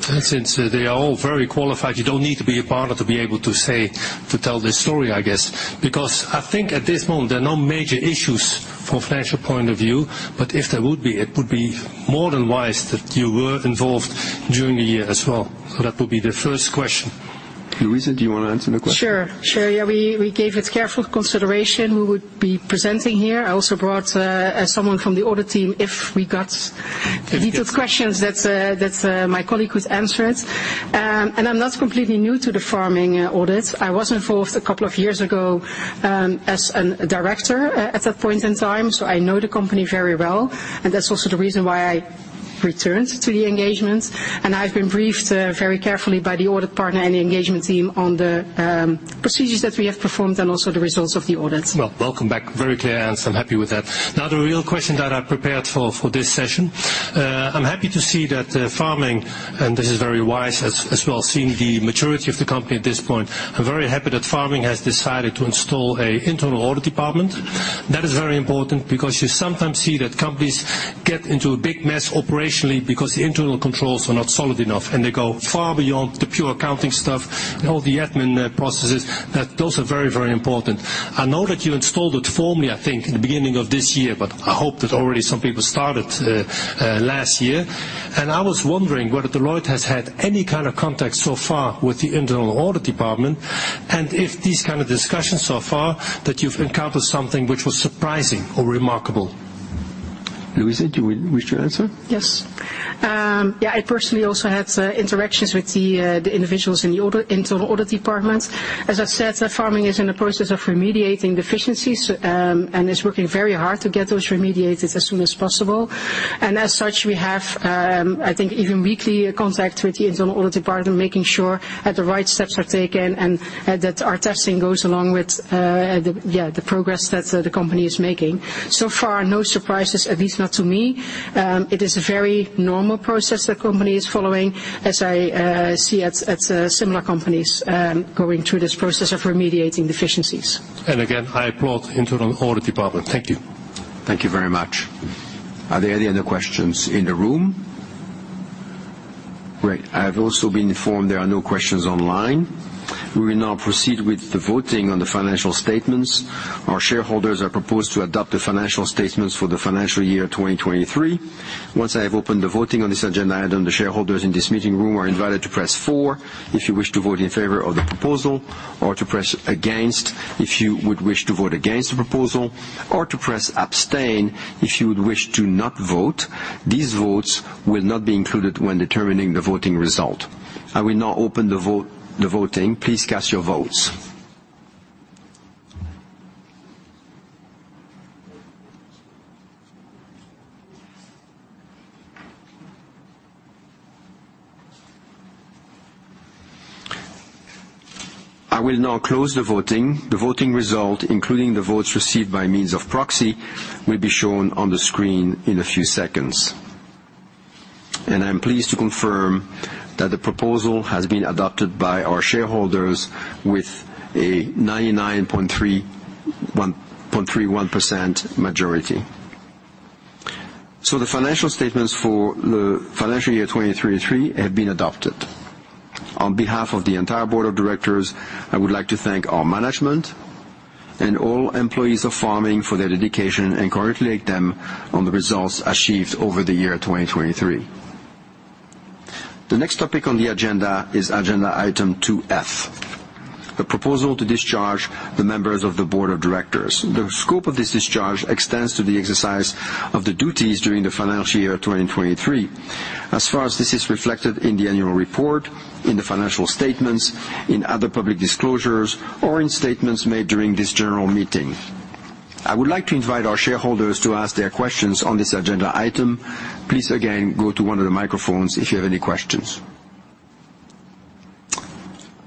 Since they are all very qualified, you don't need to be a partner to be able to say, to tell this story, I guess. Because I think at this moment, there are no major issues from a financial point of view, but if there would be, it would be more than wise that you were involved during the year as well. So that would be the first question.
Louise, do you want to answer the question?
Sure. Sure, yeah, we gave it careful consideration. We would be presenting here. I also brought someone from the audit team if we got detailed questions. That's my colleague would answer it. I'm not completely new to the Pharming audit. I was involved a couple of years ago as a director at that point in time, so I know the company very well, and that's also the reason why I returned to the engagement. I've been briefed very carefully by the audit partner and the engagement team on the procedures that we have performed and also the results of the audit.
Well, welcome back. Very clear answer. I'm happy with that. Now, the real question that I prepared for this session. I'm happy to see that Pharming, and this is very wise as well, seeing the maturity of the company at this point. I'm very happy that Pharming has decided to install an internal audit department. That is very important because you sometimes see that companies get into a big mess operationally because the internal controls are not solid enough, and they go far beyond the pure accounting stuff and all the admin processes. Those are very, very important. I know that you installed it formally, I think, in the beginning of this year, but I hope that already some people started last year. I was wondering whether Deloitte has had any kind of contact so far with the internal audit department, and if these kind of discussions so far, that you've encountered something which was surprising or remarkable?
Louise, do you wish to answer?
Yes. Yeah, I personally also had interactions with the individuals in the audit, internal audit department. As I said, Pharming is in the process of remediating deficiencies, and is working very hard to get those remediated as soon as possible. And as such, we have, I think, even weekly contact with the internal audit department, making sure that the right steps are taken and that our testing goes along with the yeah, the progress that the company is making. So far, no surprises, at least not to me. It is a very normal process the company is following, as I see at similar companies going through this process of remediating deficiencies.
Again, I applaud internal audit department. Thank you.
Thank you very much. Are there any other questions in the room? Great. I've also been informed there are no questions online. We will now proceed with the voting on the financial statements. Our shareholders are proposed to adopt the financial statements for the financial year 2023. Once I have opened the voting on this agenda item, the shareholders in this meeting room are invited to press four if you wish to vote in favor of the proposal, or to press against if you would wish to vote against the proposal, or to press abstain if you would wish to not vote. These votes will not be included when determining the voting result. I will now open the vote, the voting. Please cast your votes. I will now close the voting. The voting result, including the votes received by means of proxy, will be shown on the screen in a few seconds. I'm pleased to confirm that the proposal has been adopted by our shareholders with a 99.31% majority. The financial statements for the financial year 2023 have been adopted. On behalf of the entire board of directors, I would like to thank our management and all employees of Pharming for their dedication, and congratulate them on the results achieved over the year 2023. The next topic on the agenda is agenda item 2F, the proposal to discharge the members of the board of directors. The scope of this discharge extends to the exercise of the duties during the financial year 2023. As far as this is reflected in the annual report, in the financial statements, in other public disclosures, or in statements made during this general meeting. I would like to invite our shareholders to ask their questions on this agenda item. Please again, go to one of the microphones if you have any questions.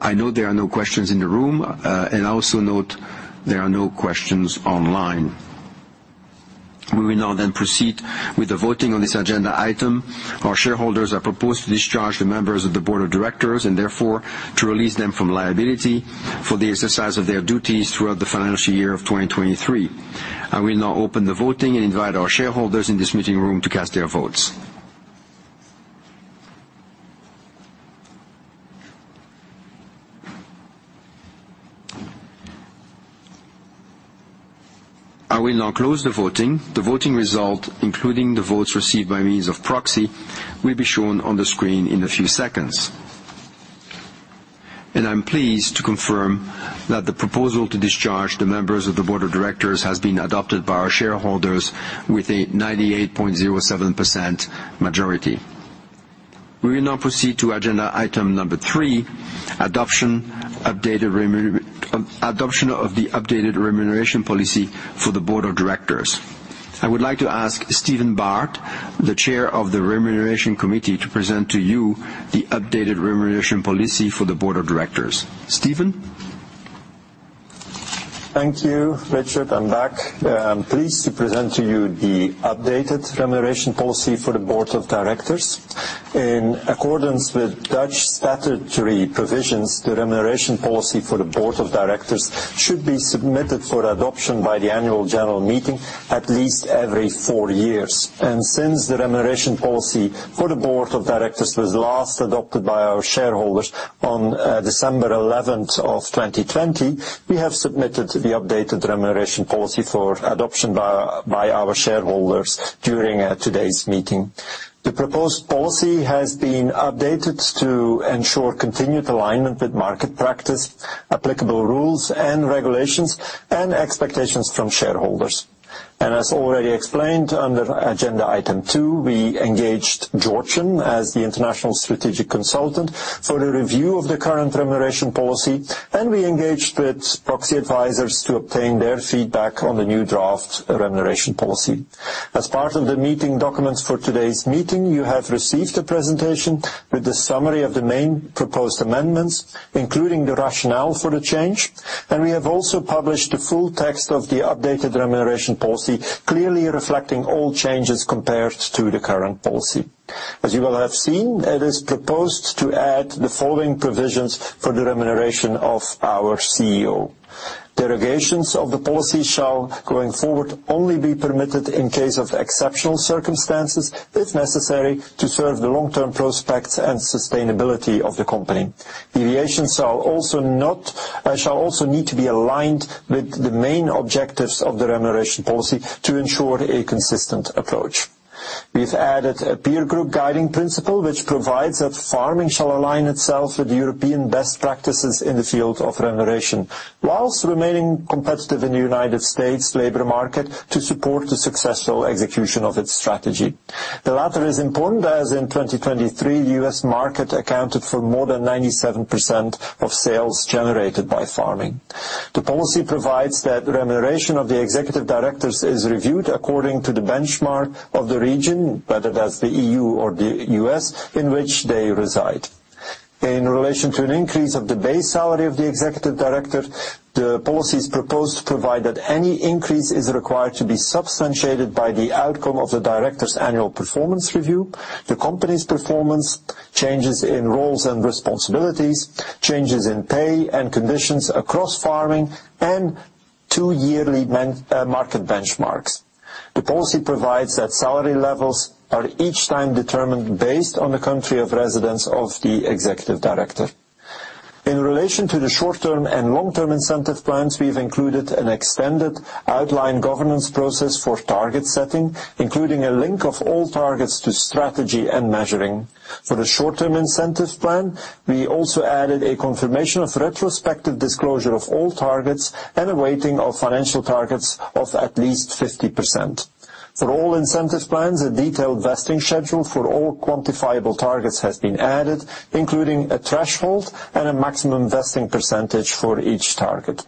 I note there are no questions in the room, and I also note there are no questions online. We will now then proceed with the voting on this agenda item. Our shareholders are proposed to discharge the members of the board of directors, and therefore, to release them from liability for the exercise of their duties throughout the financial year of 2023. I will now open the voting and invite our shareholders in this meeting room to cast their votes.... I will now close the voting. The voting result, including the votes received by means of proxy, will be shown on the screen in a few seconds. I'm pleased to confirm that the proposal to discharge the members of the board of directors has been adopted by our shareholders with a 98.07% majority. We will now proceed to agenda item number 3, adoption of the updated remuneration policy for the board of directors. I would like to ask Steven Baert, the Chair of the Remuneration Committee, to present to you the updated remuneration policy for the board of directors. Steven?
Thank you, Richard. I'm back. I'm pleased to present to you the updated remuneration policy for the board of directors. In accordance with Dutch statutory provisions, the remuneration policy for the board of directors should be submitted for adoption by the annual general meeting at least every four years. Since the remuneration policy for the board of directors was last adopted by our shareholders on December eleventh of 2020, we have submitted the updated remuneration policy for adoption by our shareholders during today's meeting. The proposed policy has been updated to ensure continued alignment with market practice, applicable rules and regulations, and expectations from shareholders. As already explained, under agenda item two, we engaged Georgeson as the international strategic consultant for the review of the current remuneration policy, and we engaged with proxy advisors to obtain their feedback on the new draft remuneration policy. As part of the meeting documents for today's meeting, you have received a presentation with the summary of the main proposed amendments, including the rationale for the change, and we have also published the full text of the updated remuneration policy, clearly reflecting all changes compared to the current policy. As you will have seen, it is proposed to add the following provisions for the remuneration of our CEO. Derogations of the policy shall, going forward, only be permitted in case of exceptional circumstances, if necessary, to serve the long-term prospects and sustainability of the company. Deviations are also not... shall also need to be aligned with the main objectives of the remuneration policy to ensure a consistent approach. We've added a peer group guiding principle, which provides that Pharming shall align itself with European best practices in the field of remuneration, while remaining competitive in the United States labor market to support the successful execution of its strategy. The latter is important, as in 2023, U.S. market accounted for more than 97% of sales generated by Pharming. The policy provides that remuneration of the executive directors is reviewed according to the benchmark of the region, whether that's the E.U. or the U.S., in which they reside. In relation to an increase of the base salary of the executive director, the policies proposed provide that any increase is required to be substantiated by the outcome of the director's annual performance review, the company's performance, changes in roles and responsibilities, changes in pay and conditions across Pharming, and two yearly market benchmarks. The policy provides that salary levels are each time determined based on the country of residence of the executive director. In relation to the short-term and long-term incentive plans, we've included an extended outline governance process for target setting, including a link of all targets to strategy and measuring. For the short-term incentive plan, we also added a confirmation of retrospective disclosure of all targets and a weighting of financial targets of at least 50%. For all incentives plans, a detailed vesting schedule for all quantifiable targets has been added, including a threshold and a maximum vesting percentage for each target.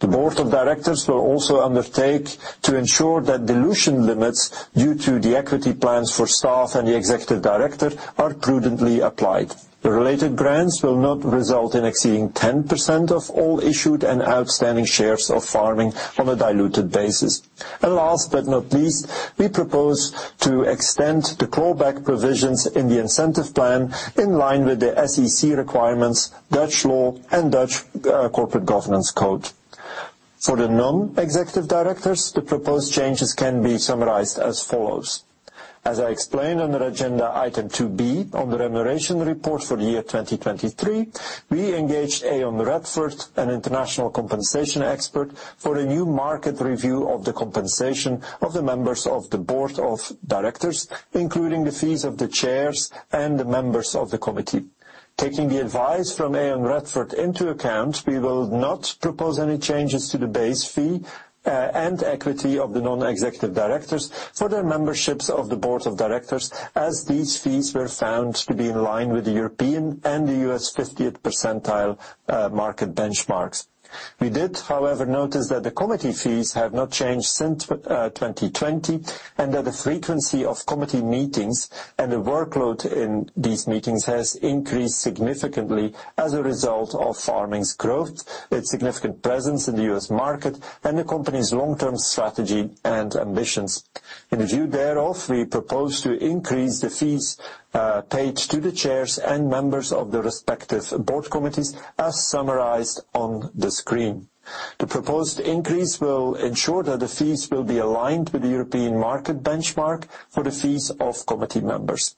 The board of directors will also undertake to ensure that dilution limits, due to the equity plans for staff and the executive director, are prudently applied. The related grants will not result in exceeding 10% of all issued and outstanding shares of Pharming on a diluted basis. And last but not least, we propose to extend the clawback provisions in the incentive plan in line with the SEC requirements, Dutch law, and Dutch corporate governance code. For the non-executive directors, the proposed changes can be summarized as follows: As I explained under agenda item 2 B on the remuneration report for the year 2023, we engaged Aon Radford, an international compensation expert, for a new market review of the compensation of the members of the board of directors, including the fees of the chairs and the members of the committee. Taking the advice from Aon Radford into account, we will not propose any changes to the base fee and equity of the non-executive directors for their memberships of the board of directors, as these fees were found to be in line with the European and the US 50th percentile market benchmarks. We did, however, notice that the committee fees have not changed since tw... 2020, and that the frequency of committee meetings and the workload in these meetings has increased significantly as a result of Pharming's growth, its significant presence in the U.S. market, and the company's long-term strategy and ambitions. In view thereof, we propose to increase the fees paid to the chairs and members of the respective board committees, as summarized on the screen. The proposed increase will ensure that the fees will be aligned with the European market benchmark for the fees of committee members. ...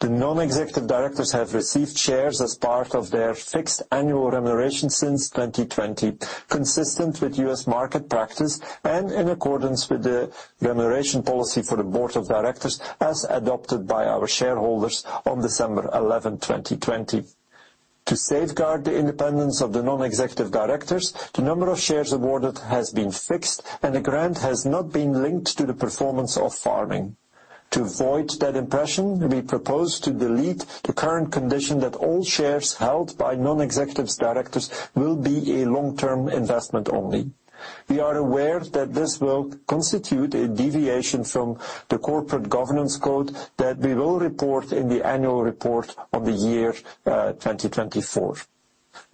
The non-executive directors have received shares as part of their fixed annual remuneration since 2020, consistent with U.S. market practice and in accordance with the remuneration policy for the board of directors, as adopted by our shareholders on December 11, 2020. To safeguard the independence of the non-executive directors, the number of shares awarded has been fixed, and the grant has not been linked to the performance of Pharming. To avoid that impression, we propose to delete the current condition that all shares held by non-executive directors will be a long-term investment only. We are aware that this will constitute a deviation from the corporate governance code that we will report in the annual report of the year 2024.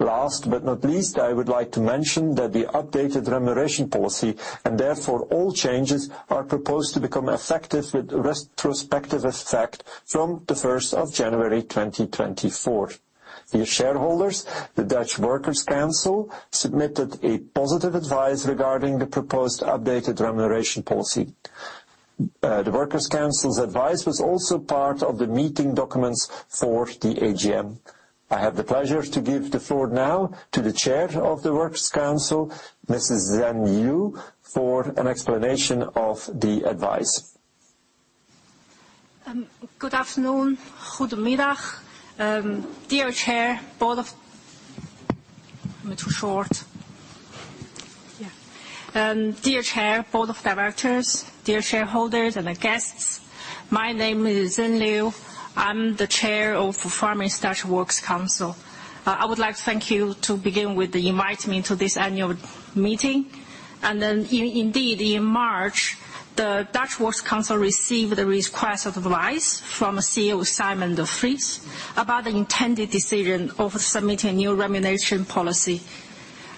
Last but not least, I would like to mention that the updated remuneration policy, and therefore all changes, are proposed to become effective with retrospective effect from the first of January 2024. The shareholders, the Dutch Works Council, submitted a positive advice regarding the proposed updated remuneration policy. The Works Council's advice was also part of the meeting documents for the AGM. I have the pleasure to give the floor now to the chair of the Works Council, Mrs. Xian Liu, for an explanation of the advice.
Good afternoon. Good morning. Dear Chair, Board of Directors, dear shareholders, and guests, my name is Xian Liu. I'm the chair of Pharming's Dutch Works Council. I would like to thank you to begin with, the invite me to this annual meeting. Then indeed, in March, the Dutch Works Council received a request of advice from CEO Sijmen de Vries about the intended decision of submitting a new remuneration policy.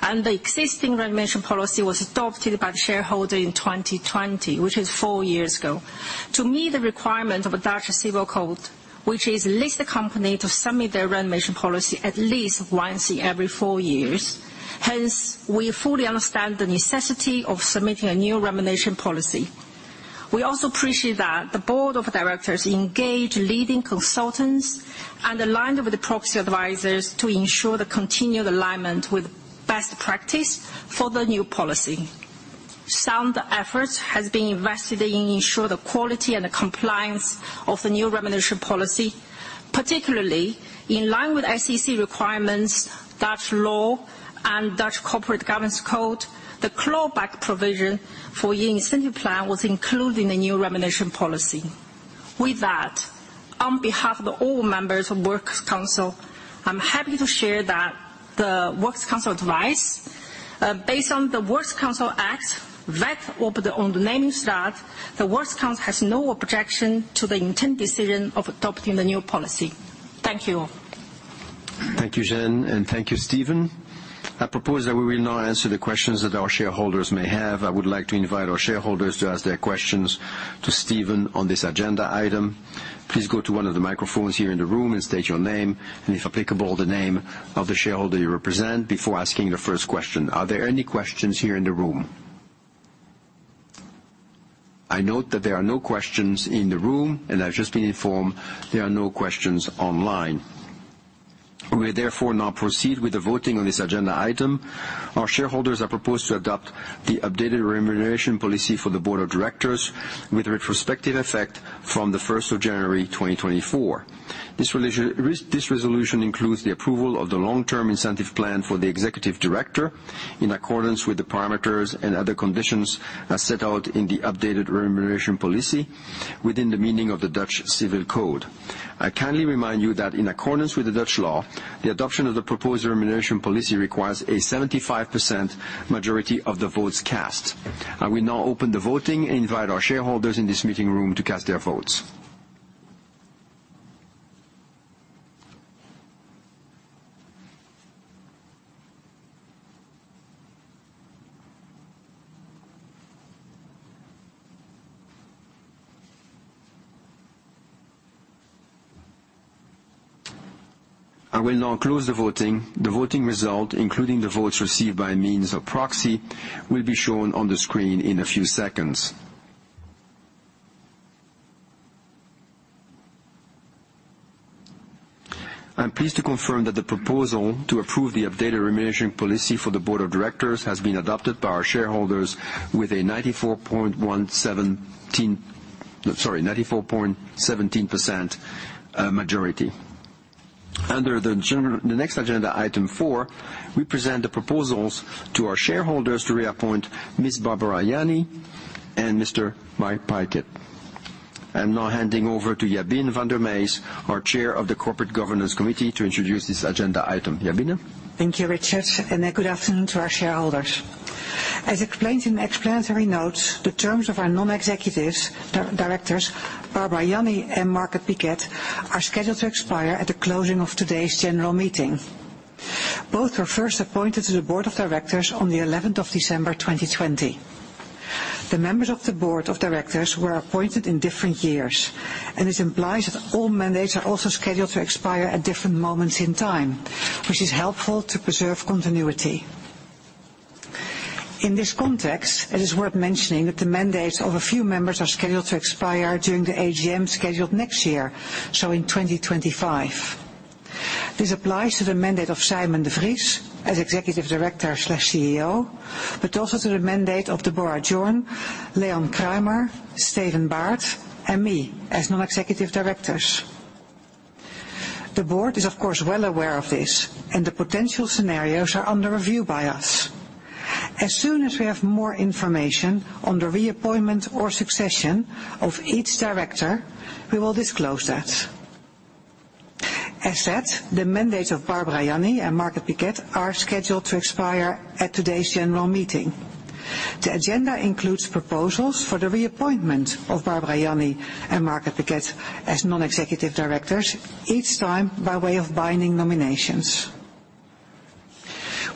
The existing remuneration policy was adopted by the shareholder in 2020, which is four years ago. To meet the requirement of a Dutch civil code, which is list the company to submit their remuneration policy at least once in every four years. Hence, we fully understand the necessity of submitting a new remuneration policy. We also appreciate that the board of directors engage leading consultants and aligned with the proxy advisors to ensure the continued alignment with best practice for the new policy. Some effort has been invested in ensuring the quality and the compliance of the new remuneration policy, particularly in line with SEC requirements, Dutch law, and Dutch Corporate Governance Code. The clawback provision for year incentive plan was included in the new remuneration policy. With that, on behalf of all members of Works Council, I'm happy to share that the Works Council advice, based on the Works Council Act, the Works Council has no objection to the intended decision of adopting the new policy. Thank you. Thank you, Xian, and thank you, Steven. I propose that we will now answer the questions that our shareholders may have. I would like to invite our shareholders to ask their questions to Stephen on this agenda item. Please go to one of the microphones here in the room and state your name, and, if applicable, the name of the shareholder you represent before asking the first question. Are there any questions here in the room? I note that there are no questions in the room, and I've just been informed there are no questions online. We therefore now proceed with the voting on this agenda item. Our shareholders are proposed to adopt the updated remuneration policy for the board of directors with retrospective effect from the first of January, 2024.
This resolution includes the approval of the long-term incentive plan for the executive director, in accordance with the parameters and other conditions as set out in the updated remuneration policy, within the meaning of the Dutch civil code. I kindly remind you that in accordance with the Dutch law, the adoption of the proposed remuneration policy requires a 75% majority of the votes cast. I will now open the voting and invite our shareholders in this meeting room to cast their votes. I will now close the voting. The voting result, including the votes received by means of proxy, will be shown on the screen in a few seconds. I'm pleased to confirm that the proposal to approve the updated remuneration policy for the board of directors has been adopted by our shareholders with a ninety-four point one seventeen... Sorry, 94.17% majority. Under the general, the next agenda item four, we present the proposals to our shareholders to reappoint Ms. Barbara Yanni and Mr. Mark Pykett. I'm now handing over to Jabine van der Meijs, our Chair of the Corporate Governance Committee, to introduce this agenda item. Jabine?
Thank you, Richard, and good afternoon to our shareholders. As explained in the explanatory notes, the terms of our non-executive directors, Barbara Yanni and Mark Pykett, are scheduled to expire at the closing of today's general meeting. Both were first appointed to the board of directors on the eleventh of December, 2020. The members of the board of directors were appointed in different years, and this implies that all mandates are also scheduled to expire at different moments in time, which is helpful to preserve continuity.... In this context, it is worth mentioning that the mandates of a few members are scheduled to expire during the AGM scheduled next year, so in 2025. This applies to the mandate of Simon de Vries as Executive Director/CEO, but also to the mandate of Deborah Jorn, Léon Kruimer, Steven Baert, and me, as non-executive directors. The board is, of course, well aware of this, and the potential scenarios are under review by us. As soon as we have more information on the reappointment or succession of each director, we will disclose that. As said, the mandate of Barbara Yanni and Mark Pykett are scheduled to expire at today's general meeting. The agenda includes proposals for the reappointment of Barbara Yanni and Mark Pykett as non-executive directors, each time by way of binding nominations.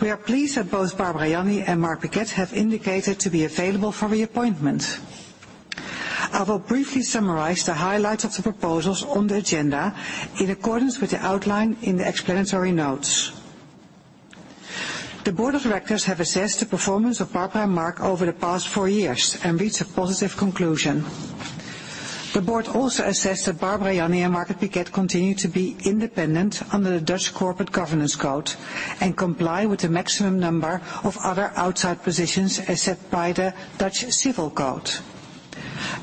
We are pleased that both Barbara Yanni and Mark Pykett have indicated to be available for reappointment. I will briefly summarize the highlights of the proposals on the agenda in accordance with the outline in the explanatory notes. The board of directors have assessed the performance of Barbara and Mark over the past four years and reached a positive conclusion. The board also assessed that Barbara Yanni and Mark Pykett continue to be independent under the Dutch Corporate Governance Code and comply with the maximum number of other outside positions as set by the Dutch Civil Code.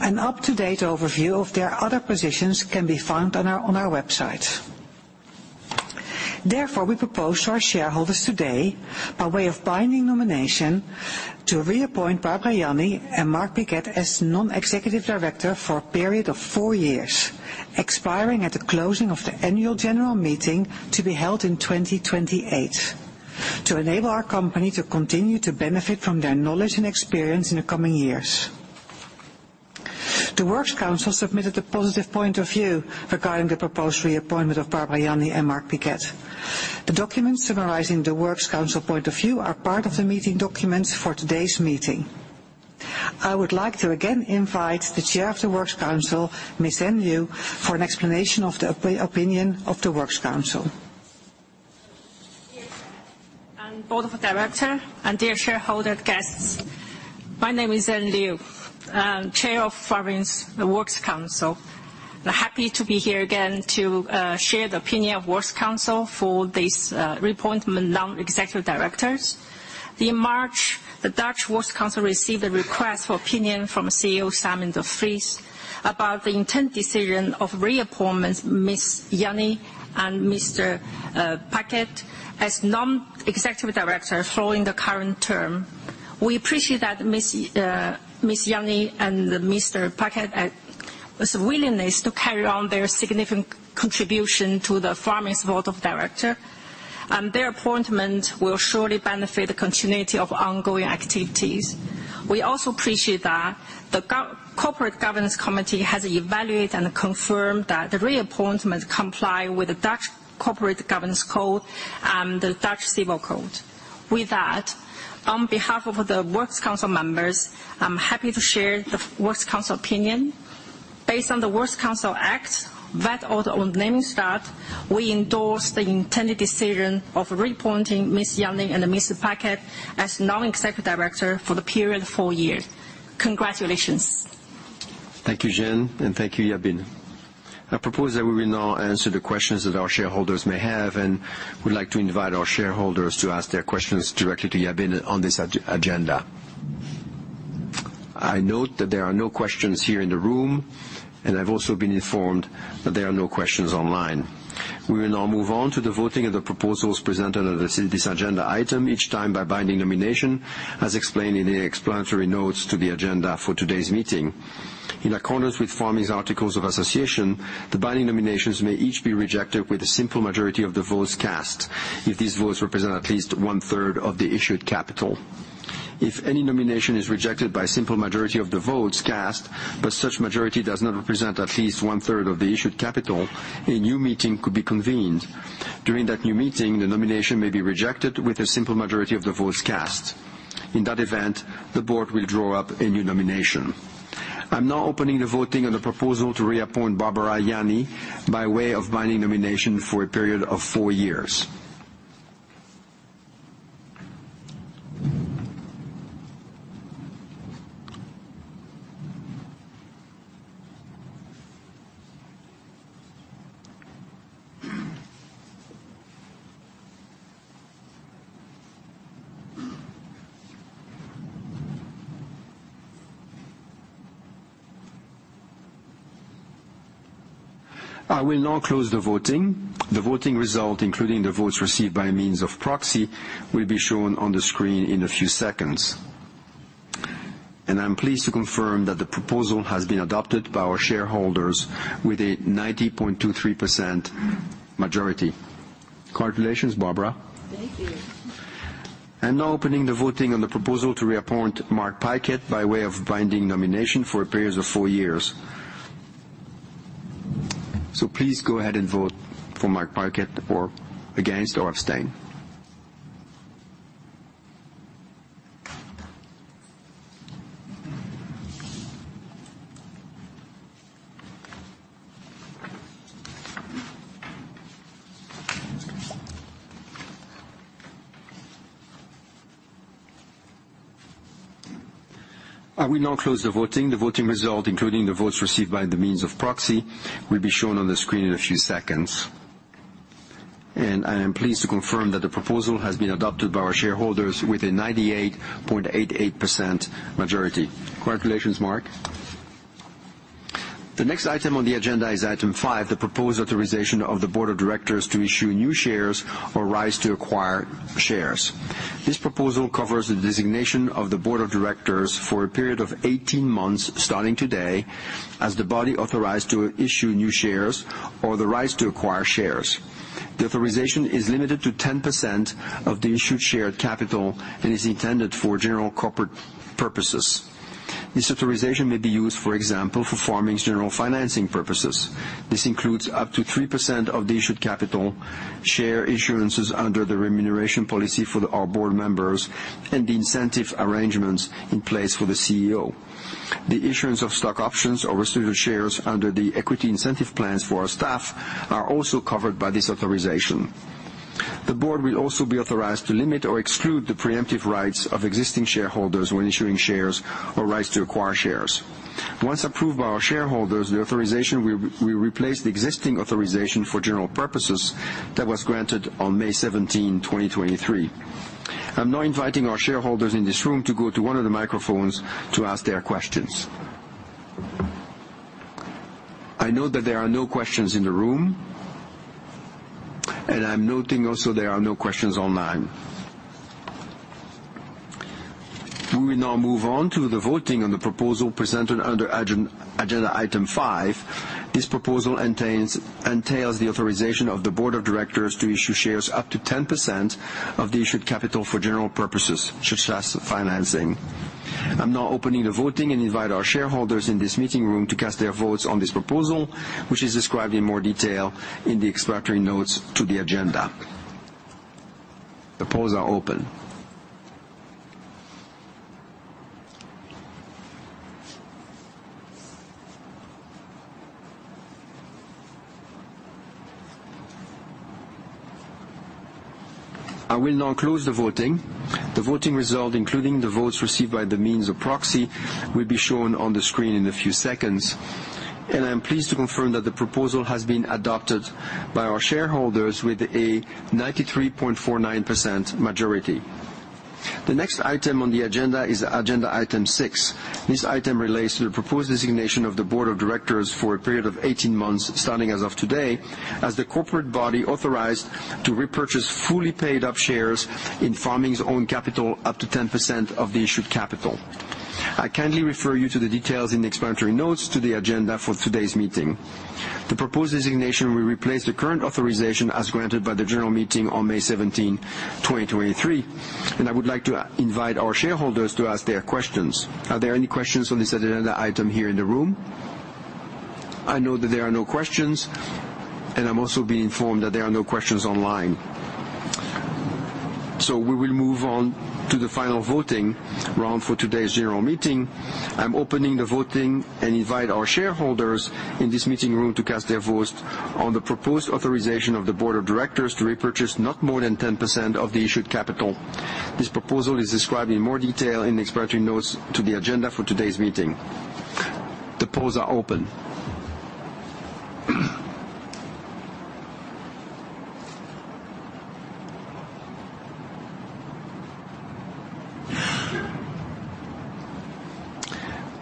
An up-to-date overview of their other positions can be found on our website. Therefore, we propose to our shareholders today, by way of binding nomination, to reappoint Barbara Yanni and Mark Pykett as non-executive director for a period of four years, expiring at the closing of the annual general meeting to be held in 2028, to enable our company to continue to benefit from their knowledge and experience in the coming years. The Works Council submitted a positive point of view regarding the proposed reappointment of Barbara Yanni and Mark Pykett. The documents summarizing the Works Council point of view are part of the meeting documents for today's meeting. I would like to again invite the Chair of the Works Council, Ms. Xian Liu, for an explanation of the opinion of the Works Council.
Dear Board of Directors and dear shareholder guests, my name is Xian Liu, I'm Chair of Pharming's Works Council. I'm happy to be here again to share the opinion of Works Council for this reappointment of non-executive directors. In March, the Dutch Works Council received a request for opinion from CEO, Simon de Vries, about the intended decision of reappointments Ms. Yanni and Mr. Pykett as non-executive director following the current term. We appreciate that Ms. Yanni and Mr. Pykett was willingness to carry on their significant contribution to the Pharming's board of director, and their appointment will surely benefit the continuity of ongoing activities. We also appreciate that the Corporate Governance Committee has evaluated and confirmed that the reappointment comply with the Dutch Corporate Governance Code and the Dutch Civil Code. With that, on behalf of the Works Council members, I'm happy to share the Works Council opinion. Based on the Works Council Act, that order on nominations, we endorse the intended decision of reappointing Ms. Yanni and Mr. Pykett as non-executive director for the period of four years. Congratulations.
Thank you, Zhen, and thank you, Jabine. I propose that we will now answer the questions that our shareholders may have, and we'd like to invite our shareholders to ask their questions directly to Jabine on this agenda. I note that there are no questions here in the room, and I've also been informed that there are no questions online. We will now move on to the voting of the proposals presented under this agenda item, each time by binding nomination, as explained in the explanatory notes to the agenda for today's meeting. In accordance with Pharming's articles of association, the binding nominations may each be rejected with a simple majority of the votes cast, if these votes represent at least one-third of the issued capital. If any nomination is rejected by a simple majority of the votes cast, but such majority does not represent at least one-third of the issued capital, a new meeting could be convened. During that new meeting, the nomination may be rejected with a simple majority of the votes cast. In that event, the board will draw up a new nomination. I'm now opening the voting on the proposal to reappoint Barbara Yanni by way of binding nomination for a period of four years. I will now close the voting. The voting result, including the votes received by means of proxy, will be shown on the screen in a few seconds. I'm pleased to confirm that the proposal has been adopted by our shareholders with a 90.23% majority. Congratulations, Barbara.
Thank you.
I'm now opening the voting on the proposal to reappoint Mark Pykett by way of binding nomination for a period of 4 years. So please go ahead and vote for Mark Pykett, or against, or abstain... I will now close the voting. The voting result, including the votes received by the means of proxy, will be shown on the screen in a few seconds. And I am pleased to confirm that the proposal has been adopted by our shareholders with a 98.88% majority. Congratulations, Mark. The next item on the agenda is item 5, the proposed authorization of the board of directors to issue new shares or rights to acquire shares. This proposal covers the designation of the board of directors for a period of 18 months, starting today, as the body authorized to issue new shares or the rights to acquire shares. The authorization is limited to 10% of the issued share capital, and is intended for general corporate purposes. This authorization may be used, for example, for Pharming's general financing purposes. This includes up to 3% of the issued capital, share insurances under the remuneration policy for the, our board members, and the incentive arrangements in place for the CEO. The issuance of stock options or restricted shares under the equity incentive plans for our staff are also covered by this authorization. The board will also be authorized to limit or exclude the preemptive rights of existing shareholders when issuing shares or rights to acquire shares. Once approved by our shareholders, the authorization will replace the existing authorization for general purposes that was granted on May 17, 2023. I'm now inviting our shareholders in this room to go to one of the microphones to ask their questions. I note that there are no questions in the room, and I'm noting also there are no questions online. We will now move on to the voting on the proposal presented under agenda item 5. This proposal entails, entails the authorization of the board of directors to issue shares up to 10% of the issued capital for general purposes, such as financing. I'm now opening the voting and invite our shareholders in this meeting room to cast their votes on this proposal, which is described in more detail in the explanatory notes to the agenda. The polls are open. I will now close the voting. The voting result, including the votes received by the means of proxy, will be shown on the screen in a few seconds, and I am pleased to confirm that the proposal has been adopted by our shareholders with a 93.49% majority. The next item on the agenda is agenda item 6. This item relates to the proposed designation of the board of directors for a period of 18 months, starting as of today, as the corporate body authorized to repurchase fully paid up shares in Pharming's own capital up to 10% of the issued capital. I kindly refer you to the details in the explanatory notes to the agenda for today's meeting. The proposed designation will replace the current authorization as granted by the general meeting on May 17, 2023, and I would like to invite our shareholders to ask their questions. Are there any questions on this agenda item here in the room? I note that there are no questions, and I'm also being informed that there are no questions online. So we will move on to the final voting round for today's general meeting. I'm opening the voting and invite our shareholders in this meeting room to cast their votes on the proposed authorization of the board of directors to repurchase not more than 10% of the issued capital. This proposal is described in more detail in the explanatory notes to the agenda for today's meeting. The polls are open.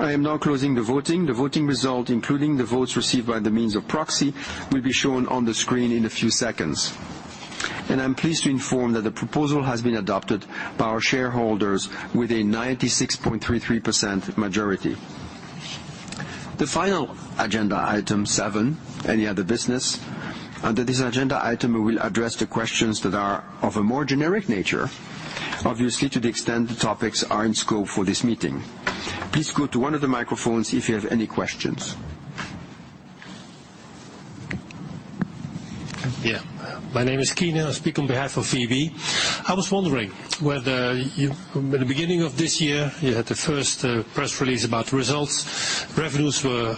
I am now closing the voting. The voting result, including the votes received by the means of proxy, will be shown on the screen in a few seconds. I'm pleased to inform that the proposal has been adopted by our shareholders with a 96.33% majority. The final agenda, item seven, any other business? Under this agenda item, we will address the questions that are of a more generic nature, obviously, to the extent the topics are in scope for this meeting. Please go to one of the microphones if you have any questions.
Yeah. My name is Keenan. I speak on behalf of VEB. I was wondering whether you... At the beginning of this year, you had the first press release about the results. Revenues were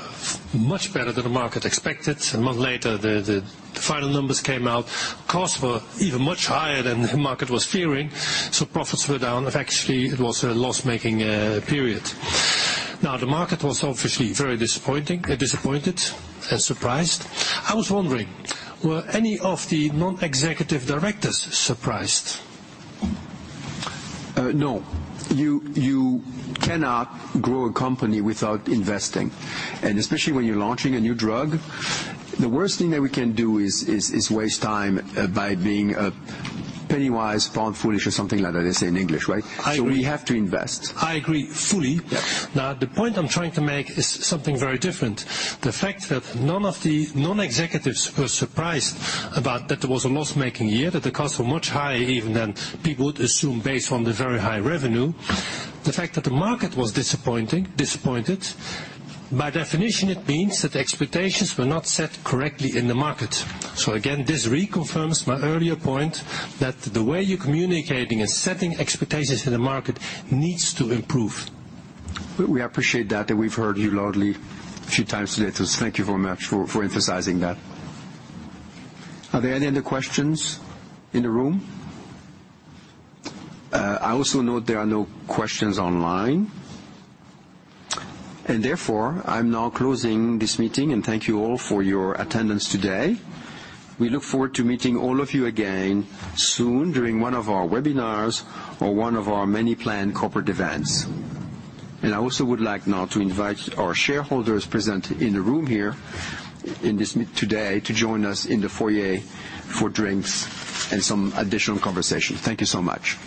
much better than the market expected. A month later, the final numbers came out. Costs were even much higher than the market was fearing, so profits were down. Actually, it was a loss-making period. Now, the market was obviously very disappointed and surprised. I was wondering, were any of the non-executive directors surprised?
No. You cannot grow a company without investing, and especially when you're launching a new drug. The worst thing that we can do is waste time by being penny-wise, pound-foolish, or something like that they say in English, right?
I-
We have to invest.
I agree fully.
Yeah.
Now, the point I'm trying to make is something very different. The fact that none of the non-executives were surprised about that there was a loss-making year, that the costs were much higher even than people would assume, based on the very high revenue. The fact that the market was disappointing, disappointed, by definition, it means that expectations were not set correctly in the market. Again, this reconfirms my earlier point, that the way you're communicating and setting expectations in the market needs to improve.
We appreciate that, and we've heard you loudly a few times today. So thank you very much for emphasizing that. Are there any other questions in the room? I also note there are no questions online, and therefore, I'm now closing this meeting, and thank you all for your attendance today. We look forward to meeting all of you again soon during one of our webinars or one of our many planned corporate events. And I also would like now to invite our shareholders present in the room here in this meeting today, to join us in the foyer for drinks and some additional conversation. Thank you so much.